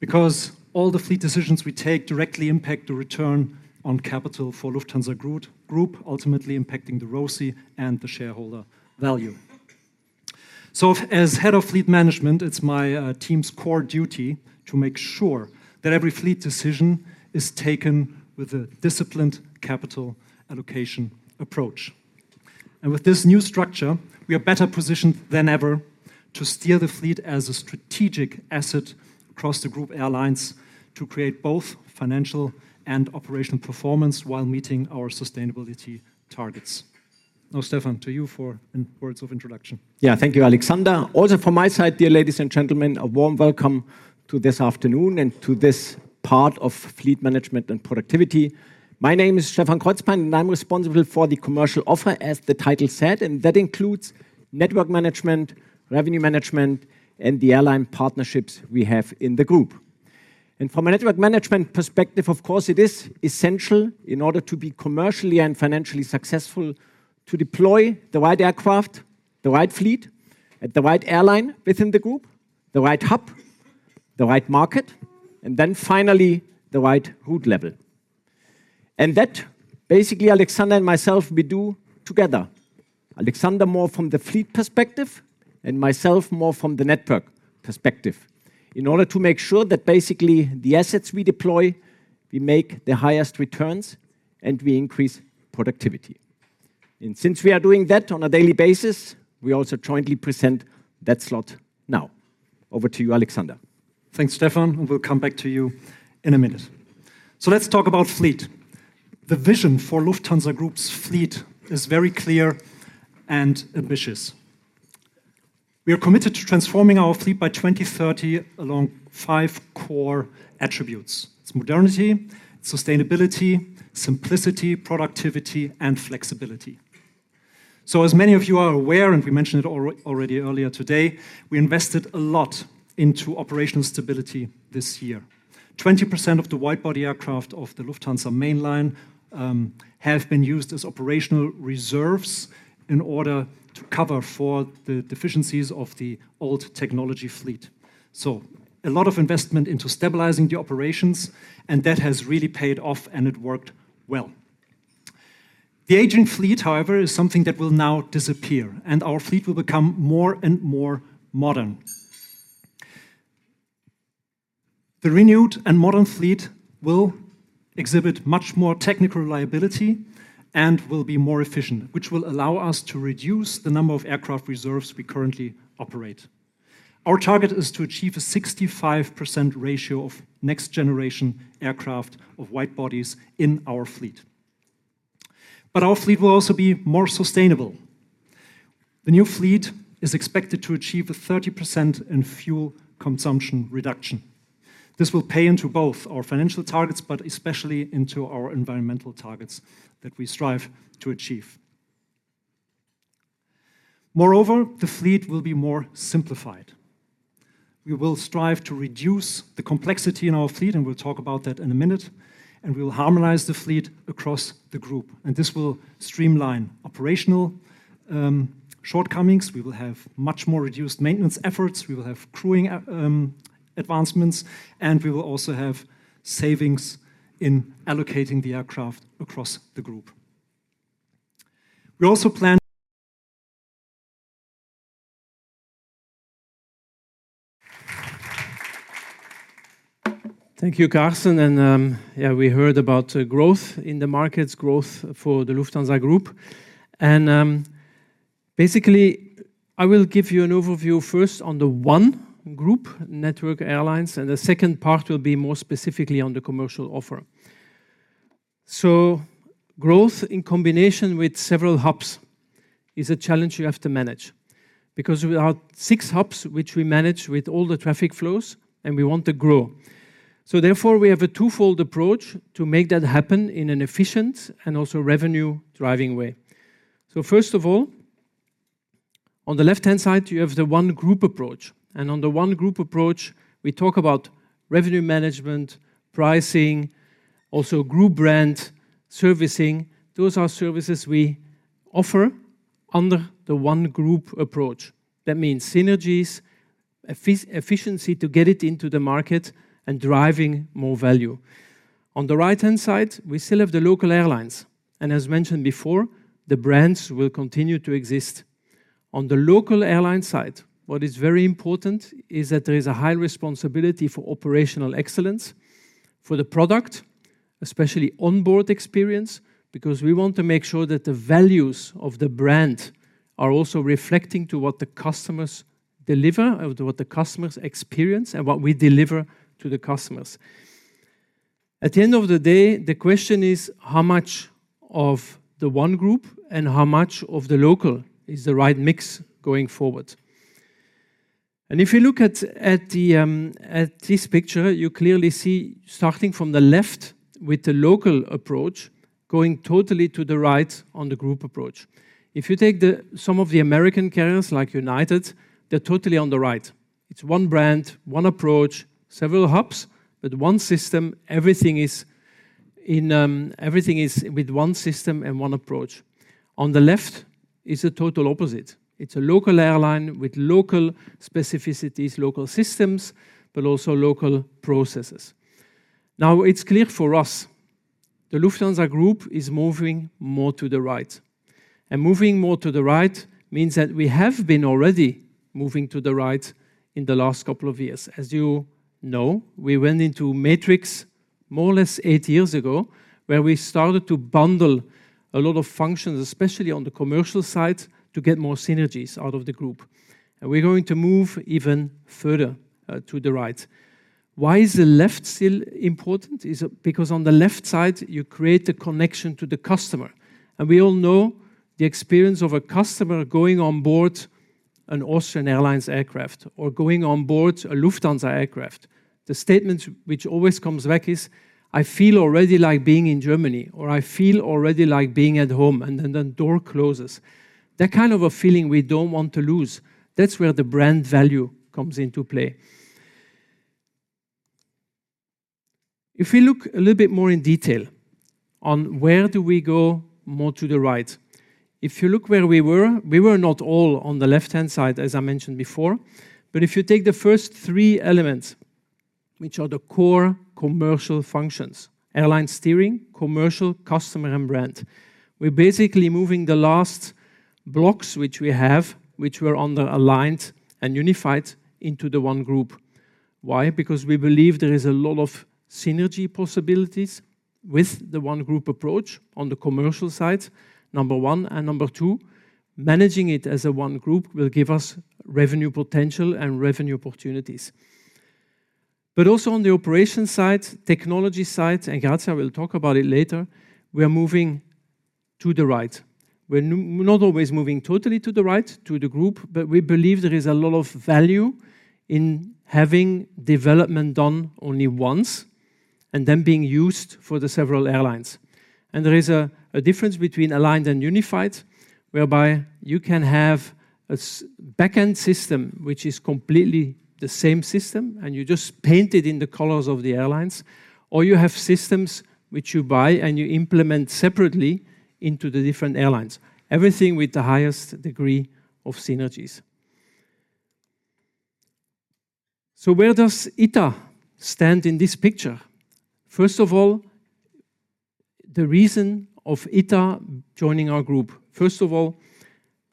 G: because all the fleet decisions we take directly impact the return on capital for Lufthansa Group, ultimately impacting the ROCE and the shareholder value. So as head of fleet management, it's my team's core duty to make sure that every fleet decision is taken with a disciplined capital allocation approach. And with this new structure, we are better positioned than ever to steer the fleet as a strategic asset across the group airlines to create both financial and operational performance while meeting our sustainability targets. Now, Stefan, to you for words of introduction.
H: Yeah, thank you, Alexander. Also from my side, dear ladies and gentlemen, a warm welcome to this afternoon and to this part of fleet management and productivity. My name is Stefan Kreuzpaintner, and I'm responsible for the commercial offer, as the title said, and that includes network management, revenue management, and the airline partnerships we have in the group. And from a network management perspective, of course, it is essential in order to be commercially and financially successful to deploy the right aircraft, the right fleet, at the right airline within the group, the right hub, the right market, and then finally the right route level. And that basically, Alexander and myself, we do together. Alexander more from the fleet perspective and myself more from the network perspective in order to make sure that basically the assets we deploy, we make the highest returns and we increase productivity. And since we are doing that on a daily basis, we also jointly present that slot now. Over to you, Alexander.
G: Thanks, Stefan, and we'll come back to you in a minute, so let's talk about fleet. The vision for Lufthansa Group's fleet is very clear and ambitious. We are committed to transforming our fleet by 2030 along five core attributes. It's modernity, it's sustainability, simplicity, productivity, and flexibility, so as many of you are aware, and we mentioned it already earlier today, we invested a lot into operational stability this year. 20% of the widebody aircraft of the Lufthansa mainline have been used as operational reserves in order to cover for the deficiencies of the old technology fleet, so a lot of investment into stabilizing the operations, and that has really paid off, and it worked well. The aging fleet, however, is something that will now disappear, and our fleet will become more and more modern. The renewed and modern fleet will exhibit much more technical reliability and will be more efficient, which will allow us to reduce the number of aircraft reserves we currently operate. Our target is to achieve a 65% ratio of next-generation aircraft of widebodies in our fleet, but our fleet will also be more sustainable. The new fleet is expected to achieve a 30% in fuel consumption reduction. This will pay into both our financial targets, but especially into our environmental targets that we strive to achieve. Moreover, the fleet will be more simplified. We will strive to reduce the complexity in our fleet, and we'll talk about that in a minute, and we will harmonize the fleet across the group, and this will streamline operational shortcomings. We will have much more reduced maintenance efforts. We will have crewing advancements, and we will also have savings in allocating the aircraft across the group. We also plan. Thank you, Carsten. Yeah, we heard about growth in the markets, growth for the Lufthansa Group. Basically, I will give you an overview first on the One Group, network airlines, and the second part will be more specifically on the commercial offer. Growth in combination with several hubs is a challenge you have to manage because we have six hubs which we manage with all the traffic flows, and we want to grow. Therefore, we have a twofold approach to make that happen in an efficient and also revenue-driving way. First of all, on the left-hand side, you have the One Group approach. On the One Group approach, we talk about revenue management, pricing, also group brand servicing. Those are services we offer under the One Group approach. That means synergies, efficiency to get it into the market, and driving more value. On the right-hand side, we still have the local airlines. And as mentioned before, the brands will continue to exist. On the local airline side, what is very important is that there is a high responsibility for operational excellence for the product, especially onboard experience, because we want to make sure that the values of the brand are also reflecting to what the customers deliver, what the customers experience, and what we deliver to the customers. At the end of the day, the question is how much of the One Group and how much of the local is the right mix going forward. If you look at this picture, you clearly see starting from the left with the local approach going totally to the right on the group approach. If you take some of the American carriers like United, they're totally on the right. It's one brand, one approach, several hubs, but one system. Everything is with one system and one approach. On the left is the total opposite. It's a local airline with local specificities, local systems, but also local processes. Now, it's clear for us, the Lufthansa Group is moving more to the right. And moving more to the right means that we have been already moving to the right in the last couple of years. As you know, we went into matrix more or less eight years ago where we started to bundle a lot of functions, especially on the commercial side, to get more synergies out of the group. And we're going to move even further to the right. Why is the left still important? It's because on the left side, you create a connection to the customer. And we all know the experience of a customer going on board an Austrian Airlines aircraft or going on board a Lufthansa aircraft. The statement which always comes back is, "I feel already like being in Germany," or "I feel already like being at home," and then the door closes. That kind of a feeling we don't want to lose. That's where the brand value comes into play. If we look a little bit more in detail on where do we go more to the right, if you look where we were, we were not all on the left-hand side, as I mentioned before. But if you take the first three elements, which are the core commercial functions, airline steering, commercial, customer, and brand, we're basically moving the last blocks which we have, which were underaligned and unified into the One Group. Why? Because we believe there is a lot of synergy possibilities with the One Group approach on the commercial side, number one. And number two, managing it as a One Group will give us revenue potential and revenue opportunities. But also on the operation side, technology side, and Grazia will talk about it later, we are moving to the right. We're not always moving totally to the right, to the group, but we believe there is a lot of value in having development done only once and then being used for the several airlines. And there is a difference between aligned and unified, whereby you can have a back-end system which is completely the same system and you just paint it in the colors of the airlines, or you have systems which you buy and you implement separately into the different airlines, everything with the highest degree of synergies. So where does ITA stand in this picture? First of all, the reason of ITA joining our group: first of all,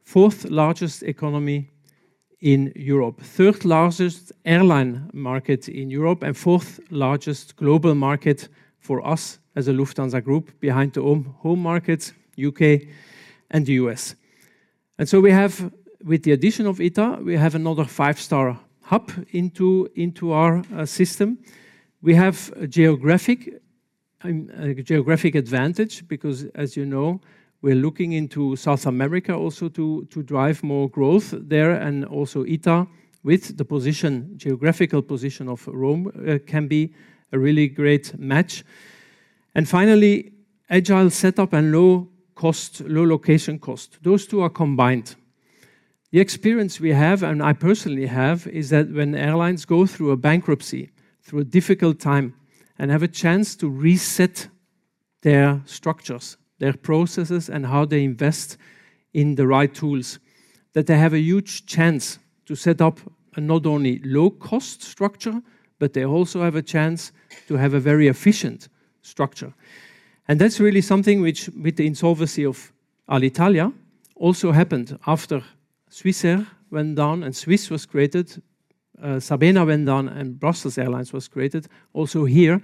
G: fourth largest economy in Europe, third largest airline market in Europe, and fourth largest global market for us as a Lufthansa Group behind the home market, UK, and the US. So we have, with the addition of ITA, another five-star hub in our system. We have a geographic advantage because, as you know, we're looking into South America also to drive more growth there, and also ITA, with the geographical position of Rome, can be a really great match. Finally, agile setup and low cost, low location cost, those two are combined. The experience we have, and I personally have, is that when airlines go through a bankruptcy, through a difficult time, and have a chance to reset their structures, their processes, and how they invest in the right tools, that they have a huge chance to set up a not only low-cost structure, but they also have a chance to have a very efficient structure. That's really something which, with the insolvency of Alitalia, also happened after Swissair went down and Swiss was created, Sabena went down and Brussels Airlines was created. Also here,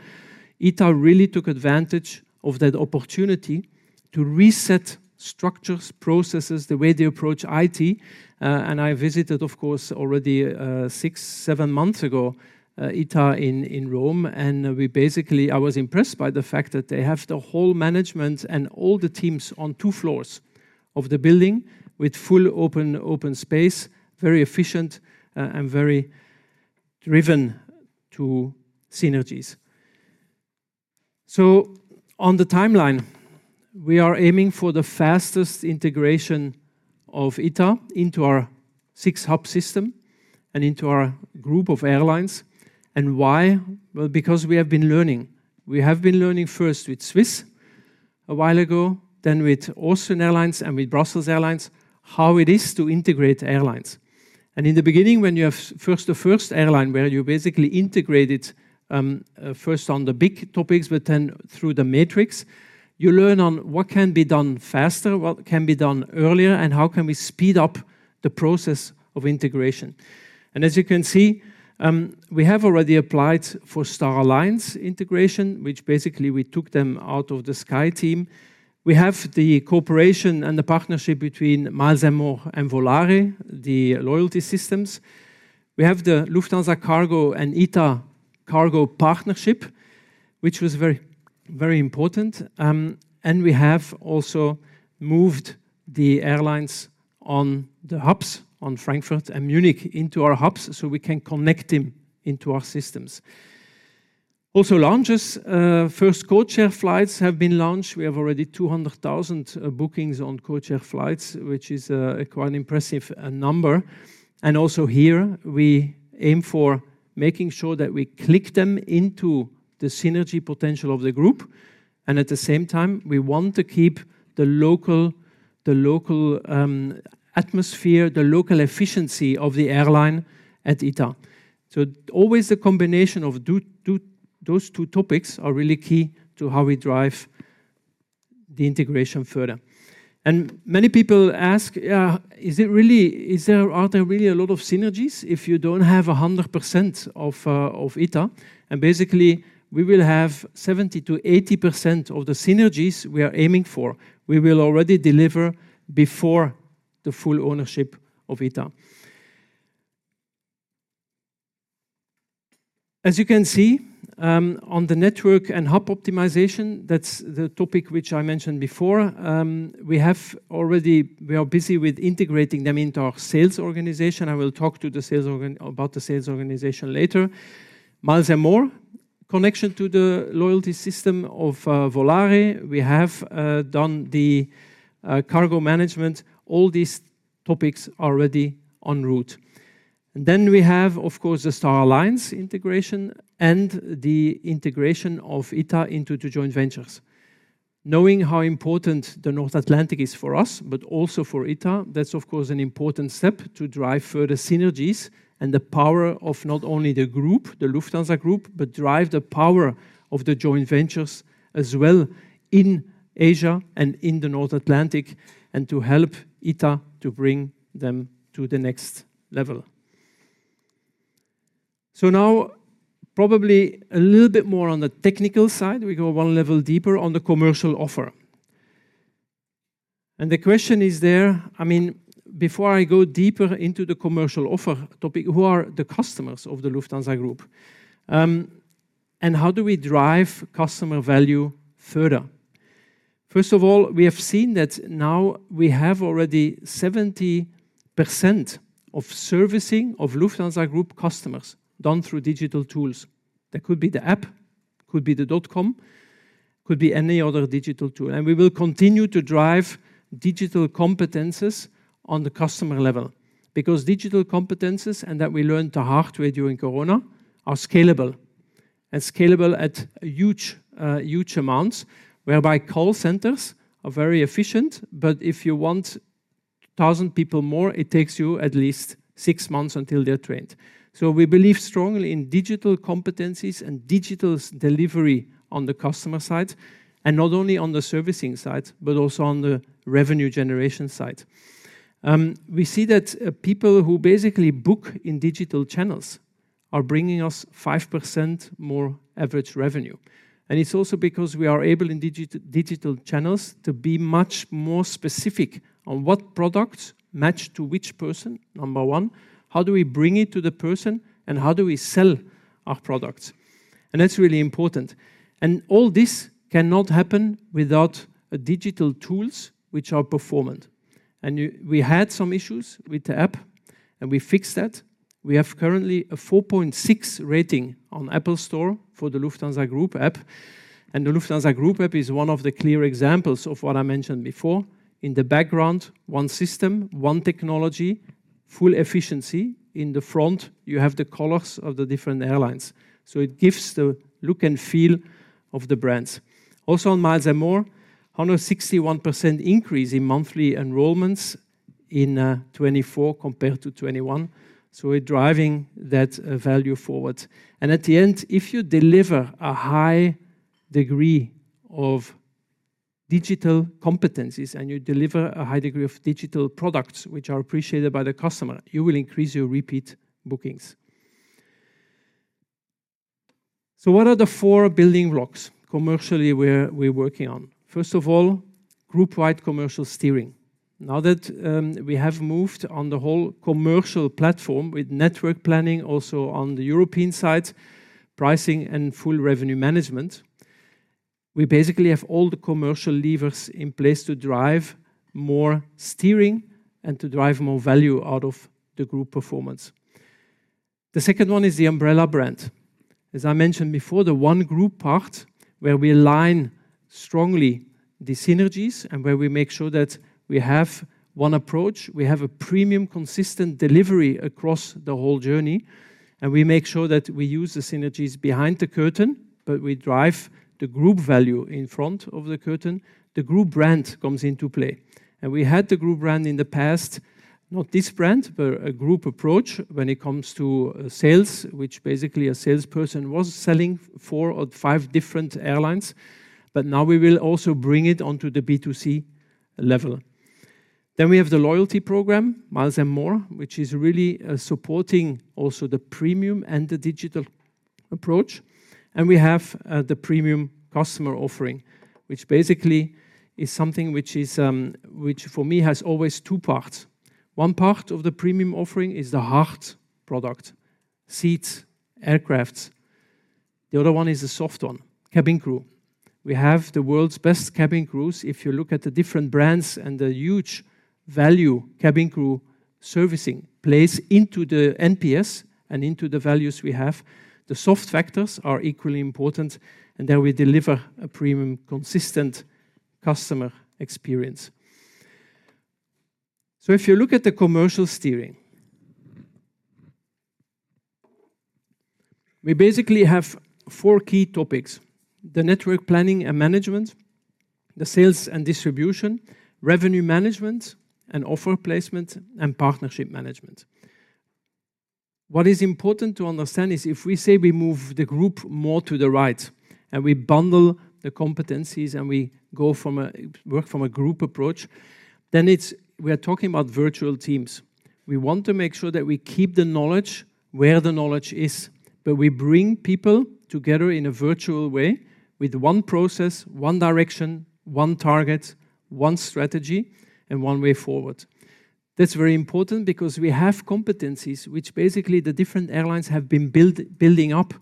G: ITA really took advantage of that opportunity to reset structures, processes, the way they approach IT. I visited, of course, already six, seven months ago, ITA in Rome, and I was impressed by the fact that they have the whole management and all the teams on two floors of the building with full open space, very efficient and very driven to synergies. On the timeline, we are aiming for the fastest integration of ITA into our six-hub system and into our group of airlines. Why? Because we have been learning. We have been learning first with Swiss a while ago, then with Austrian Airlines and with Brussels Airlines, how it is to integrate airlines. In the beginning, when you have first-to-first airline, where you basically integrate it first on the big topics, but then through the matrix, you learn on what can be done faster, what can be done earlier, and how can we speed up the process of integration. As you can see, we have already applied for Star Alliance integration, which basically we took them out of the SkyTeam. We have the cooperation and the partnership between Miles & More and Volare, the loyalty systems. We have the Lufthansa Cargo and ITA Cargo partnership, which was very, very important. We have also moved the airlines on the hubs on Frankfurt and Munich into our hubs so we can connect them into our systems. Also, lounges, first codeshare flights have been launched. We have already 200,000 bookings on codeshare flights, which is quite an impressive number. And also here, we aim for making sure that we click them into the synergy potential of the group. And at the same time, we want to keep the local atmosphere, the local efficiency of the airline at ITA. So always the combination of those two topics are really key to how we drive the integration further. And many people ask, yeah, are there really a lot of synergies if you don't have 100% of ITA? And basically, we will have 70%-80% of the synergies we are aiming for. We will already deliver before the full ownership of ITA. As you can see, on the network and hub optimization, that's the topic which I mentioned before. We are busy with integrating them into our sales organization. I will talk about the sales organization later. Miles & More, connection to the loyalty system of Volare. We have done the cargo management, all these topics already en route, and then we have, of course, the Star Alliance integration and the integration of ITA into two joint ventures. Knowing how important the North Atlantic is for us, but also for ITA, that's, of course, an important step to drive further synergies and the power of not only the group, the Lufthansa Group, but drive the power of the joint ventures as well in Asia and in the North Atlantic and to help ITA to bring them to the next level, so now, probably a little bit more on the technical side, we go one level deeper on the commercial offer, and the question is there, I mean, before I go deeper into the commercial offer topic, who are the customers of the Lufthansa Group? And how do we drive customer value further? First of all, we have seen that now we have already 70% of servicing of Lufthansa Group customers done through digital tools. That could be the app, could be the dot-com, could be any other digital tool, and we will continue to drive digital competencies on the customer level because digital competencies, and that we learned the hard way during Corona, are scalable and scalable at huge amounts, whereby call centers are very efficient, but if you want 1,000 people more, it takes you at least six months until they're trained, so we believe strongly in digital competencies and digital delivery on the customer side, and not only on the servicing side, but also on the revenue generation side. We see that people who basically book in digital channels are bringing us 5% more average revenue. It's also because we are able in digital channels to be much more specific on what products match to which person, number one, how do we bring it to the person, and how do we sell our products? That's really important. All this cannot happen without digital tools which are performant. We had some issues with the app, and we fixed that. We have currently a 4.6 rating on App Store for the Lufthansa Group App. The Lufthansa Group App is one of the clear examples of what I mentioned before. In the background, one system, one technology, full efficiency. In the front, you have the colors of the different airlines. It gives the look and feel of the brands. Also on Miles & More, 161% increase in monthly enrollments in 2024 compared to 2021. We're driving that value forward. And at the end, if you deliver a high degree of digital competencies and you deliver a high degree of digital products which are appreciated by the customer, you will increase your repeat bookings. So what are the four building blocks commercially we're working on? First of all, group-wide commercial steering. Now that we have moved on the whole commercial platform with network planning, also on the European side, pricing and full revenue management, we basically have all the commercial levers in place to drive more steering and to drive more value out of the group performance. The second one is the umbrella brand. As I mentioned before, the One Group part where we align strongly the synergies and where we make sure that we have one approach, we have a premium consistent delivery across the whole journey, and we make sure that we use the synergies behind the curtain, but we drive the group value in front of the curtain. The group brand comes into play, and we had the group brand in the past, not this brand, but a group approach when it comes to sales, which basically a salesperson was selling four or five different airlines, but now we will also bring it onto the B2C level, then we have the loyalty program, Miles & More, which is really supporting also the premium and the digital approach, and we have the premium customer offering, which basically is something which for me has always two parts. One part of the premium offering is the hard product, seats, aircraft. The other one is the soft one, cabin crew. We have the world's best cabin crews. If you look at the different brands and the huge value cabin crew servicing plays into the NPS and into the values we have, the soft factors are equally important, and then we deliver a premium consistent customer experience. So if you look at the commercial steering, we basically have four key topics: the network planning and management, the sales and distribution, revenue management, and offer placement and partnership management. What is important to understand is if we say we move the group more to the right and we bundle the competencies and we work from a group approach, then we are talking about virtual teams. We want to make sure that we keep the knowledge where the knowledge is, but we bring people together in a virtual way with one process, one direction, one target, one strategy, and one way forward. That's very important because we have competencies which basically the different airlines have been building up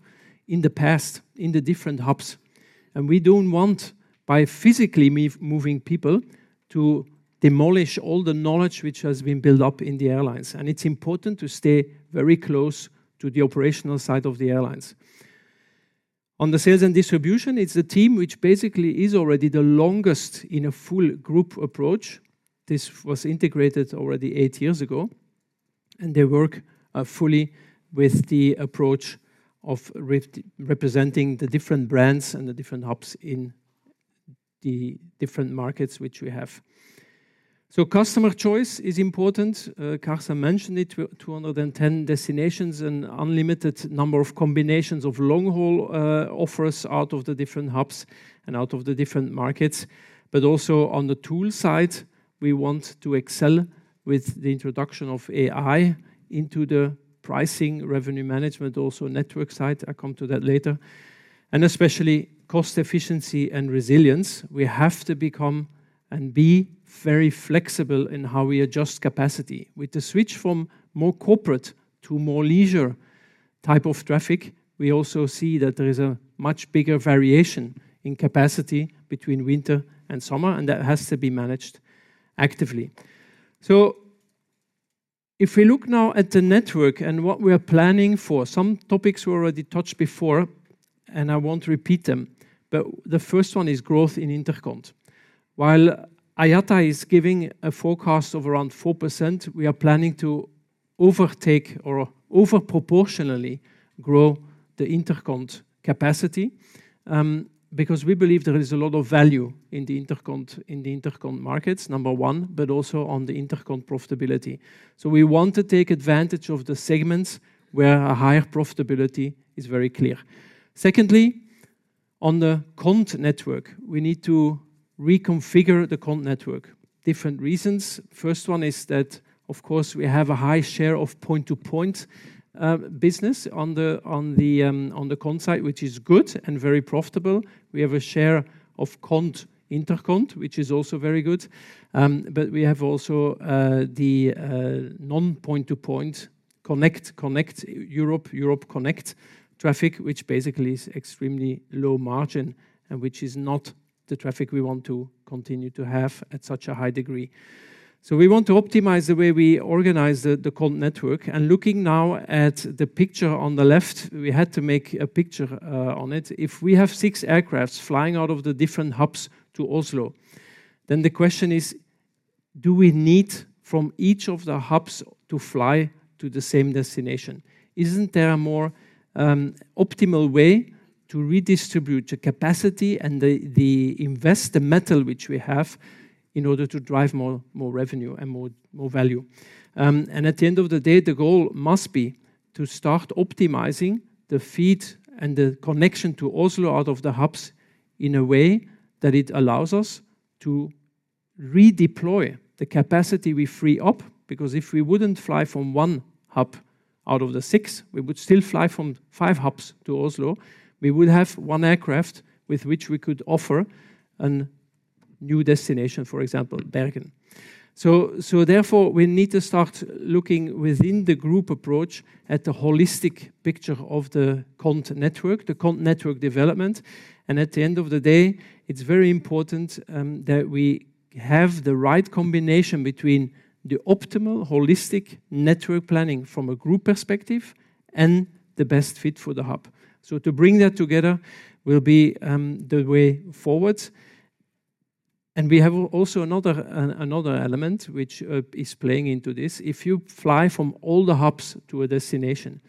G: in the past in the different hubs. And we don't want by physically moving people to demolish all the knowledge which has been built up in the airlines. And it's important to stay very close to the operational side of the airlines. On the sales and distribution, it's a team which basically is already the longest in a full group approach. This was integrated already eight years ago, and they work fully with the approach of representing the different brands and the different hubs in the different markets which we have. So customer choice is important. Carsten mentioned it, 210 destinations and unlimited number of combinations of long-haul offers out of the different hubs and out of the different markets. But also on the tool side, we want to excel with the introduction of AI into the pricing, revenue management, also network side. I'll come to that later. And especially cost efficiency and resilience. We have to become and be very flexible in how we adjust capacity. With the switch from more corporate to more leisure type of traffic, we also see that there is a much bigger variation in capacity between winter and summer, and that has to be managed actively. So if we look now at the network and what we are planning for, some topics we already touched before, and I won't repeat them, but the first one is growth in intercoms. While IATA is giving a forecast of around 4%, we are planning to overtake or overproportionally grow the intercon capacity because we believe there is a lot of value in the intercon markets, number one, but also on the intercon profitability, so we want to take advantage of the segments where a higher profitability is very clear. Secondly, on the con network, we need to reconfigure the con network. Different reasons. First one is that, of course, we have a high share of point-to-point business on the con side, which is good and very profitable. We have a share of con intercon, which is also very good. But we have also the non-point-to-point connecting Europe connecting traffic, which basically is extremely low margin and which is not the traffic we want to continue to have at such a high degree. We want to optimize the way we organize the connection network. Looking now at the picture on the left, we have to make a picture of it. If we have six aircraft flying out of the different hubs to Oslo, then the question is, do we need from each of the hubs to fly to the same destination? Isn't there a more optimal way to redistribute the capacity and use the metal which we have in order to drive more revenue and more value? At the end of the day, the goal must be to start optimizing the feed and the connection to Oslo out of the hubs in a way that it allows us to redeploy the capacity we free up. Because if we wouldn't fly from one hub out of the six, we would still fly from five hubs to Oslo. We would have one aircraft with which we could offer a new destination, for example, Bergen, so therefore, we need to start looking within the group approach at the holistic picture of the con network, the con network development, and at the end of the day, it's very important that we have the right combination between the optimal holistic network planning from a group perspective and the best fit for the hub, so to bring that together will be the way forward, and we have also another element which is playing into this. If you fly from all the hubs to a destination,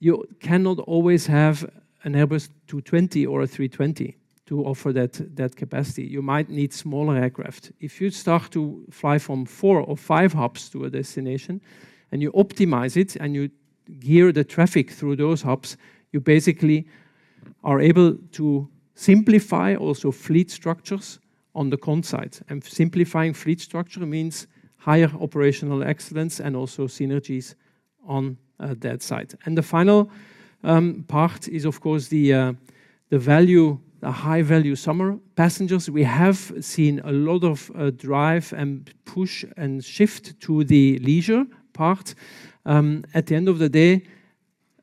G: you cannot always have an Airbus A220 or an A320 to offer that capacity. You might need smaller aircraft. If you start to fly from four or five hubs to a destination and you optimize it and you gear the traffic through those hubs, you basically are able to simplify also fleet structures on the connect side. And simplifying fleet structure means higher operational excellence and also synergies on that side. And the final part is, of course, the value, the high-value summer passengers. We have seen a lot of drive and push and shift to the leisure part. At the end of the day,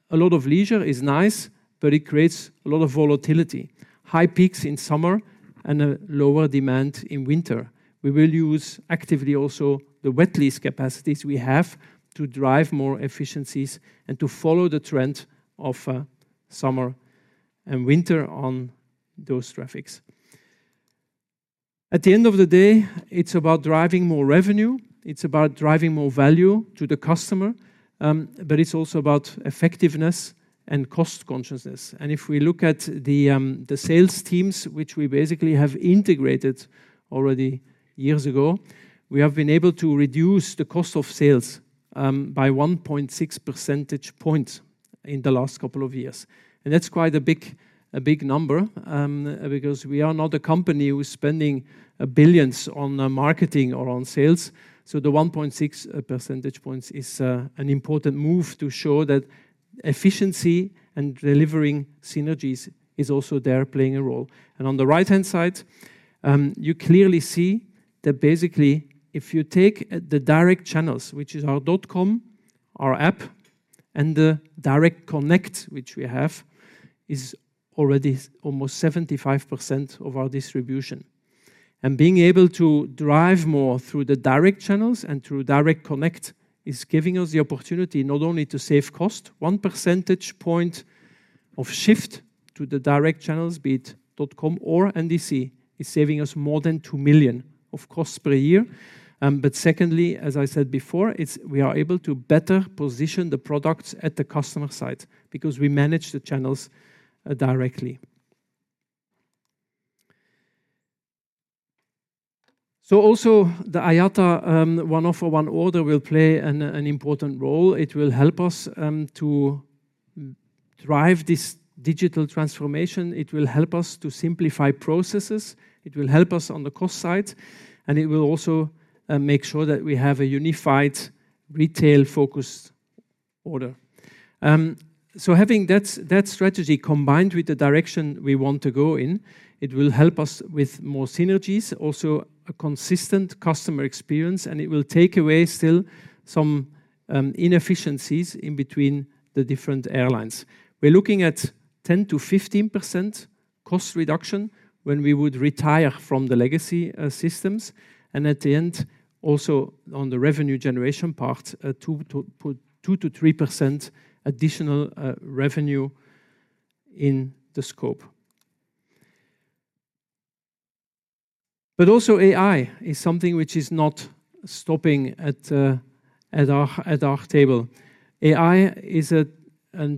G: a lot of leisure is nice, but it creates a lot of volatility. High peaks in summer and a lower demand in winter. We will use actively also the wet lease capacities we have to drive more efficiencies and to follow the trend of summer and winter on those traffics. At the end of the day, it's about driving more revenue. It's about driving more value to the customer, but it's also about effectiveness and cost consciousness. And if we look at the sales teams, which we basically have integrated already years ago, we have been able to reduce the cost of sales by 1.6 percentage points in the last couple of years. And that's quite a big number because we are not a company who's spending billions on marketing or on sales. So the 1.6 percentage points is an important move to show that efficiency and delivering synergies is also there playing a role. And on the right-hand side, you clearly see that basically if you take the direct channels, which is our dot-com, our app, and the Direct Connect, which we have, is already almost 75% of our distribution. Being able to drive more through the direct channels and through Direct Connect is giving us the opportunity not only to save cost. One percentage point of shift to the direct channels, be it dot-com or NDC, is saving us more than two million of costs per year. Secondly, as I said before, we are able to better position the products at the customer side because we manage the channels directly. Also the IATA One Order will play an important role. It will help us to drive this digital transformation. It will help us to simplify processes. It will help us on the cost side, and it will also make sure that we have a unified retail-focused order. So having that strategy combined with the direction we want to go in, it will help us with more synergies, also a consistent customer experience, and it will take away still some inefficiencies in between the different airlines. We're looking at 10%-15% cost reduction when we would retire from the legacy systems. And at the end, also on the revenue generation part, 2%-3% additional revenue in the scope. But also AI is something which is not stopping at our table. AI is a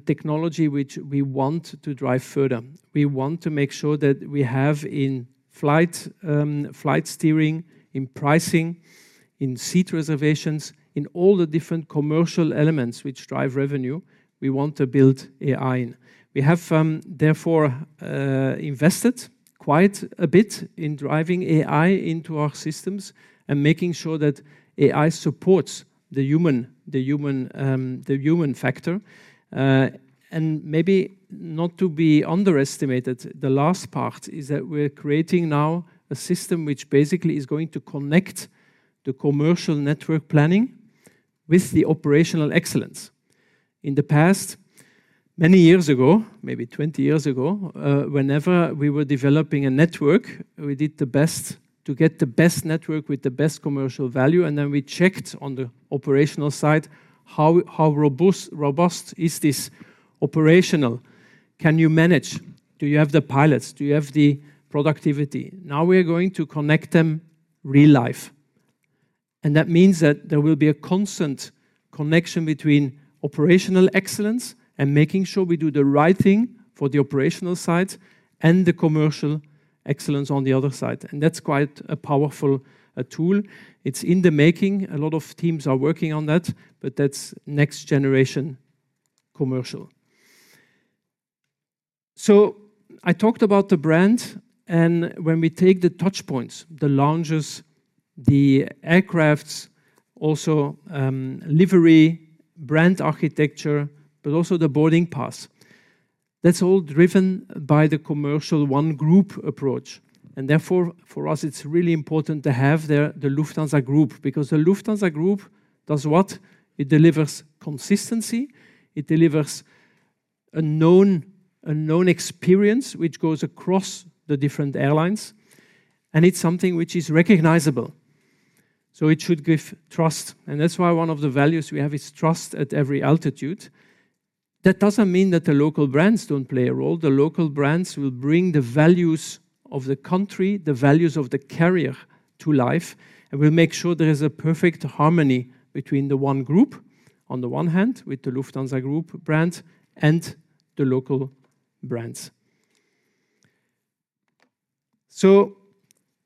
G: technology which we want to drive further. We want to make sure that we have in flight steering, in pricing, in seat reservations, in all the different commercial elements which drive revenue, we want to build AI in. We have therefore invested quite a bit in driving AI into our systems and making sure that AI supports the human factor. Maybe not to be underestimated, the last part is that we're creating now a system which basically is going to connect the commercial network planning with the operational excellence. In the past, many years ago, maybe 20 years ago, whenever we were developing a network, we did the best to get the best network with the best commercial value. And then we checked on the operational side, how robust is this operational? Can you manage? Do you have the pilots? Do you have the productivity? Now we're going to connect them in real life. And that means that there will be a constant connection between operational excellence and making sure we do the right thing for the operational side and the commercial excellence on the other side. And that's quite a powerful tool. It's in the making. A lot of teams are working on that, but that's next generation commercial. I talked about the brand, and when we take the touch points, the lounges, the aircraft, also livery, brand architecture, but also the boarding pass, that's all driven by the commercial One Group approach. And therefore, for us, it's really important to have the Lufthansa Group because the Lufthansa Group does what? It delivers consistency. It delivers a known experience which goes across the different airlines, and it's something which is recognizable. So it should give trust. And that's why one of the values we have is trust at every altitude. That doesn't mean that the local brands don't play a role. The local brands will bring the values of the country, the values of the carrier to life, and will make sure there is a perfect harmony between the One Group, on the one hand, with the Lufthansa Group brands and the local brands. So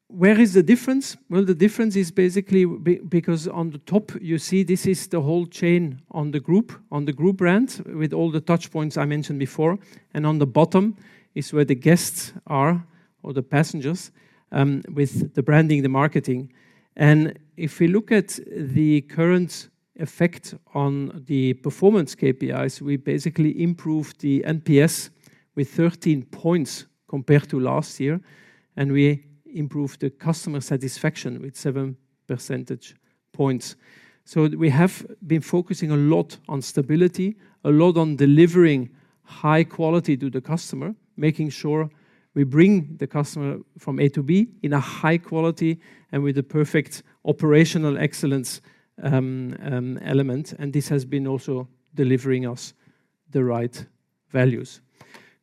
G: where is the difference? Well, the difference is basically because on the top, you see this is the whole chain on the group, on the group brand with all the touch points I mentioned before. And on the bottom is where the guests are or the passengers with the branding, the marketing. And if we look at the current effect on the performance KPIs, we basically improved the NPS with 13 points compared to last year, and we improved the customer satisfaction with seven percentage points. So we have been focusing a lot on stability, a lot on delivering high quality to the customer, making sure we bring the customer from A to B in a high quality and with the perfect operational excellence element. And this has been also delivering us the right values.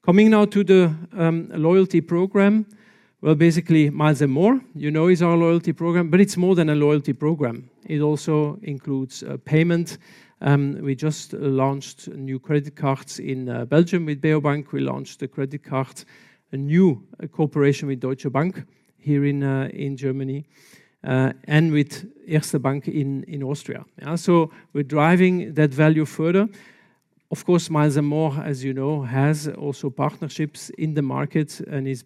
G: Coming now to the loyalty program, well, basically Miles & More, you know, is our loyalty program, but it's more than a loyalty program. It also includes payment. We just launched new credit cards in Belgium with Beobank. We launched the credit card, a new cooperation with Deutsche Bank here in Germany and with Erste Bank in Austria. So we're driving that value further. Of course, Miles & More, as you know, has also partnerships in the market and is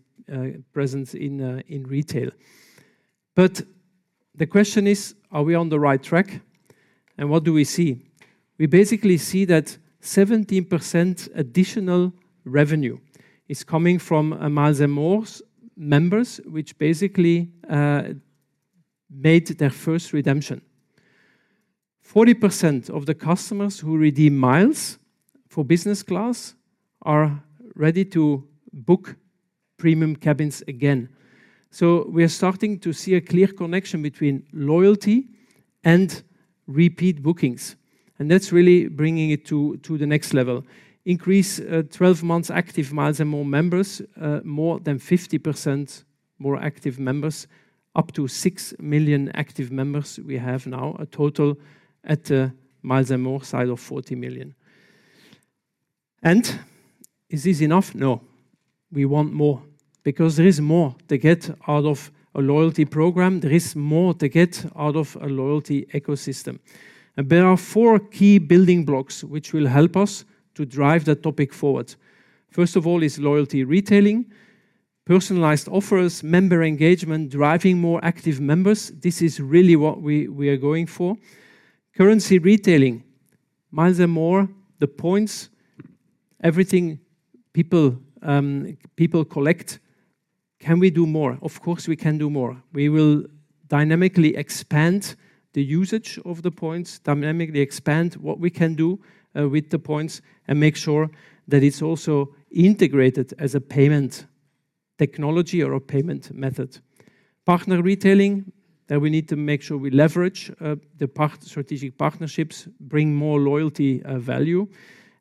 G: present in retail. But the question is, are we on the right track? And what do we see? We basically see that 17% additional revenue is coming from Miles & More members, which basically made their first redemption. 40% of the customers who redeem miles for business class are ready to book premium cabins again. So we are starting to see a clear connection between loyalty and repeat bookings. And that's really bringing it to the next level. Increase 12 months active Miles & More members, more than 50% more active members, up to six million active members we have now, a total at the Miles & More side of 40 million. And is this enough? No. We want more because there is more to get out of a loyalty program. There is more to get out of a loyalty ecosystem. And there are four key building blocks which will help us to drive the topic forward. First of all is loyalty retailing, personalized offers, member engagement, driving more active members. This is really what we are going for. Currency retailing, Miles & More, the points, everything people collect. Can we do more? Of course, we can do more. We will dynamically expand the usage of the points, dynamically expand what we can do with the points and make sure that it's also integrated as a payment technology or a payment method. Partner retailing, that we need to make sure we leverage the strategic partnerships, bring more loyalty value.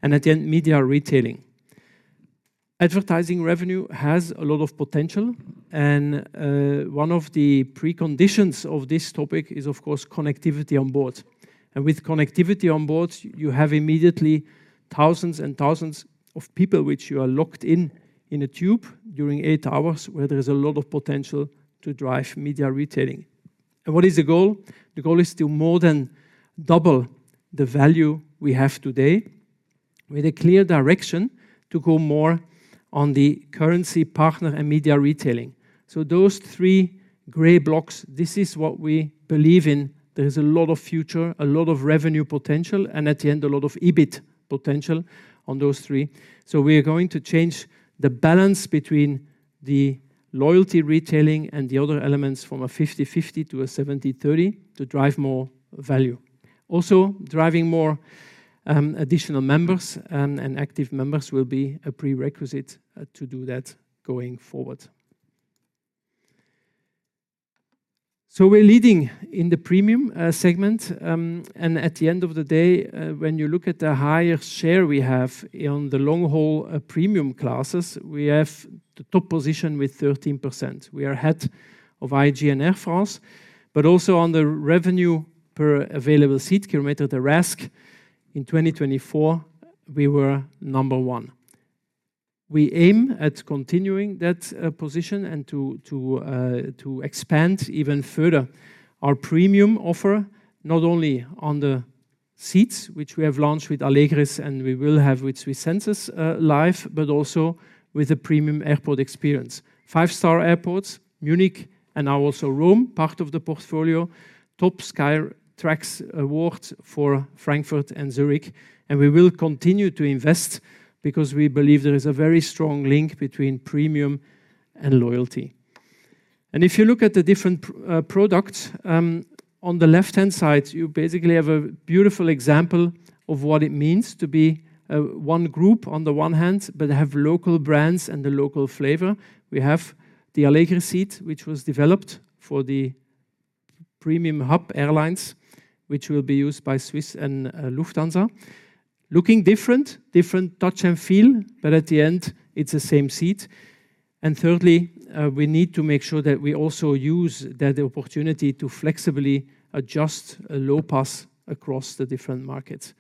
G: And at the end, media retailing. Advertising revenue has a lot of potential. And one of the preconditions of this topic is, of course, connectivity on board. And with connectivity on board, you have immediately thousands and thousands of people which you are locked in a tube during eight hours where there is a lot of potential to drive media retailing. And what is the goal? The goal is to more than double the value we have today with a clear direction to go more on the currency partner and media retailing. Those three gray blocks, this is what we believe in. There is a lot of future, a lot of revenue potential, and at the end, a lot of EBIT potential on those three. So we are going to change the balance between the loyalty retailing and the other elements from a 50-50 to a 70-30 to drive more value. Also, driving more additional members and active members will be a prerequisite to do that going forward. So we're leading in the premium segment. And at the end of the day, when you look at the higher share we have on the long-haul premium classes, we have the top position with 13%. We are ahead of IAG and Air France, but also on the revenue per available seat kilometer, the RASK in 2024, we were number one. We aim at continuing that position and to expand even further our premium offer, not only on the seats, which we have launched with Allegris and we will have with SWISS Senses Live, but also with the premium airport experience. Five-star airports, Munich and now also Rome, part of the portfolio, top Skytrax award for Frankfurt and Zurich, and we will continue to invest because we believe there is a very strong link between premium and loyalty, and if you look at the different products on the left-hand side, you basically have a beautiful example of what it means to be One Group on the one hand, but have local brands and the local flavor. We have the Allegris seat, which was developed for the premium hub airlines, which will be used by Swiss and Lufthansa. Looking different, different touch and feel, but at the end, it's the same seat. And thirdly, we need to make sure that we also use that opportunity to flexibly adjust a LOPA across the different markets.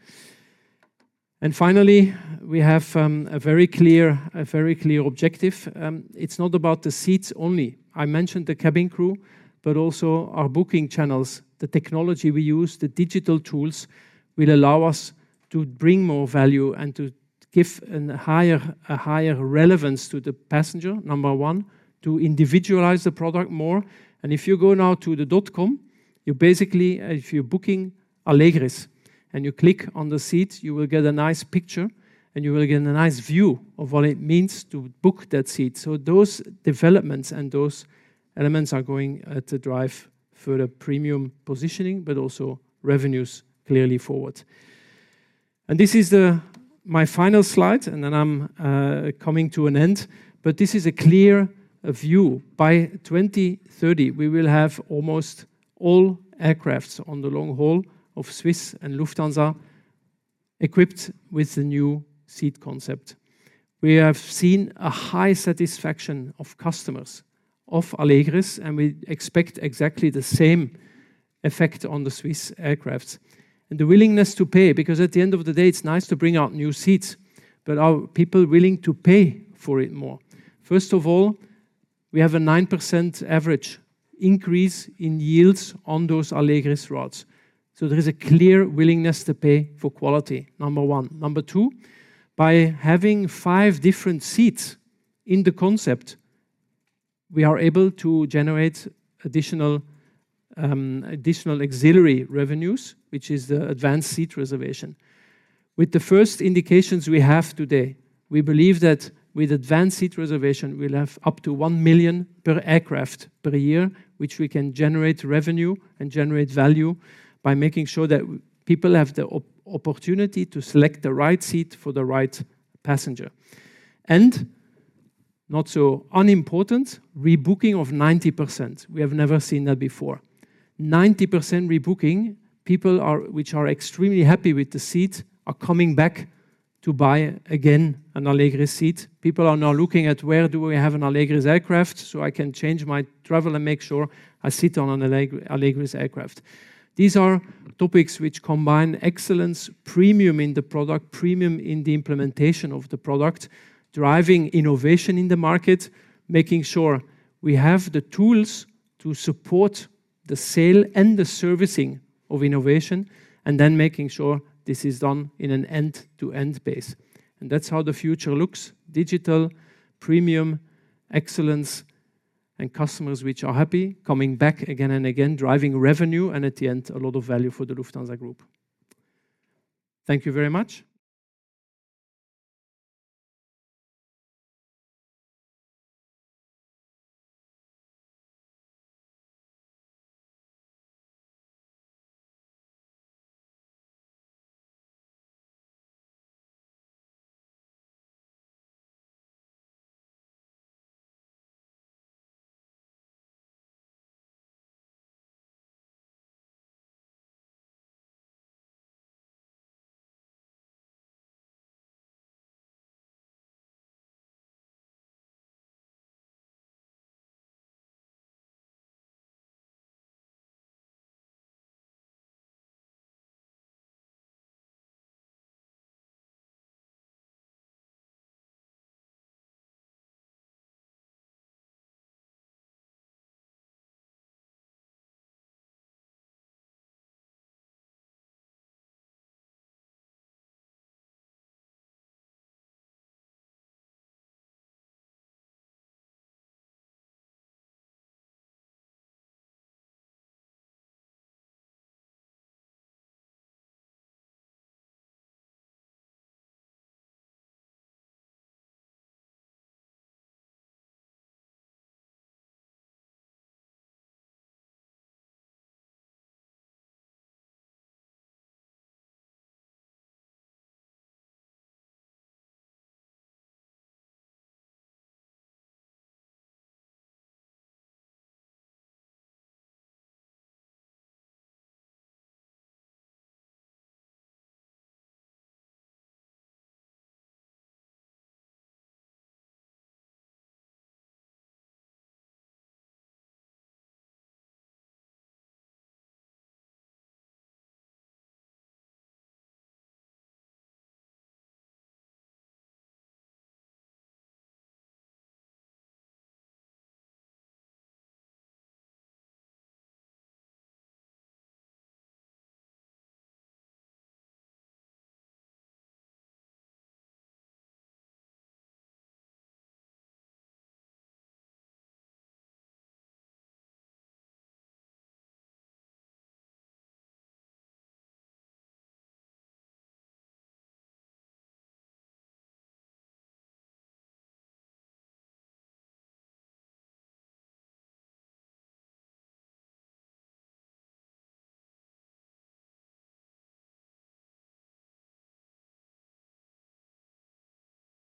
G: And finally, we have a very clear objective. It's not about the seats only. I mentioned the cabin crew, but also our booking channels, the technology we use, the digital tools will allow us to bring more value and to give a higher relevance to the passenger, number one, to individualize the product more. And if you go now to the dot-com, you basically, if you're booking Allegris and you click on the seat, you will get a nice picture and you will get a nice view of what it means to book that seat. So those developments and those elements are going to drive further premium positioning, but also revenues clearly forward. This is my final slide, and then I'm coming to an end, but this is a clear view. By 2030, we will have almost all aircraft on the long haul of Swiss and Lufthansa equipped with the new seat concept. We have seen a high satisfaction of customers of Allegris, and we expect exactly the same effect on the Swiss aircraft. The willingness to pay, because at the end of the day, it's nice to bring out new seats, but are people willing to pay for it more? First of all, we have a 9% average increase in yields on those Allegris routes. There is a clear willingness to pay for quality, number one. Number two, by having five different seats in the concept, we are able to generate additional ancillary revenues, which is the advanced seat reservation. With the first indications we have today, we believe that with advanced seat reservation, we'll have up to one million per aircraft per year, which we can generate revenue and generate value by making sure that people have the opportunity to select the right seat for the right passenger, and not so unimportant, rebooking of 90%. We have never seen that before. 90% rebooking, people which are extremely happy with the seat are coming back to buy again an Allegris seat. People are now looking at where do I have an Allegris aircraft so I can change my travel and make sure I sit on an Allegris aircraft. These are topics which combine excellence, premium in the product, premium in the implementation of the product, driving innovation in the market, making sure we have the tools to support the sale and the servicing of innovation, and then making sure this is done on an end-to-end basis. That's how the future looks: digital, premium, excellence, and customers which are happy, coming back again and again, driving revenue, and at the end, a lot of value for the Lufthansa Group. Thank you very much.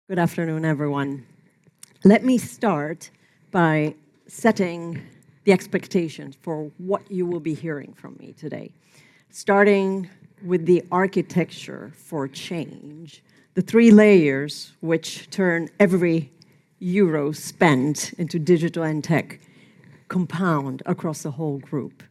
I: Good afternoon, everyone. Let me start by setting the expectations for what you will be hearing from me today, starting with the architecture for change, the three layers which turn every euro spent into digital and tech compound across the whole group.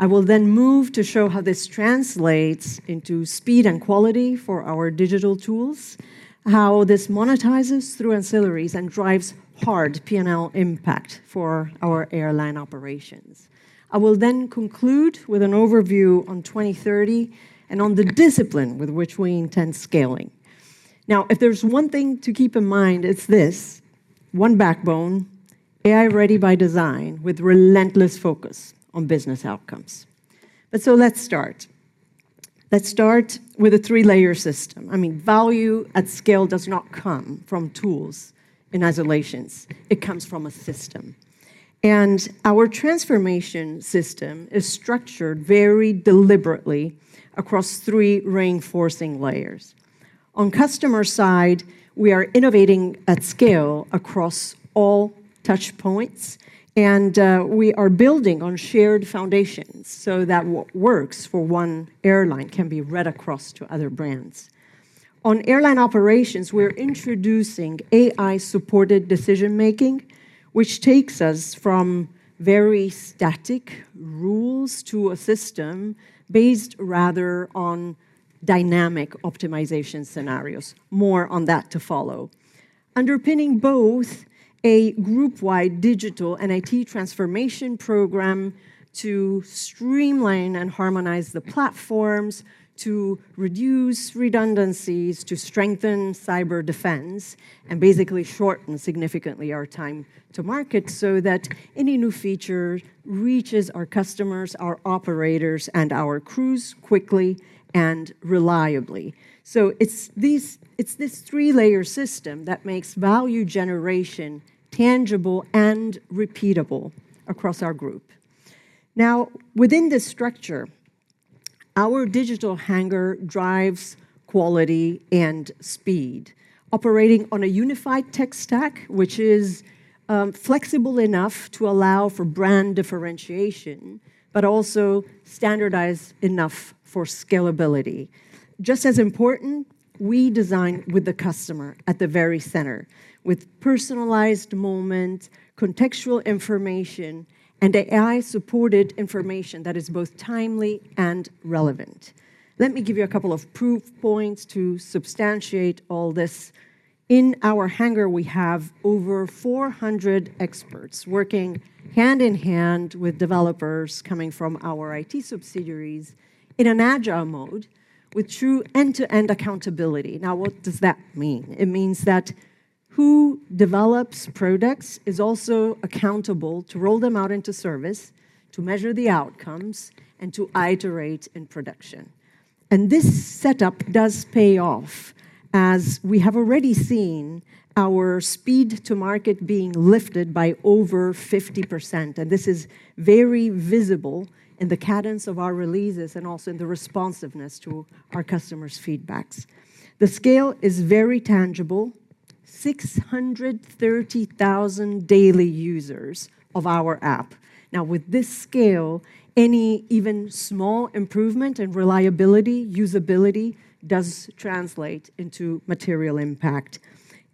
I: I will then move to show how this translates into speed and quality for our digital tools, how this monetizes through ancillaries and drives hard P&L impact for our airline operations. I will then conclude with an overview on 2030 and on the discipline with which we intend scaling. Now, if there's one thing to keep in mind, it's this: one backbone, AI-ready by design with relentless focus on business outcomes. But so let's start. Let's start with a three-layer system. I mean, value at scale does not come from tools in isolation. It comes from a system, and our transformation system is structured very deliberately across three reinforcing layers. On customer side, we are innovating at scale across all touch points, and we are building on shared foundations so that what works for one airline can be read across to other brands. On airline operations, we're introducing AI-supported decision-making, which takes us from very static rules to a system based rather on dynamic optimization scenarios. More on that to follow. Underpinning both, a group-wide digital and IT transformation program to streamline and harmonize the platforms, to reduce redundancies, to strengthen cyber defense, and basically shorten significantly our time to market so that any new feature reaches our customers, our operators, and our crews quickly and reliably. So it's this three-layer system that makes value generation tangible and repeatable across our group. Now, within this structure, our Digital Hangar drives quality and speed, operating on a unified tech stack, which is flexible enough to allow for brand differentiation, but also standardized enough for scalability. Just as important, we design with the customer at the very center, with personalized moments, contextual information, and AI-supported information that is both timely and relevant. Let me give you a couple of proof points to substantiate all this. In our hangar, we have over 400 experts working hand in hand with developers coming from our IT subsidiaries in an agile mode with true end-to-end accountability. Now, what does that mean? It means that who develops products is also accountable to roll them out into service, to measure the outcomes, and to iterate in production. And this setup does pay off as we have already seen our speed to market being lifted by over 50%. And this is very visible in the cadence of our releases and also in the responsiveness to our customers' feedbacks. The scale is very tangible: 630,000 daily users of our app. Now, with this scale, any even small improvement in reliability, usability does translate into material impact.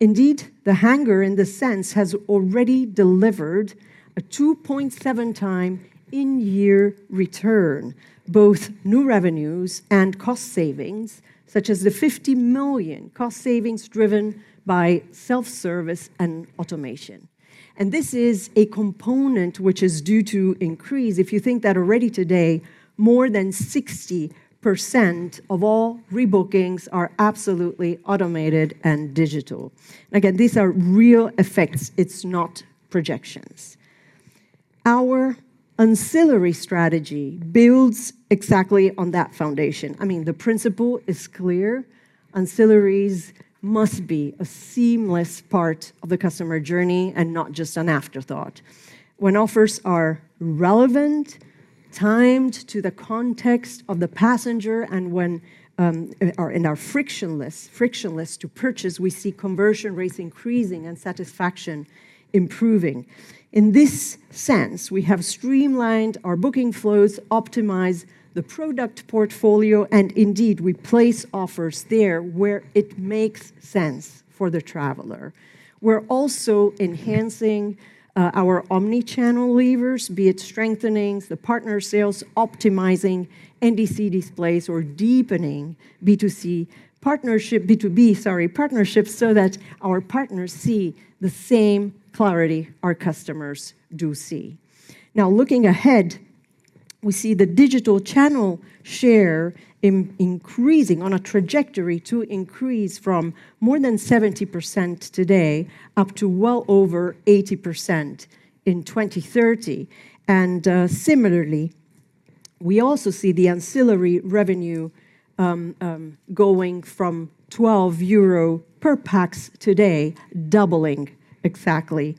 I: Indeed, the hangar, in this sense, has already delivered a 2.7-time in-year return, both new revenues and cost savings, such as the 50 million cost savings driven by self-service and automation. And this is a component which is due to increase. If you think that already today, more than 60% of all rebookings are absolutely automated and digital. And again, these are real effects. It's not projections. Our ancillary strategy builds exactly on that foundation. I mean, the principle is clear. Ancillaries must be a seamless part of the customer journey and not just an afterthought. When offers are relevant, timed to the context of the passenger, and when in our frictionless to purchase, we see conversion rates increasing and satisfaction improving. In this sense, we have streamlined our booking flows, optimized the product portfolio, and indeed, we place offers there where it makes sense for the traveler. We're also enhancing our omnichannel levers, be it strengthening the partner sales, optimizing NDC displays, or deepening B2B partnerships so that our partners see the same clarity our customers do see. Now, looking ahead, we see the digital channel share increasing on a trajectory to increase from more than 70% today up to well over 80% in 2030. And similarly, we also see the ancillary revenue going from 12 euro per pax today, doubling exactly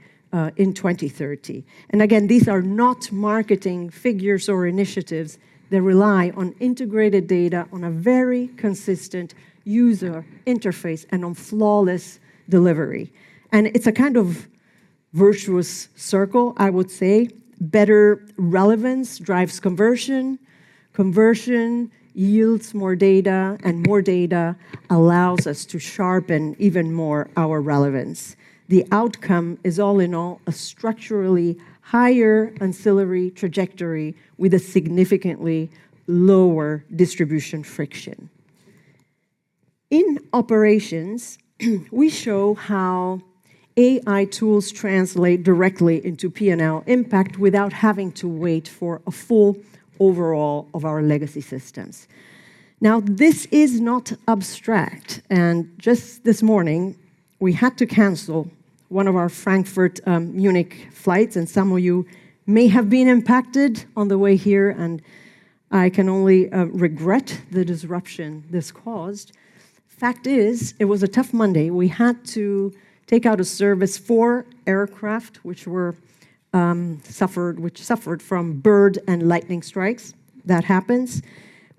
I: in 2030. And again, these are not marketing figures or initiatives. They rely on integrated data on a very consistent user interface and on flawless delivery. And it's a kind of virtuous circle, I would say. Better relevance drives conversion. Conversion yields more data, and more data allows us to sharpen even more our relevance. The outcome is, all in all, a structurally higher ancillary trajectory with a significantly lower distribution friction. In operations, we show how AI tools translate directly into P&L impact without having to wait for a full overhaul of our legacy systems. Now, this is not abstract, and just this morning, we had to cancel one of our Frankfurt-Munich flights, and some of you may have been impacted on the way here, and I can only regret the disruption this caused. Fact is, it was a tough Monday. We had to take out a service for aircraft which suffered from bird and lightning strikes. That happens.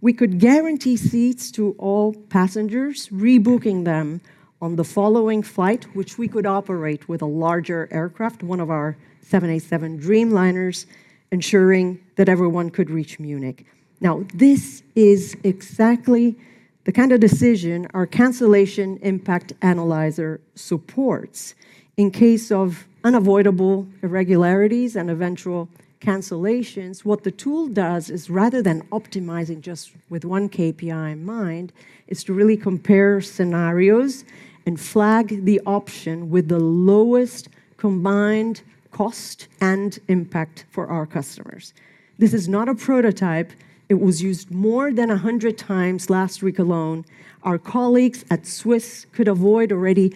I: We could guarantee seats to all passengers, rebooking them on the following flight, which we could operate with a larger aircraft, one of our 787 Dreamliners, ensuring that everyone could reach Munich. Now, this is exactly the kind of decision our cancellation impact analyzer supports. In case of unavoidable irregularities and eventual cancellations, what the tool does is, rather than optimizing just with one KPI in mind, is to really compare scenarios and flag the option with the lowest combined cost and impact for our customers. This is not a prototype. It was used more than 100 times last week alone. Our colleagues at Swiss could avoid already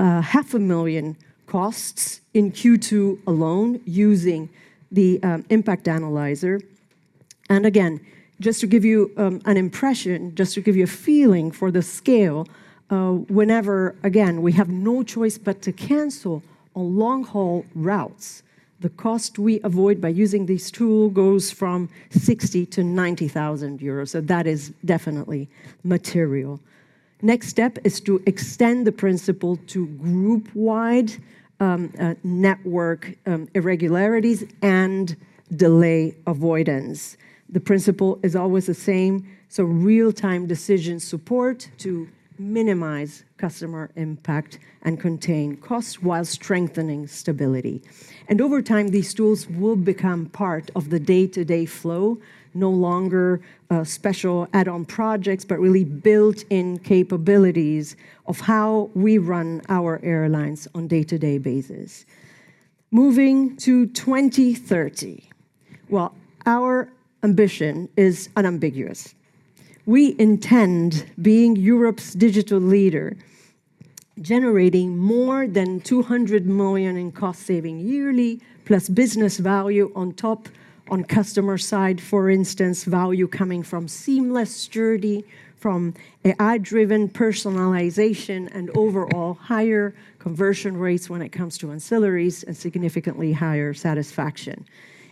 I: 500,000 costs in Q2 alone using the impact analyzer. And again, just to give you an impression, just to give you a feeling for the scale, whenever, again, we have no choice but to cancel on long-haul routes, the cost we avoid by using this tool goes from 60,000 to 90,000 euros. So that is definitely material. Next step is to extend the principle to group-wide network irregularities and delay avoidance. The principle is always the same. Real-time decision support to minimize customer impact and contain costs while strengthening stability. Over time, these tools will become part of the day-to-day flow, no longer special add-on projects, but really built-in capabilities of how we run our airlines on a day-to-day basis. Moving to 2030, our ambition is unambiguous. We intend, being Europe's digital leader, generating more than 200 million in cost saving yearly, plus business value on top on customer side, for instance, value coming from seamless journey, from AI-driven personalization, and overall higher conversion rates when it comes to ancillaries and significantly higher satisfaction.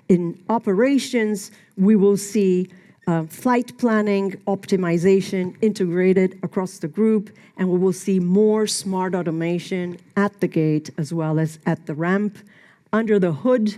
I: In operations, we will see flight planning optimization integrated across the group, and we will see more smart automation at the gate as well as at the ramp. Under the hood,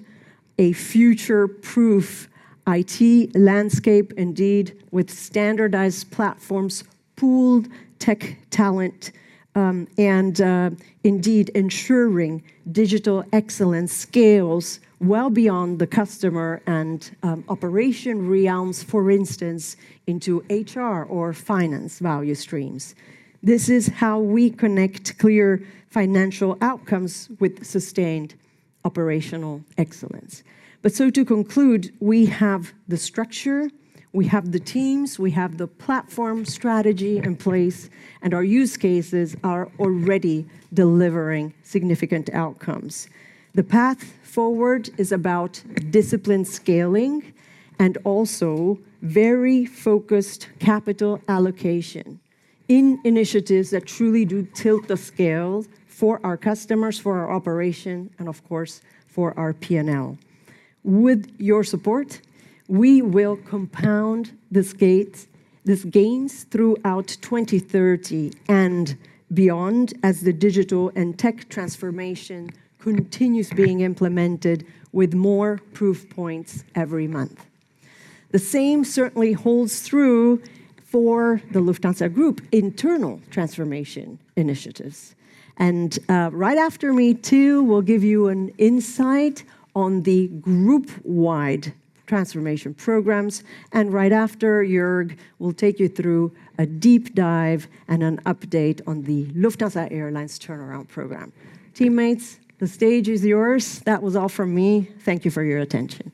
I: a future-proof IT landscape, indeed, with standardized platforms, pooled tech talent, and indeed ensuring digital excellence scales well beyond the customer and operation realms, for instance, into HR or finance value streams. This is how we connect clear financial outcomes with sustained operational excellence. But so to conclude, we have the structure, we have the teams, we have the platform strategy in place, and our use cases are already delivering significant outcomes. The path forward is about discipline scaling and also very focused capital allocation in initiatives that truly do tilt the scale for our customers, for our operation, and of course, for our P&L. With your support, we will compound these gains throughout 2030 and beyond as the digital and tech transformation continues being implemented with more proof points every month. The same certainly holds true for the Lufthansa Group internal transformation initiatives. And right after me, too, we'll give you an insight on the group-wide transformation programs. And right after, Jörg will take you through a deep dive and an update on the Lufthansa Airlines turnaround program. Teammates, the stage is yours. That was all from me. Thank you for your attention.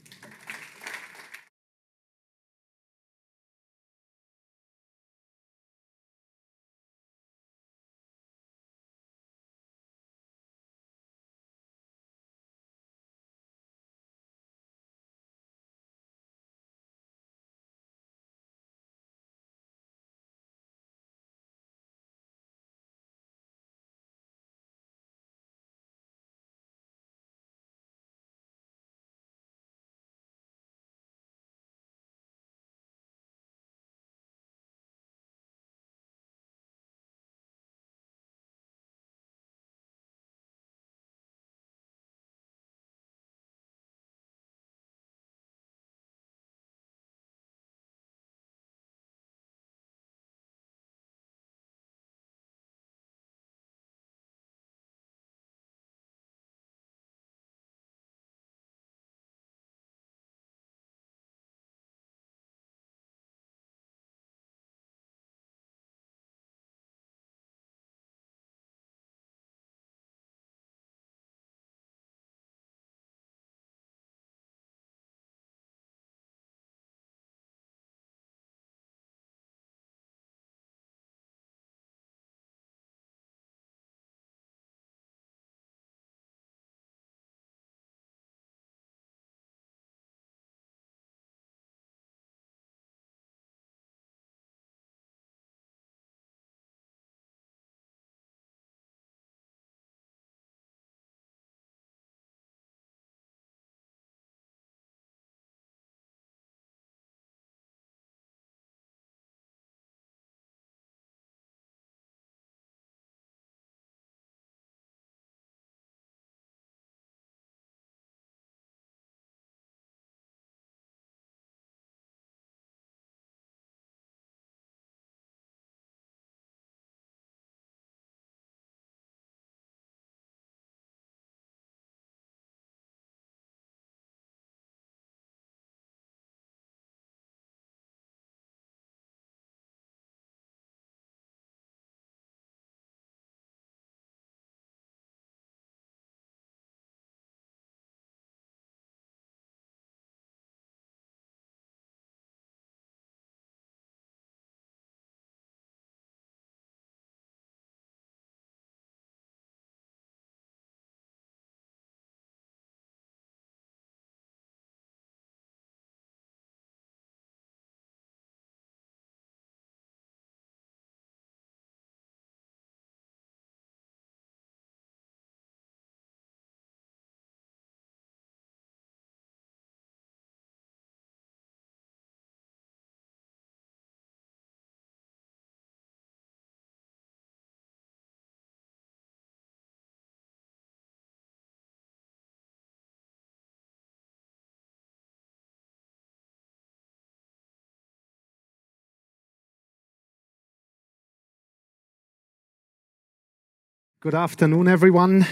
J: Good afternoon, everyone.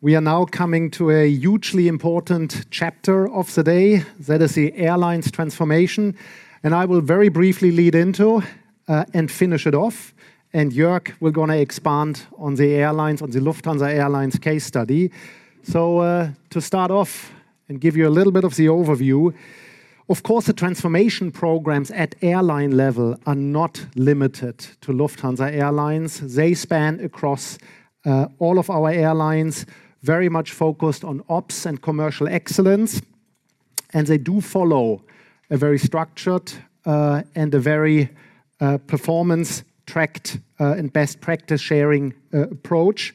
J: We are now coming to a hugely important chapter of the day. That is the airlines transformation. And I will very briefly lead into and finish it off. And Jörg will go on to expand on the Lufthansa Airlines case study. So to start off and give you a little bit of the overview, of course, the transformation programs at airline level are not limited to Lufthansa Airlines. They span across all of our airlines, very much focused on ops and commercial excellence. And they do follow a very structured and a very performance-tracked and best practice-sharing approach.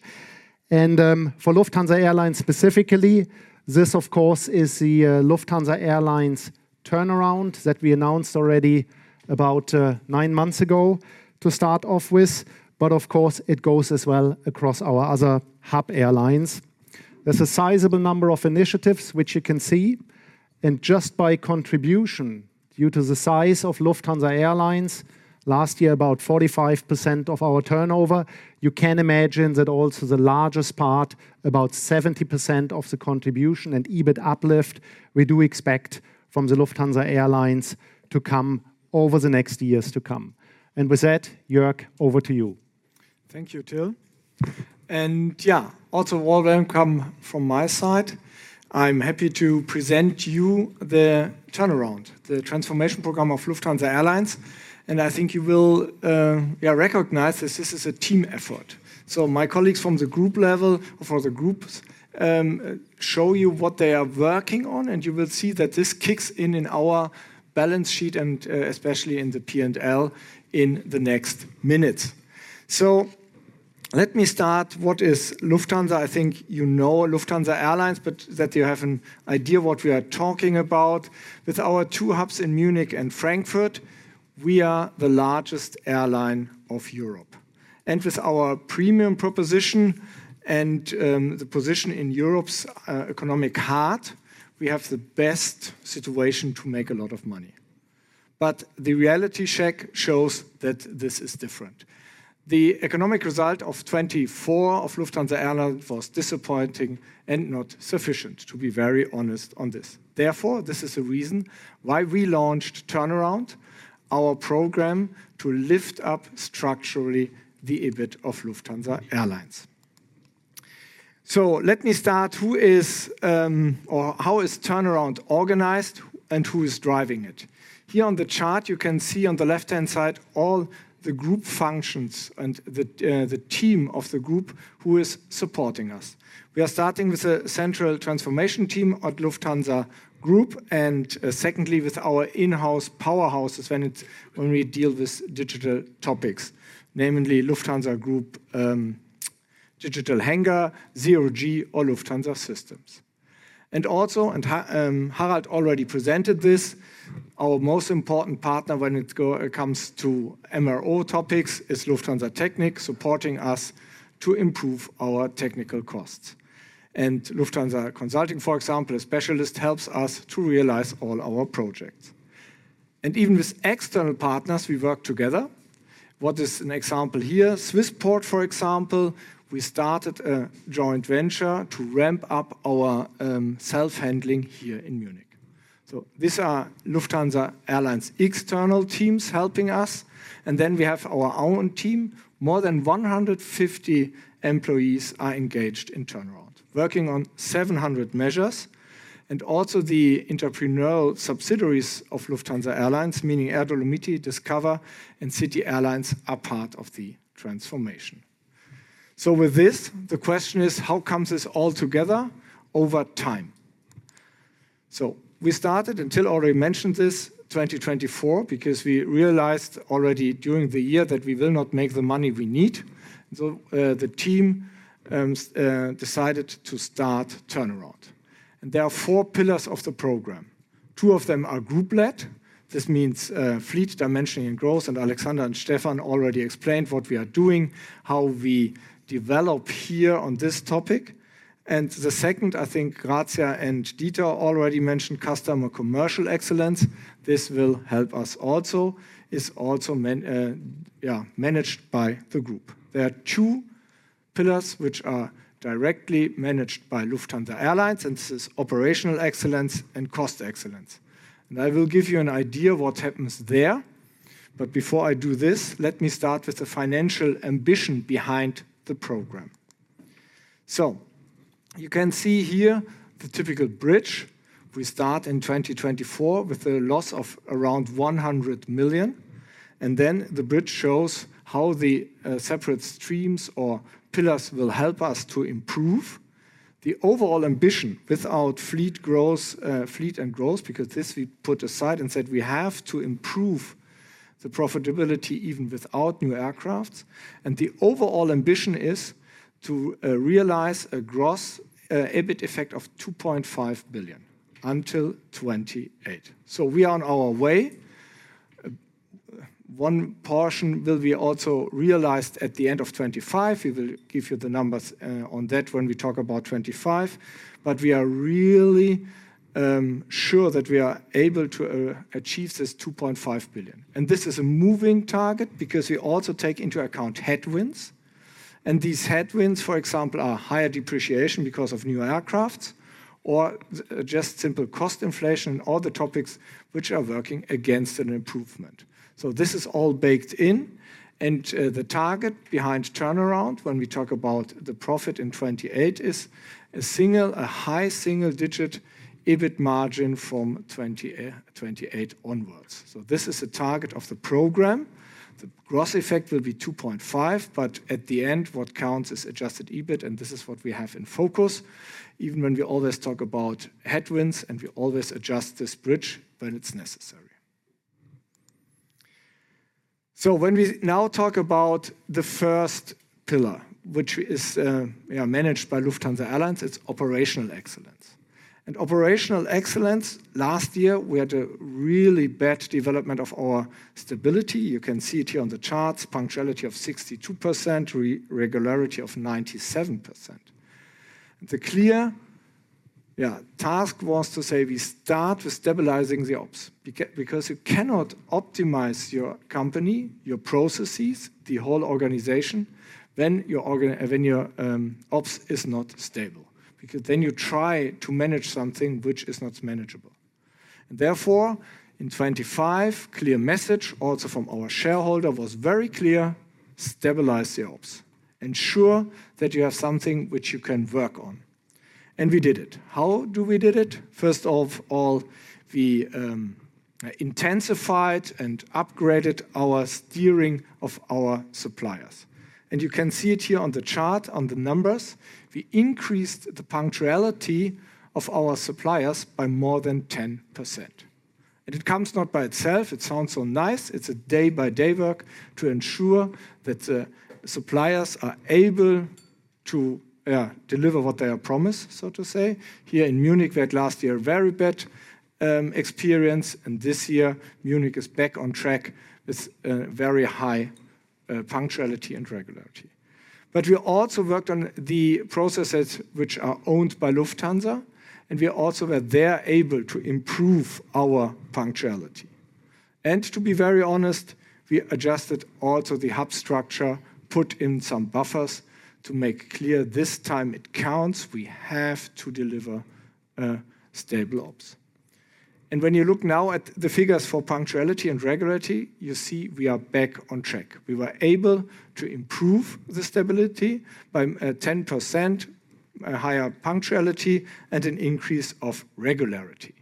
J: And for Lufthansa Airlines specifically, this, of course, is the Lufthansa Airlines turnaround that we announced already about nine months ago to start off with. But of course, it goes as well across our other hub airlines. There's a sizable number of initiatives, which you can see. And just by contribution, due to the size of Lufthansa Airlines, last year, about 45% of our turnover, you can imagine that also the largest part, about 70% of the contribution and EBIT uplift, we do expect from the Lufthansa Airlines to come over the next years to come. And with that, Jörg, over to you.
K: Thank you, Till. And yeah, also welcome from my side. I'm happy to present to you the turnaround, the transformation program of Lufthansa Airlines. I think you will recognize that this is a team effort. My colleagues from the group level or from the groups show you what they are working on, and you will see that this kicks in in our balance sheet and especially in the P&L in the next minutes. Let me start. What is Lufthansa? I think you know Lufthansa Airlines, but that you have an idea of what we are talking about. With our two hubs in Munich and Frankfurt, we are the largest airline of Europe. With our premium proposition and the position in Europe's economic heart, we have the best situation to make a lot of money. The reality check shows that this is different. The economic result of 2024 of Lufthansa Airlines was disappointing and not sufficient, to be very honest on this. Therefore, this is the reason why we launched turnaround, our program to lift up structurally the EBIT of Lufthansa Airlines. So let me start. Who is or how is turnaround organized and who is driving it? Here on the chart, you can see on the left-hand side all the group functions and the team of the group who is supporting us. We are starting with the central transformation team at Lufthansa Group and secondly with our in-house powerhouses when we deal with digital topics, namely Lufthansa Group, Digital Hangar, Zero-G, or Lufthansa Systems. And also, and Harald already presented this, our most important partner when it comes to MRO topics is Lufthansa Technik, supporting us to improve our technical costs. And Lufthansa Consulting, for example, a specialist, helps us to realize all our projects. And even with external partners, we work together. What is an example here? Swissport, for example, we started a joint venture to ramp up our self-handling here in Munich. So these are Lufthansa Airlines' external teams helping us. And then we have our own team. More than 150 employees are engaged in turnaround, working on 700 measures. And also the entrepreneurial subsidiaries of Lufthansa Airlines, meaning Air Dolomiti, Discover, and City Airlines, are part of the transformation. So with this, the question is, how comes this all together over time? So we started, and Till already mentioned this, 2024, because we realized already during the year that we will not make the money we need. So the team decided to start turnaround. And there are four pillars of the program. Two of them are group-led. This means fleet dimensioning and growth. And Alexander and Stefan already explained what we are doing, how we develop here on this topic. The second, I think, Grazia and Dieter already mentioned customer commercial excellence. This will help us also. It's also managed by the group. There are two pillars which are directly managed by Lufthansa Airlines, and this is operational excellence and cost excellence. And I will give you an idea of what happens there. But before I do this, let me start with the financial ambition behind the program. So you can see here the typical bridge. We start in 2024 with a loss of around 100 million. And then the bridge shows how the separate streams or pillars will help us to improve the overall ambition without fleet and growth, because this we put aside and said we have to improve the profitability even without new aircrafts. And the overall ambition is to realize a gross EBIT effect of 2.5 billion until 2028. So we are on our way. One portion will also be realized at the end of 2025. We will give you the numbers on that when we talk about 2025. But we are really sure that we are able to achieve this 2.5 billion. And this is a moving target because we also take into account headwinds. And these headwinds, for example, are higher depreciation because of new aircraft or just simple cost inflation and all the topics which are working against an improvement. So this is all baked in. And the target behind turnaround, when we talk about the profit in 2028, is a high single-digit EBIT margin from 2028 onwards. So this is a target of the program. The gross effect will be 2.5, but at the end, what counts is adjusted EBIT, and this is what we have in focus. Even when we always talk about headwinds and we always adjust this bridge when it's necessary. So when we now talk about the first pillar, which is managed by Lufthansa Airlines, it's operational excellence. And operational excellence, last year, we had a really bad development of our stability. You can see it here on the charts, punctuality of 62%, regularity of 97%. The clear task was to say we start with stabilizing the ops because you cannot optimize your company, your processes, the whole organization when your ops is not stable because then you try to manage something which is not manageable. And therefore, in 2025, clear message also from our shareholder was very clear, stabilize the ops. Ensure that you have something which you can work on. And we did it. How do we did it? First of all, we intensified and upgraded our steering of our suppliers. You can see it here on the chart, on the numbers. We increased the punctuality of our suppliers by more than 10%. It comes not by itself. It sounds so nice. It's a day-by-day work to ensure that the suppliers are able to deliver what they are promised, so to say. Here in Munich, we had last year a very bad experience. This year, Munich is back on track with very high punctuality and regularity. We also worked on the processes which are owned by Lufthansa. We also were there able to improve our punctuality. To be very honest, we adjusted also the hub structure, put in some buffers to make clear this time it counts. We have to deliver stable ops. When you look now at the figures for punctuality and regularity, you see we are back on track. We were able to improve the stability by 10%, higher punctuality, and an increase of regularity.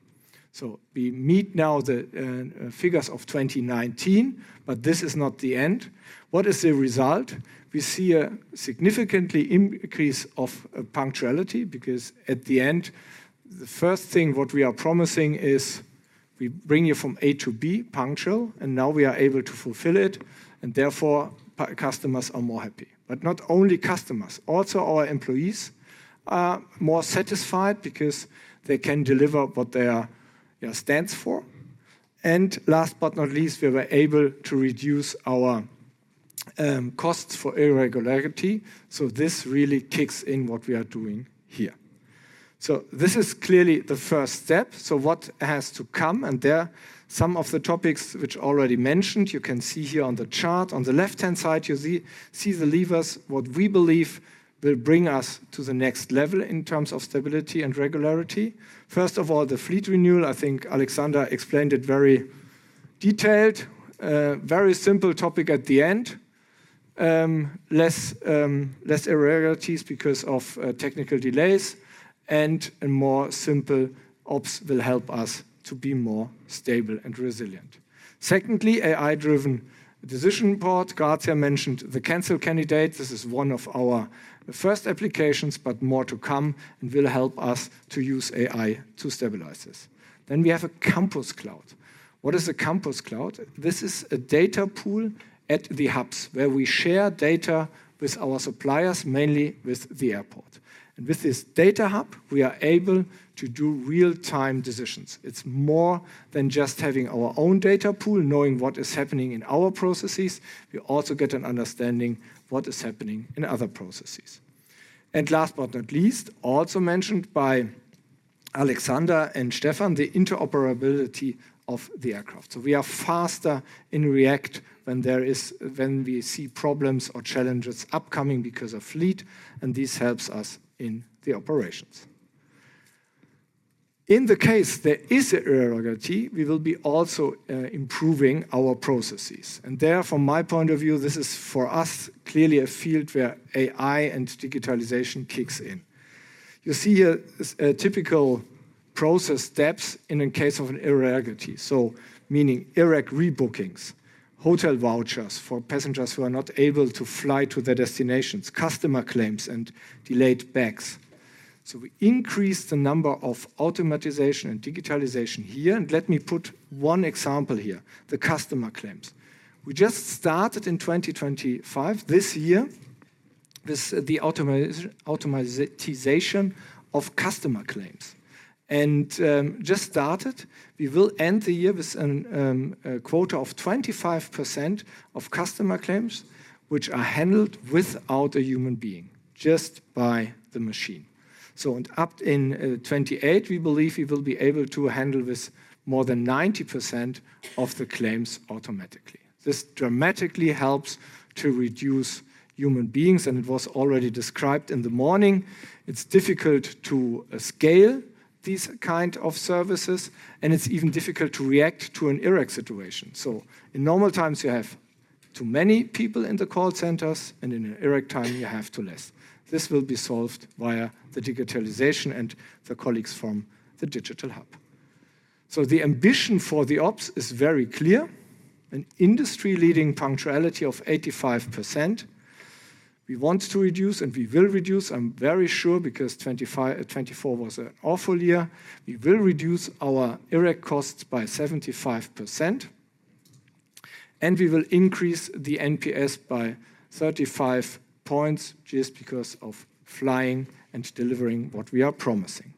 K: We meet now the figures of 2019, but this is not the end. What is the result? We see a significant increase of punctuality because at the end, the first thing what we are promising is we bring you from A to B punctual, and now we are able to fulfill it. Therefore, customers are more happy. Not only customers, also our employees are more satisfied because they can deliver what their stands for. Last but not least, we were able to reduce our costs for irregularity. This really kicks in what we are doing here. This is clearly the first step. What has to come? There are some of the topics which I already mentioned. You can see here on the chart. On the left-hand side, you see the levers what we believe will bring us to the next level in terms of stability and regularity. First of all, the fleet renewal. I think Alexander explained it very detailed. Very simple topic at the end: less irregularities because of technical delays and more simple ops will help us to be more stable and resilient. Secondly, AI-driven decision support. Grazia mentioned the cancel candidate. This is one of our first applications, but more to come and will help us to use AI to stabilize this, then we have a campus cloud. What is a campus cloud? This is a data pool at the hubs where we share data with our suppliers, mainly with the airport, and with this data hub, we are able to do real-time decisions. It's more than just having our own data pool, knowing what is happening in our processes. We also get an understanding of what is happening in other processes, and last but not least, also mentioned by Alexander and Stefan, the interoperability of the aircraft, so we are faster in react when we see problems or challenges upcoming because of fleet, and this helps us in the operations. In the case there is irregularity, we will be also improving our processes, and there, from my point of view, this is for us clearly a field where AI and digitalization kicks in. You see here a typical process steps in the case of an irregularity, so meaning IREC rebookings, hotel vouchers for passengers who are not able to fly to their destinations, customer claims, and delayed bags, so we increase the number of automation and digitalization here, and let me put one example here, the customer claims. We just started in 2025, this year, with the automation of customer claims. Just started, we will end the year with a quota of 25% of customer claims, which are handled without a human being, just by the machine. In 2028, we believe we will be able to handle more than 90% of the claims automatically. This dramatically helps to reduce human beings. It was already described in the morning. It's difficult to scale these kinds of services. It's even difficult to react to an IREC situation. In normal times, you have too many people in the call centers. In an IREC time, you have too few. This will be solved via the digitalization and the colleagues from the digital hub. The ambition for the ops is very clear. An industry-leading punctuality of 85%. We want to reduce, and we will reduce. I'm very sure because 2024 was an awful year. We will reduce our IREC costs by 75%, and we will increase the NPS by 35 points just because of flying and delivering what we are promising.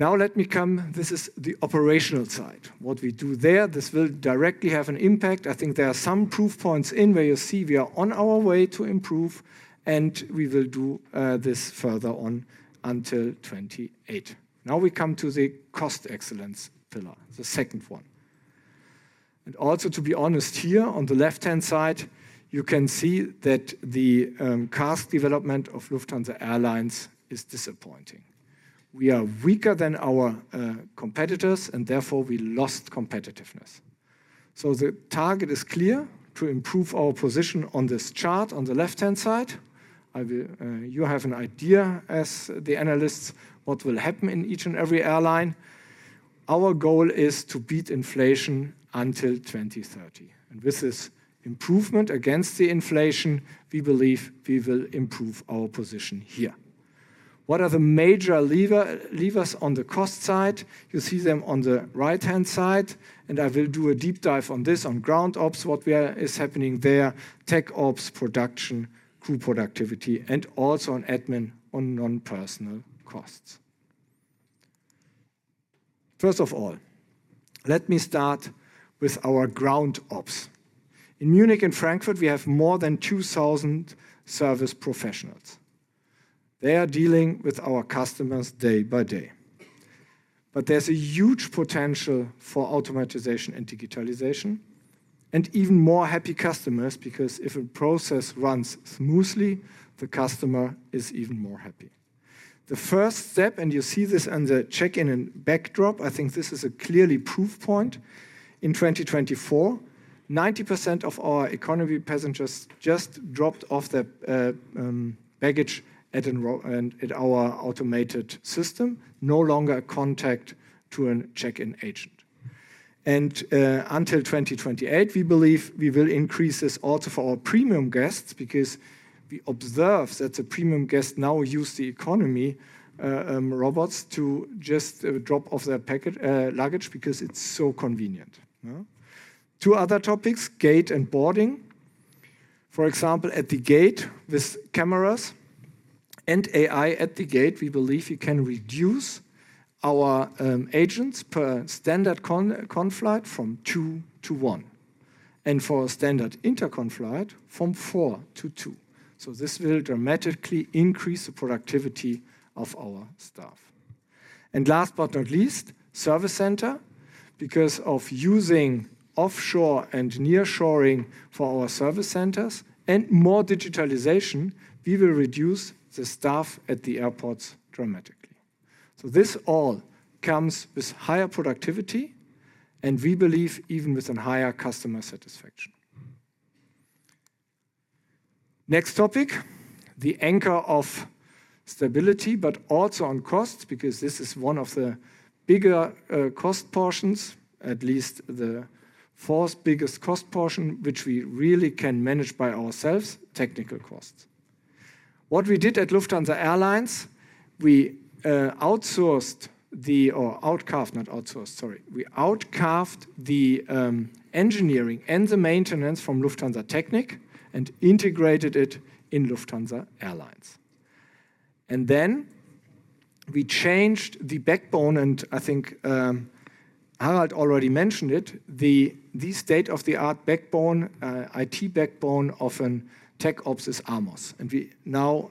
K: Now let me come; this is the operational side. What we do there, this will directly have an impact. I think there are some proof points in where you see we are on our way to improve, and we will do this further on until 2028. Now we come to the cost excellence pillar, the second one, and also to be honest here, on the left-hand side, you can see that the cost development of Lufthansa Airlines is disappointing. We are weaker than our competitors, and therefore we lost competitiveness, so the target is clear to improve our position on this chart on the left-hand side. You have an idea as the analysts what will happen in each and every airline. Our goal is to beat inflation until 2030. This is improvement against the inflation. We believe we will improve our position here. What are the major levers on the cost side? You see them on the right-hand side. I will do a deep dive on this on ground ops, what is happening there, tech ops, production, crew productivity, and also on admin on non-personnel costs. First of all, let me start with our ground ops. In Munich and Frankfurt, we have more than 2,000 service professionals. They are dealing with our customers day by day, but there's a huge potential for automation and digitalization. Even more happy customers because if a process runs smoothly, the customer is even more happy. The first step, and you see this on the check-in and bag drop, I think this is a clear proof point. In 2024, 90% of our economy passengers just dropped off their baggage at our automated system, no longer a contact to a check-in agent. And until 2028, we believe we will increase this also for our premium guests because we observe that the premium guests now use the economy robots to just drop off their luggage because it's so convenient. Two other topics, gate and boarding. For example, at the gate with cameras and AI at the gate, we believe we can reduce our agents per standard connecting flight from two to one. And for a standard intercontinental flight from four to two. So this will dramatically increase the productivity of our staff. And last but not least, service center. Because of using offshore and nearshoring for our service centers and more digitalization, we will reduce the staff at the airports dramatically. So this all comes with higher productivity and we believe even with a higher customer satisfaction. Next topic, the anchor of stability, but also on costs because this is one of the bigger cost portions, at least the fourth biggest cost portion, which we really can manage by ourselves, technical costs. What we did at Lufthansa Airlines, we outsourced the outcast, not outsourced, sorry. We insourced the engineering and the maintenance from Lufthansa Technik and integrated it in Lufthansa Airlines. And then we changed the backbone, and I think Harald already mentioned it, the state-of-the-art backbone, IT backbone of tech ops is AMOS. And we now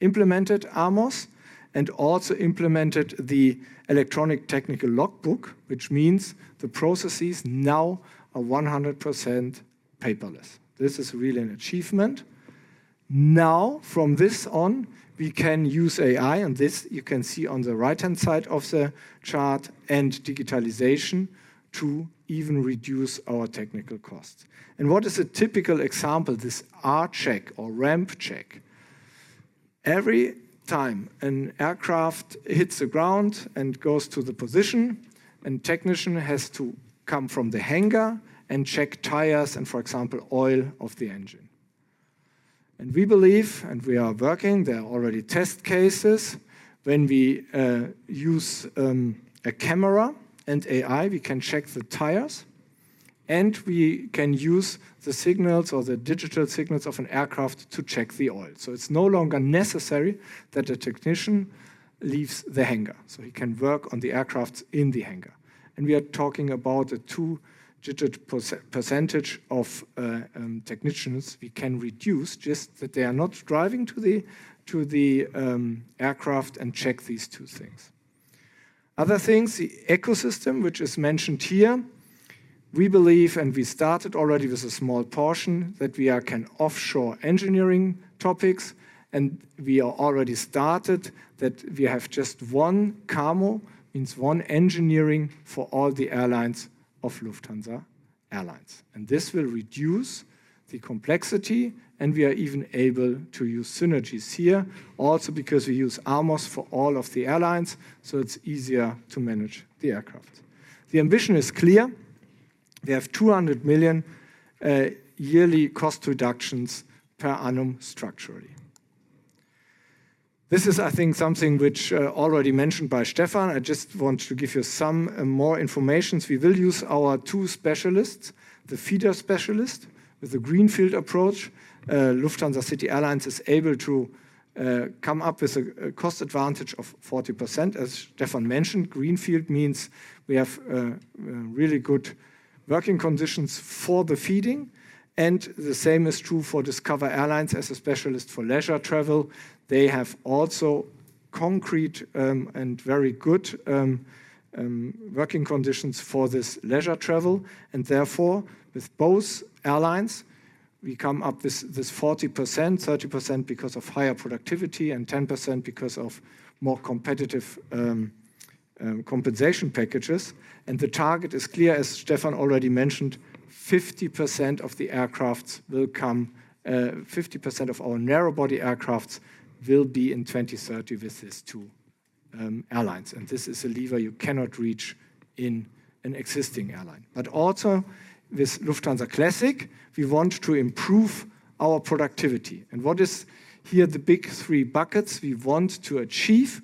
K: implemented AMOS and also implemented the electronic technical logbook, which means the processes now are 100% paperless. This is really an achievement. Now, from this on, we can use AI, and this you can see on the right-hand side of the chart and digitalization to even reduce our technical costs, and what is a typical example? This R-Check or Ramp Check. Every time an aircraft hits the ground and goes to the position, a technician has to come from the hangar and check tires and, for example, oil of the engine, and we believe, and we are working, there are already test cases. When we use a camera and AI, we can check the tires, and we can use the signals or the digital signals of an aircraft to check the oil, so it's no longer necessary that a technician leaves the hangar, so he can work on the aircraft in the hangar. We are talking about a two-digit % of technicians we can reduce just that they are not driving to the aircraft and check these two things. Other things, the ecosystem, which is mentioned here. We believe, and we started already with a small portion, that we can offshore engineering topics. We are already started that we have just one CAMO, means one engineering for all the airlines of Lufthansa Airlines. This will reduce the complexity. We are even able to use synergies here, also because we use AMOS for all of the airlines. It's easier to manage the aircraft. The ambition is clear. We have 200 million yearly cost reductions per annum structurally. This is, I think, something which was already mentioned by Stefan. I just want to give you some more information. We will use our two specialists, the feeder specialist with the greenfield approach. Lufthansa City Airlines is able to come up with a cost advantage of 40%. As Stefan mentioned, greenfield means we have really good working conditions for the feeder. And the same is true for Discover Airlines as a specialist for leisure travel. They have also concrete and very good working conditions for this leisure travel, and therefore, with both airlines, we come up with this 40%, 30% because of higher productivity and 10% because of more competitive compensation packages, and the target is clear, as Stefan already mentioned, 50% of the aircraft will come, 50% of our narrow-body aircraft will be in 2030 with these two airlines, and this is a lever you cannot reach in an existing airline, but also with Lufthansa Classic, we want to improve our productivity. What is here the big three buckets we want to achieve?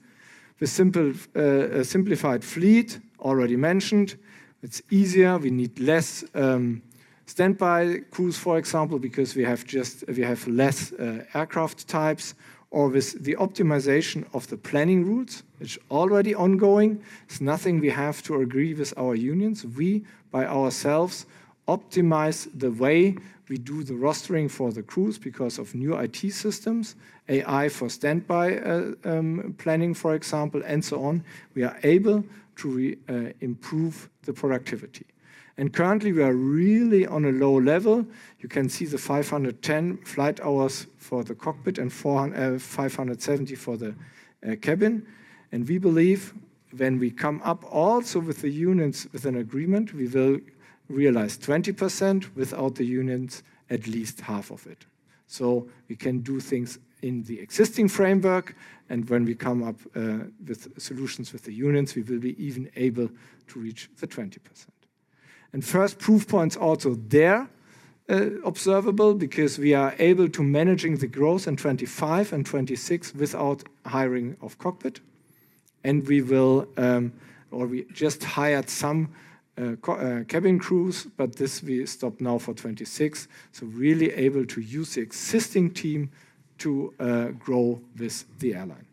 K: The simplified fleet, already mentioned. It's easier. We need less standby crews, for example, because we have less aircraft types. Or with the optimization of the planning routes, which is already ongoing. It's nothing we have to agree with our unions. We, by ourselves, optimize the way we do the rostering for the crews because of new IT systems, AI for standby planning, for example, and so on. We are able to improve the productivity. Currently, we are really on a low level. You can see the 510 flight hours for the cockpit and 570 for the cabin. We believe when we come up also with the unions with an agreement, we will realize 20% without the unions, at least half of it. So we can do things in the existing framework. And when we come up with solutions with the unions, we will be even able to reach the 20%. And first proof points also there observable because we are able to manage the growth in 2025 and 2026 without hiring of cockpit. And we will, or we just hired some cabin crews, but this we stopped now for 2026. So really able to use the existing team to grow with the airline.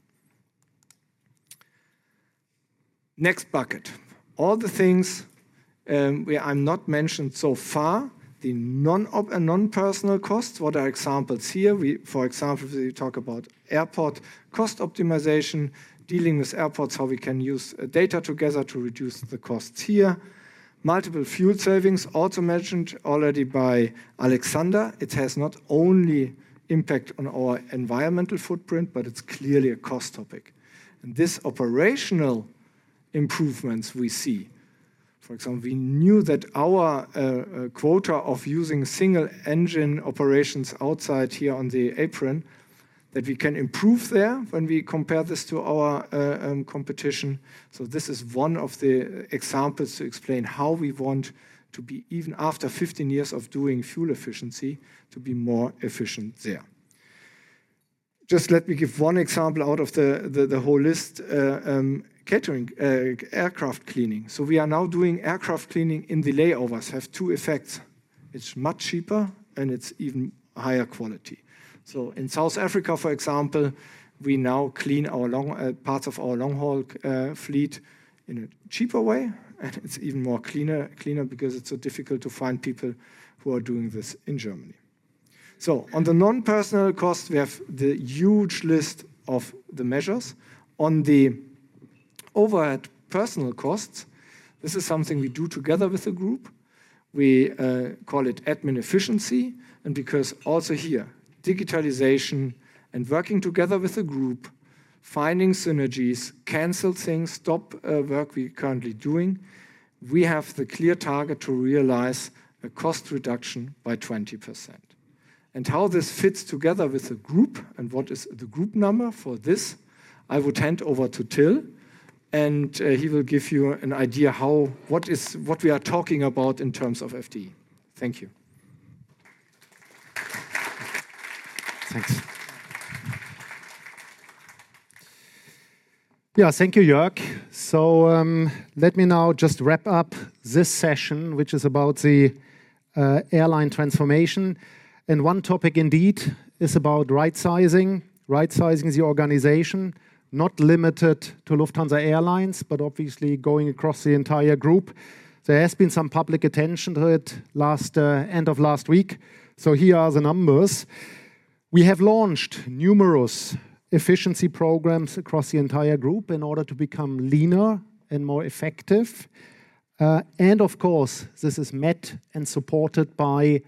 K: Next bucket. All the things I've not mentioned so far, the non-personal costs, what are examples here? For example, we talk about airport cost optimization, dealing with airports, how we can use data together to reduce the costs here. Multiple fuel savings, also mentioned already by Alexander. It has not only an impact on our environmental footprint, but it's clearly a cost topic. These operational improvements we see, for example. We knew that our quota of using single-engine operations outside here on the apron, that we can improve there when we compare this to our competition. So this is one of the examples to explain how we want to be, even after 15 years of doing fuel efficiency, to be more efficient there. Just let me give one example out of the whole list, aircraft cleaning. So we are now doing aircraft cleaning in the layovers, have two effects. It's much cheaper and it's even higher quality. So in South Africa, for example, we now clean parts of our long-haul fleet in a cheaper way. And it's even more cleaner because it's so difficult to find people who are doing this in Germany. So on the non-personnel cost, we have the huge list of the measures. On the overhead personnel costs, this is something we do together with a group. We call it admin efficiency. And because also here, digitalization and working together with a group, finding synergies, cancel things, stop work we're currently doing, we have the clear target to realize a cost reduction by 20%. And how this fits together with a group and what is the group number for this, I will hand over to Till. And he will give you an idea what we are talking about in terms of FTE. Thank you.
J: Thanks. Yeah, thank you, Jörg, so let me now just wrap up this session, which is about the airline transformation, and one topic indeed is about right-sizing. Right-sizing is the organization, not limited to Lufthansa Airlines, but obviously going across the entire group. There has been some public attention to it last end of last week, so here are the numbers. We have launched numerous efficiency programs across the entire group in order to become leaner and more effective, and of course, this is met and supported by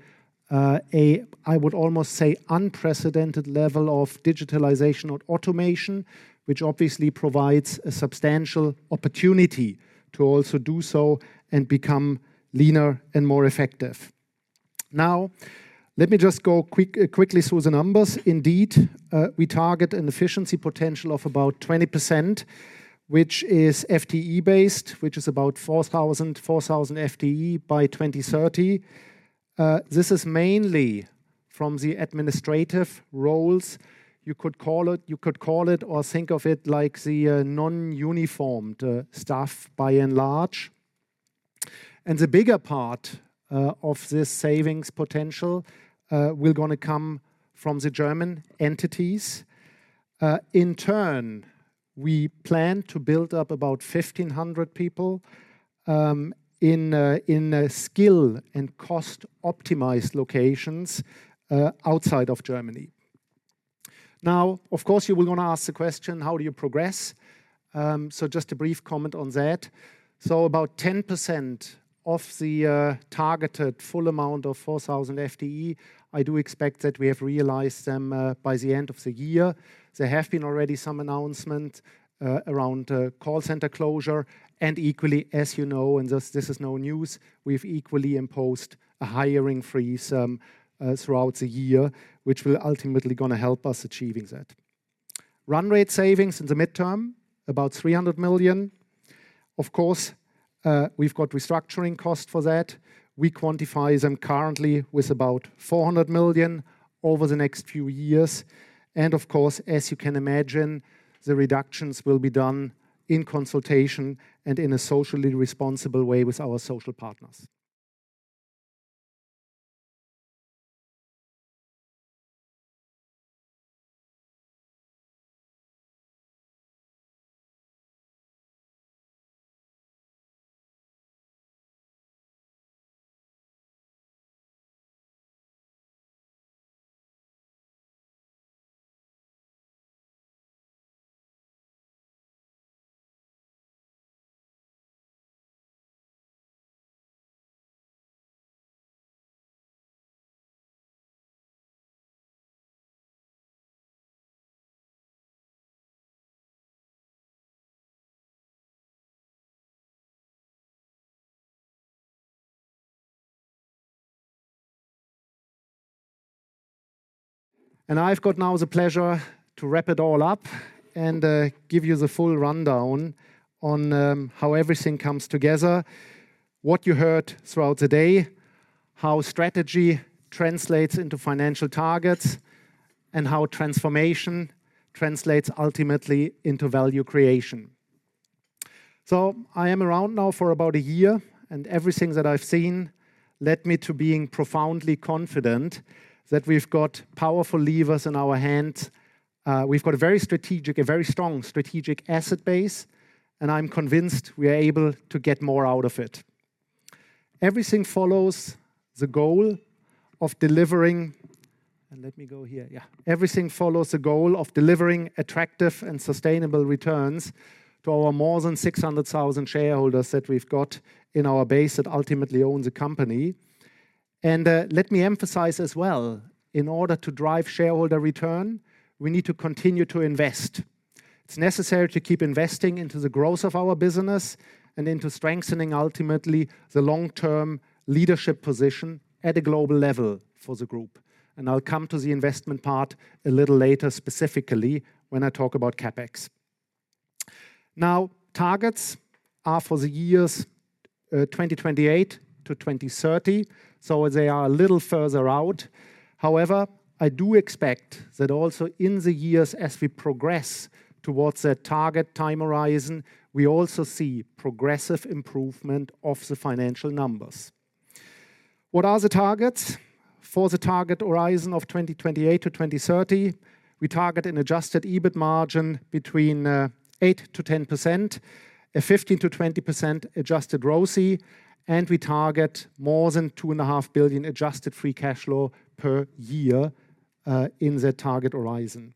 J: a, I would almost say, unprecedented level of digitalization and automation, which obviously provides a substantial opportunity to also do so and become leaner and more effective. Now, let me just go quickly through the numbers. Indeed, we target an efficiency potential of about 20%, which is FTE-based, which is about 4,000 FTE by 2030. This is mainly from the administrative roles. You could call it or think of it like the non-uniformed staff by and large. And the bigger part of this savings potential will going to come from the German entities. In turn, we plan to build up about 1,500 people in skill and cost-optimized locations outside of Germany. Now, of course, you will want to ask the question, how do you progress? So just a brief comment on that. So about 10% of the targeted full amount of 4,000 FTE, I do expect that we have realized them by the end of the year. There have been already some announcements around call center closure. And equally, as you know, and this is no news, we've equally imposed a hiring freeze throughout the year, which will ultimately going to help us achieving that. Run rate savings in the midterm, about 300 million. Of course, we've got restructuring costs for that. We quantify them currently with about 400 million over the next few years and of course, as you can imagine, the reductions will be done in consultation and in a socially responsible way with our social partners and I've got now the pleasure to wrap it all up and give you the full rundown on how everything comes together, what you heard throughout the day, how strategy translates into financial targets, and how transformation translates ultimately into value creation so I am around now for about a year, and everything that I've seen led me to being profoundly confident that we've got powerful levers in our hands. We've got a very strategic, a very strong strategic asset base, and I'm convinced we are able to get more out of it. Everything follows the goal of delivering, and let me go here. Yeah, everything follows the goal of delivering attractive and sustainable returns to our more than 600,000 shareholders that we've got in our base that ultimately owns a company. And let me emphasize as well, in order to drive shareholder return, we need to continue to invest. It's necessary to keep investing into the growth of our business and into strengthening, ultimately, the long-term leadership position at a global level for the group. And I'll come to the investment part a little later specifically when I talk about CapEx. Now, targets are for the years 2028 to 2030, so they are a little further out. However, I do expect that also in the years, as we progress towards that target time horizon, we also see progressive improvement of the financial numbers. What are the targets for the target horizon of 2028 to 2030? We target an adjusted EBIT margin between 8%-10%, a 15%-20% adjusted ROCE, and we target more than 2.5 billion adjusted free cash flow per year in that target horizon.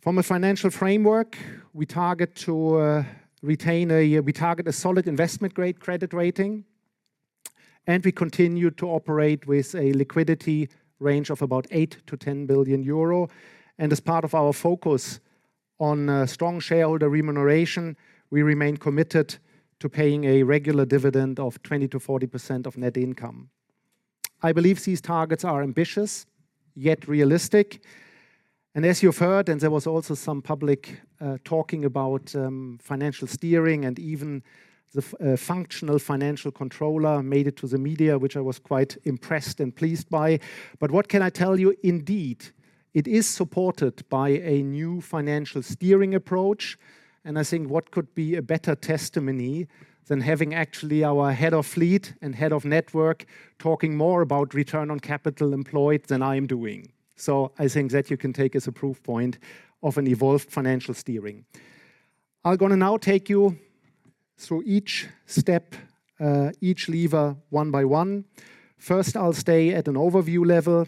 J: From a financial framework, we target a solid investment-grade credit rating, and we continue to operate with a liquidity range of about 8 billion-10 billion euro. And as part of our focus on strong shareholder remuneration, we remain committed to paying a regular dividend of 20%-40% of net income. I believe these targets are ambitious, yet realistic. And as you've heard, and there was also some public talking about financial steering and even the functional financial controller made it to the media, which I was quite impressed and pleased by. But what can I tell you? Indeed, it is supported by a new financial steering approach. I think what could be a better testimony than having actually our head of fleet and head of network talking more about return on capital employed than I am doing. So I think that you can take as a proof point of an evolved financial steering. I'm going to now take you through each step, each lever one by one. First, I'll stay at an overview level,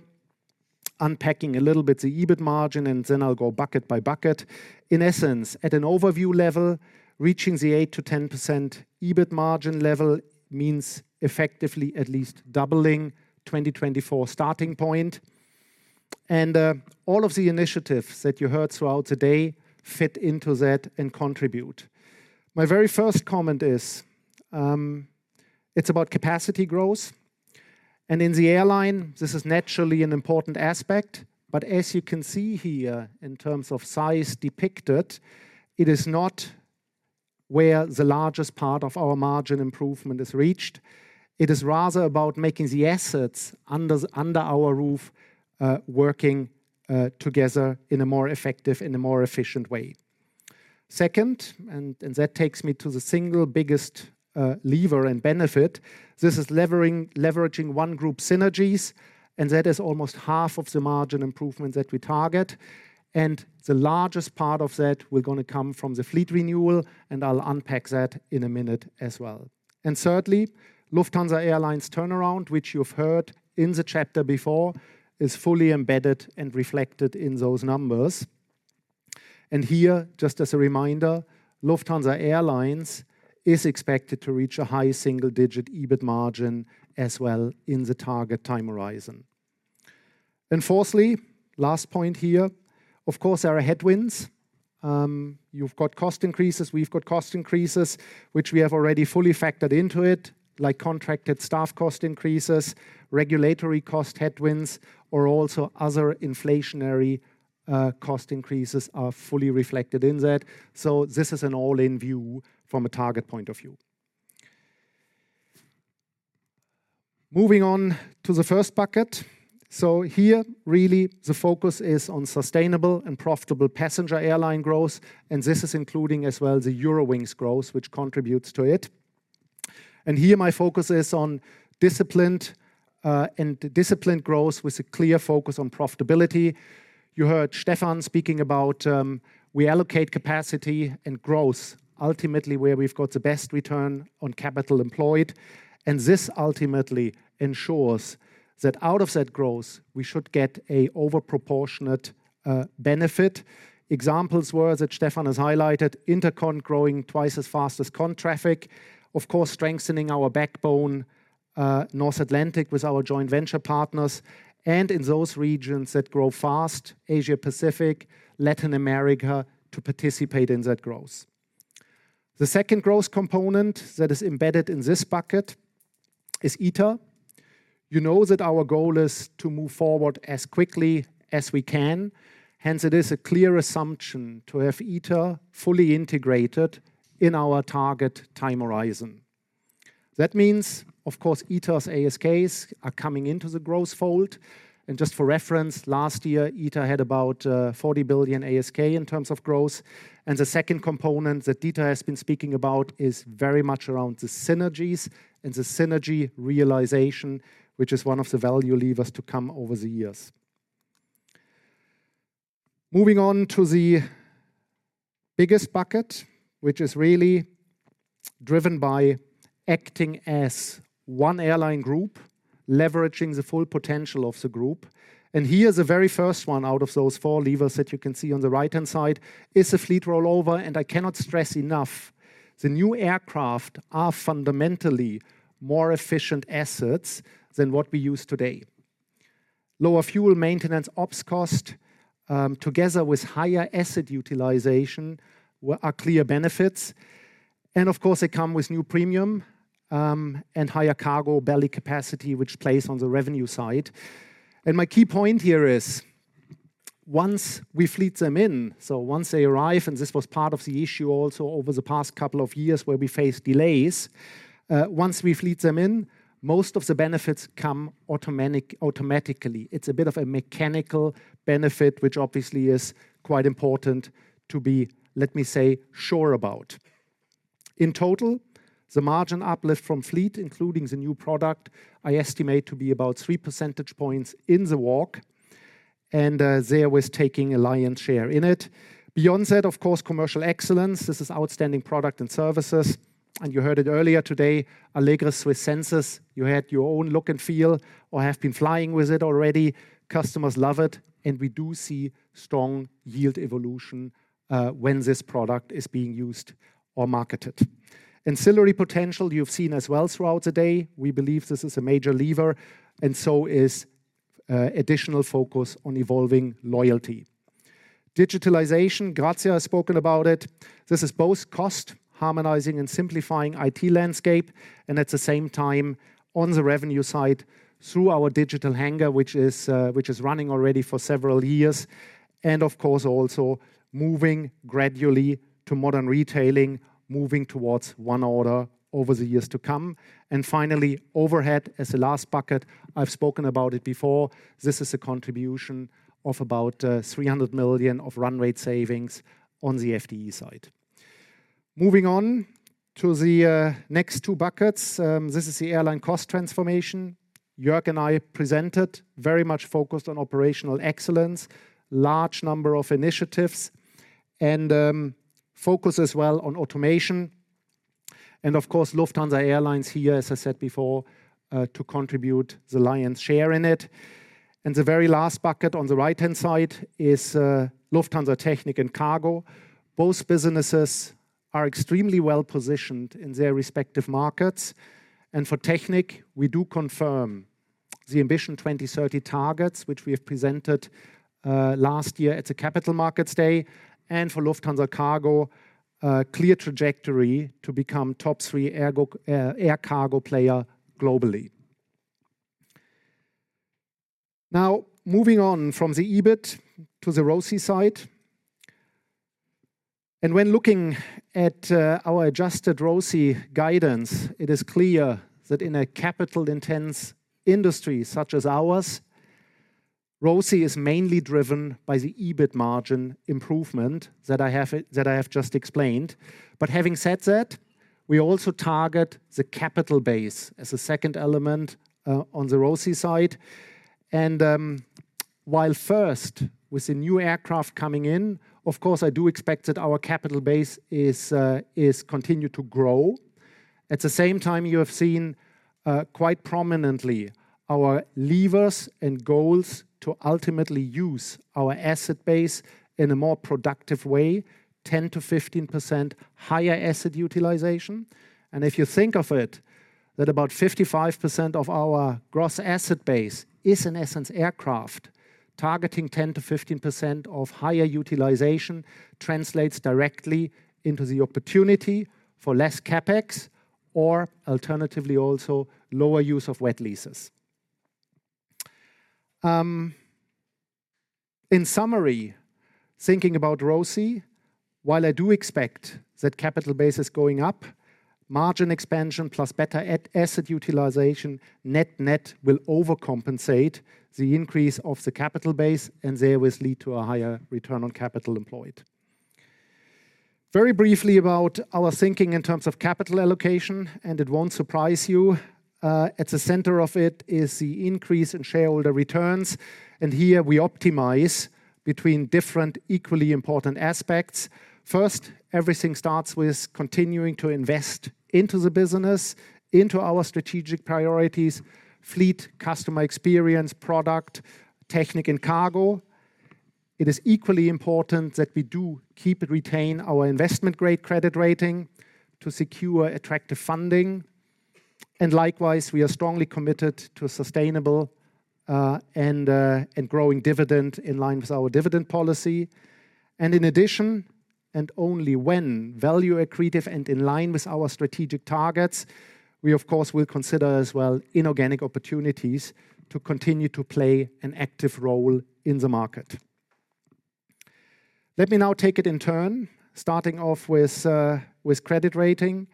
J: unpacking a little bit the EBIT margin, and then I'll go bucket by bucket. In essence, at an overview level, reaching the 8%-10% EBIT margin level means effectively at least doubling 2024 starting point. All of the initiatives that you heard throughout the day fit into that and contribute. My very first comment is it's about capacity growth. In the airline, this is naturally an important aspect. As you can see here, in terms of size depicted, it is not where the largest part of our margin improvement is reached. It is rather about making the assets under our roof working together in a more effective, in a more efficient way. Second, that takes me to the single biggest lever and benefit. This is leveraging Lufthansa Group synergies, and that is almost half of the margin improvement that we target. And the largest part of that will be going to come from the fleet renewal, and I'll unpack that in a minute as well. Thirdly, Lufthansa Airlines turnaround, which you've heard in the chapter before, is fully embedded and reflected in those numbers. And here, just as a reminder, Lufthansa Airlines is expected to reach a high single-digit EBIT margin as well in the target time horizon. And fourthly, last point here, of course, there are headwinds. You've got cost increases, we've got cost increases, which we have already fully factored into it, like contracted staff cost increases, regulatory cost headwinds, or also other inflationary cost increases are fully reflected in that. So this is an all-in view from a target point of view. Moving on to the first bucket. So here, really, the focus is on sustainable and profitable passenger airline growth, and this is including as well the Eurowings growth, which contributes to it. And here, my focus is on disciplined and disciplined growth with a clear focus on profitability. You heard Stefan speaking about we allocate capacity and growth ultimately where we've got the best return on capital employed. And this ultimately ensures that out of that growth, we should get an overproportionate benefit. Examples were that Stefan has highlighted intercon growing twice as fast as con traffic, of course, strengthening our backbone North Atlantic with our joint venture partners, and in those regions that grow fast, Asia-Pacific, Latin America to participate in that growth. The second growth component that is embedded in this bucket is ITA. You know that our goal is to move forward as quickly as we can. Hence, it is a clear assumption to have ITA fully integrated in our target time horizon. That means, of course, ITA's ASKs are coming into the growth fold. And just for reference, last year, ITA had about 40 billion ASK in terms of growth. And the second component that Dieter has been speaking about is very much around the synergies and the synergy realization, which is one of the value levers to come over the years. Moving on to the biggest bucket, which is really driven by acting as one airline group, leveraging the full potential of the group. And here's the very first one out of those four levers that you can see on the right-hand side is the fleet rollover. And I cannot stress enough, the new aircraft are fundamentally more efficient assets than what we use today. Lower fuel, maintenance, ops cost, together with higher asset utilization, are clear benefits. And of course, they come with new premium and higher cargo belly capacity, which plays on the revenue side. And my key point here is once we fleet them in, so once they arrive, and this was part of the issue also over the past couple of years where we faced delays, once we fleet them in, most of the benefits come automatically. It's a bit of a mechanical benefit, which obviously is quite important to be, let me say, sure about. In total, the margin uplift from fleet, including the new product, I estimate to be about 3 percentage points in the walk. And there was taking a lion's share in it. Beyond that, of course, commercial excellence. This is outstanding product and services. And you heard it earlier today, Allegris SWISS Senses. You had your own look and feel or have been flying with it already. Customers love it. And we do see strong yield evolution when this product is being used or marketed. Ancillary potential you've seen as well throughout the day. We believe this is a major lever. And so is additional focus on evolving loyalty. Digitalization, Grazia has spoken about it. This is both cost harmonizing and simplifying IT landscape, and at the same time on the revenue side through our Digital Hangar, which is running already for several years, and of course also moving gradually to modern retailing, moving towards One Order over the years to come, and finally, overhead as the last bucket. I've spoken about it before. This is a contribution of about 300 million of run rate savings on the FTE side. Moving on to the next two buckets. This is the airline cost transformation. Jörg and I presented very much focused on operational excellence, large number of initiatives, and focus as well on automation, and of course, Lufthansa Airlines here, as I said before, to contribute the lion's share in it, and the very last bucket on the right-hand side is Lufthansa Technik and Cargo. Both businesses are extremely well positioned in their respective markets. For Technik, we do confirm the Ambition 2030 targets, which we have presented last year at the Capital Markets Day. For Lufthansa Cargo, clear trajectory to become top three air cargo player globally. Now, moving on from the EBIT to the ROCE side. When looking at our adjusted ROCE guidance, it is clear that in a capital-intense industry such as ours, ROCE is mainly driven by the EBIT margin improvement that I have just explained. But having said that, we also target the capital base as a second element on the ROCE side. While first with the new aircraft coming in, of course, I do expect that our capital base is continued to grow. At the same time, you have seen quite prominently our levers and goals to ultimately use our asset base in a more productive way, 10%-15% higher asset utilization. If you think of it, that about 55% of our gross asset base is in essence aircraft. Targeting 10%-15% of higher utilization translates directly into the opportunity for less CapEx or alternatively also lower use of wet leases. In summary, thinking about ROCE, while I do expect that capital base is going up, margin expansion plus better asset utilization net-net will overcompensate the increase of the capital base and therewith lead to a higher return on capital employed. Very briefly about our thinking in terms of capital allocation, and it won't surprise you. At the center of it is the increase in shareholder returns. Here we optimize between different equally important aspects. First, everything starts with continuing to invest into the business, into our strategic priorities, fleet, customer experience, product, Technik, and cargo. It is equally important that we do keep and retain our investment-grade credit rating to secure attractive funding, and likewise, we are strongly committed to sustainable and growing dividend in line with our dividend policy, and in addition, and only when value accretive and in line with our strategic targets, we, of course, will consider as well inorganic opportunities to continue to play an active role in the market. Let me now take it in turn, starting off with credit rating.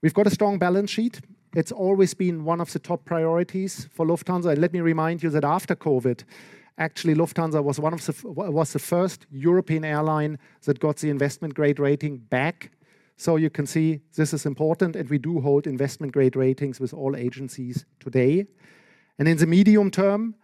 J: We've got a strong balance sheet. It's always been one of the top priorities for Lufthansa, and let me remind you that after COVID, actually Lufthansa was the first European airline that got the investment-grade rating back, so you can see this is important, and we do hold investment-grade ratings with all agencies today. In the medium term,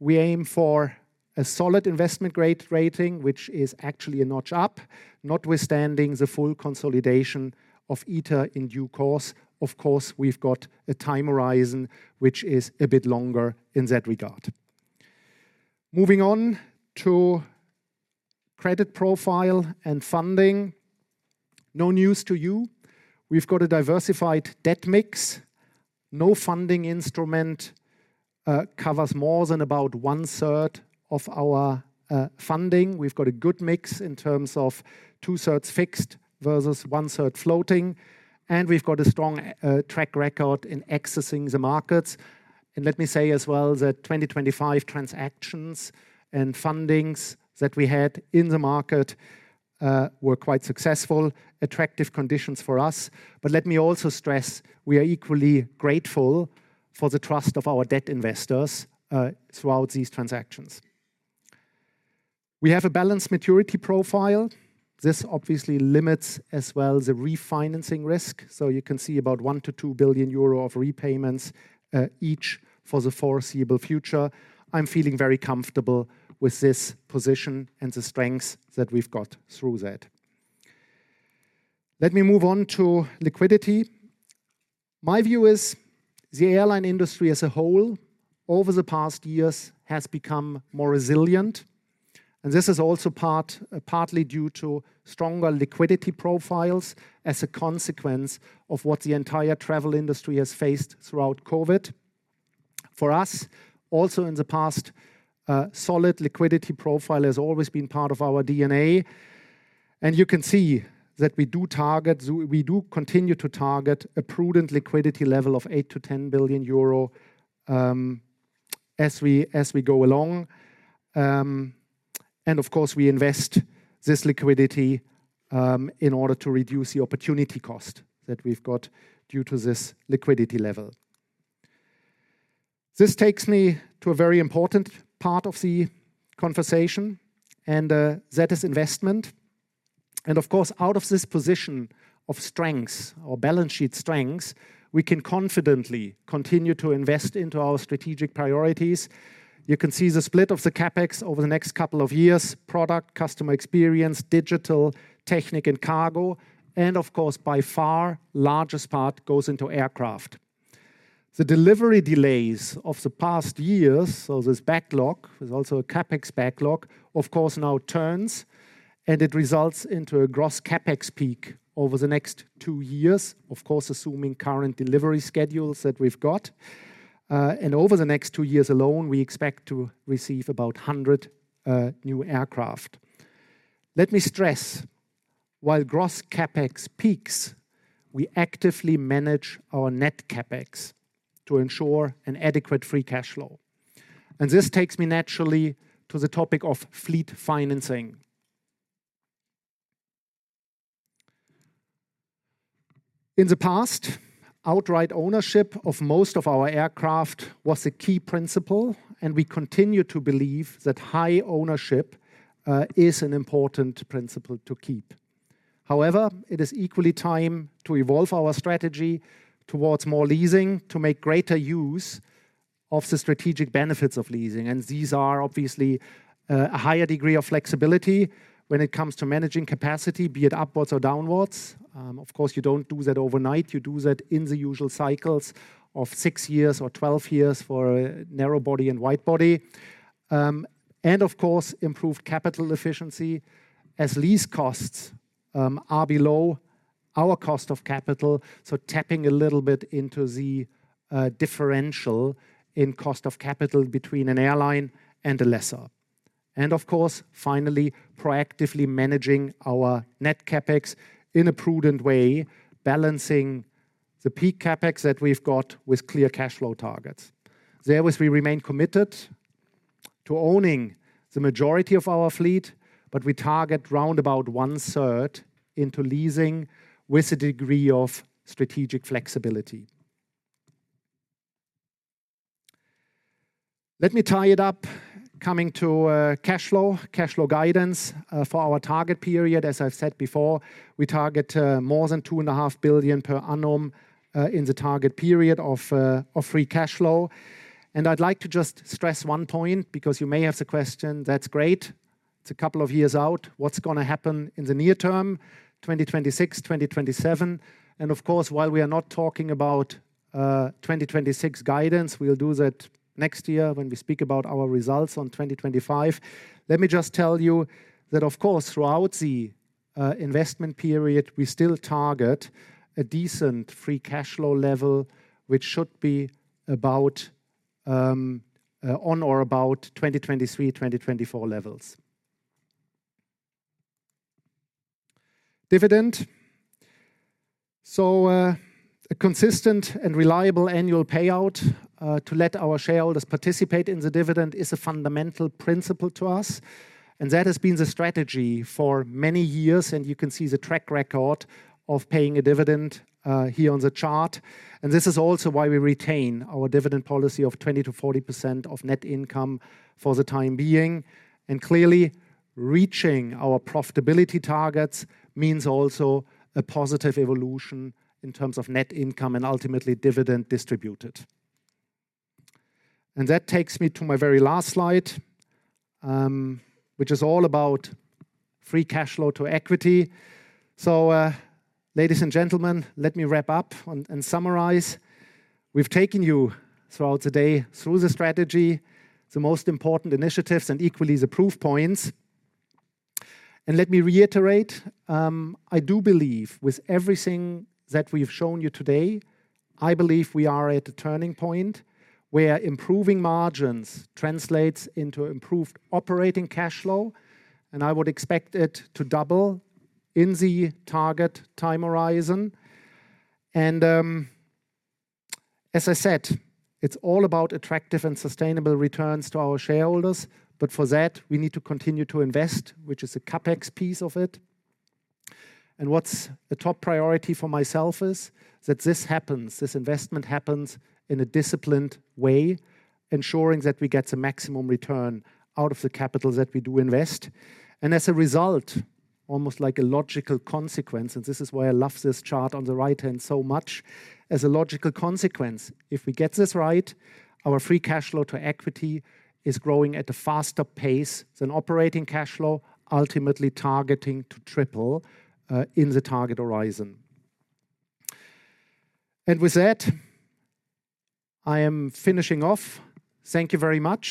J: we aim for a solid investment-grade rating, which is actually a notch up, notwithstanding the full consolidation of ITA in due course. Of course, we've got a time horizon, which is a bit longer in that regard. Moving on to credit profile and funding. No news to you. We've got a diversified debt mix. No funding instrument covers more than about one-third of our funding. We've got a good mix in terms of two-thirds fixed versus one-third floating. And we've got a strong track record in accessing the markets. And let me say as well that 2025 transactions and fundings that we had in the market were quite successful, attractive conditions for us. But let me also stress we are equally grateful for the trust of our debt investors throughout these transactions. We have a balanced maturity profile. This obviously limits as well the refinancing risk. So you can see about 1-2 billion euro of repayments each for the foreseeable future. I'm feeling very comfortable with this position and the strengths that we've got through that. Let me move on to liquidity. My view is the airline industry as a whole over the past years has become more resilient. And this is also partly due to stronger liquidity profiles as a consequence of what the entire travel industry has faced throughout COVID. For us, also in the past, a solid liquidity profile has always been part of our DNA. And you can see that we do target, we do continue to target a prudent liquidity level of 8-10 billion euro as we go along. Of course, we invest this liquidity in order to reduce the opportunity cost that we've got due to this liquidity level. This takes me to a very important part of the conversation, and that is investment. Of course, out of this position of strengths or balance sheet strengths, we can confidently continue to invest into our strategic priorities. You can see the split of the CapEx over the next couple of years: product, customer experience, digital, Technik, and cargo. Of course, by far largest part goes into aircraft. The delivery delays of the past years, so this backlog is also a CapEx backlog. Of course now turns, and it results into a gross CapEx peak over the next two years, of course assuming current delivery schedules that we've got. Over the next two years alone, we expect to receive about 100 new aircraft. Let me stress, while gross CapEx peaks, we actively manage our net CapEx to ensure an adequate free cash flow. And this takes me naturally to the topic of fleet financing. In the past, outright ownership of most of our aircraft was a key principle, and we continue to believe that high ownership is an important principle to keep. However, it is equally time to evolve our strategy towards more leasing to make greater use of the strategic benefits of leasing. And these are obviously a higher degree of flexibility when it comes to managing capacity, be it upwards or downwards. Of course, you don't do that overnight. You do that in the usual cycles of six years or 12 years for a narrow body and wide body. And of course, improved capital efficiency as lease costs are below our cost of capital. So tapping a little bit into the differential in cost of capital between an airline and a lessor. And of course, finally, proactively managing our net CapEx in a prudent way, balancing the peak CapEx that we've got with clear cash flow targets. Therewith, we remain committed to owning the majority of our fleet, but we target round about one-third into leasing with a degree of strategic flexibility. Let me tie it up coming to cash flow, cash flow guidance for our target period. As I've said before, we target more than 2.5 billion per annum in the target period of free cash flow. And I'd like to just stress one point because you may have the question, that's great. It's a couple of years out. What's going to happen in the near term, 2026, 2027? Of course, while we are not talking about 2026 guidance, we'll do that next year when we speak about our results on 2025. Let me just tell you that, of course, throughout the investment period, we still target a decent free cash flow level, which should be about on or about 2023, 2024 levels. Dividend. So a consistent and reliable annual payout to let our shareholders participate in the dividend is a fundamental principle to us. And that has been the strategy for many years. And you can see the track record of paying a dividend here on the chart. And this is also why we retain our dividend policy of 20%-40% of net income for the time being. And clearly, reaching our profitability targets means also a positive evolution in terms of net income and ultimately dividend distributed. And that takes me to my very last slide, which is all about free cash flow to equity. So, ladies and gentlemen, let me wrap up and summarize. We've taken you throughout the day through the strategy, the most important initiatives and equally the proof points. And let me reiterate, I do believe with everything that we've shown you today, I believe we are at a turning point where improving margins translates into improved operating cash flow. And I would expect it to double in the target time horizon. And as I said, it's all about attractive and sustainable returns to our shareholders. But for that, we need to continue to invest, which is the CapEx piece of it. And what's a top priority for myself is that this happens, this investment happens in a disciplined way, ensuring that we get the maximum return out of the capital that we do invest. And as a result, almost like a logical consequence, and this is why I love this chart on the right hand so much, as a logical consequence, if we get this right, our free cash flow to equity is growing at a faster pace than operating cash flow, ultimately targeting to triple in the target horizon. And with that, I am finishing off. Thank you very much.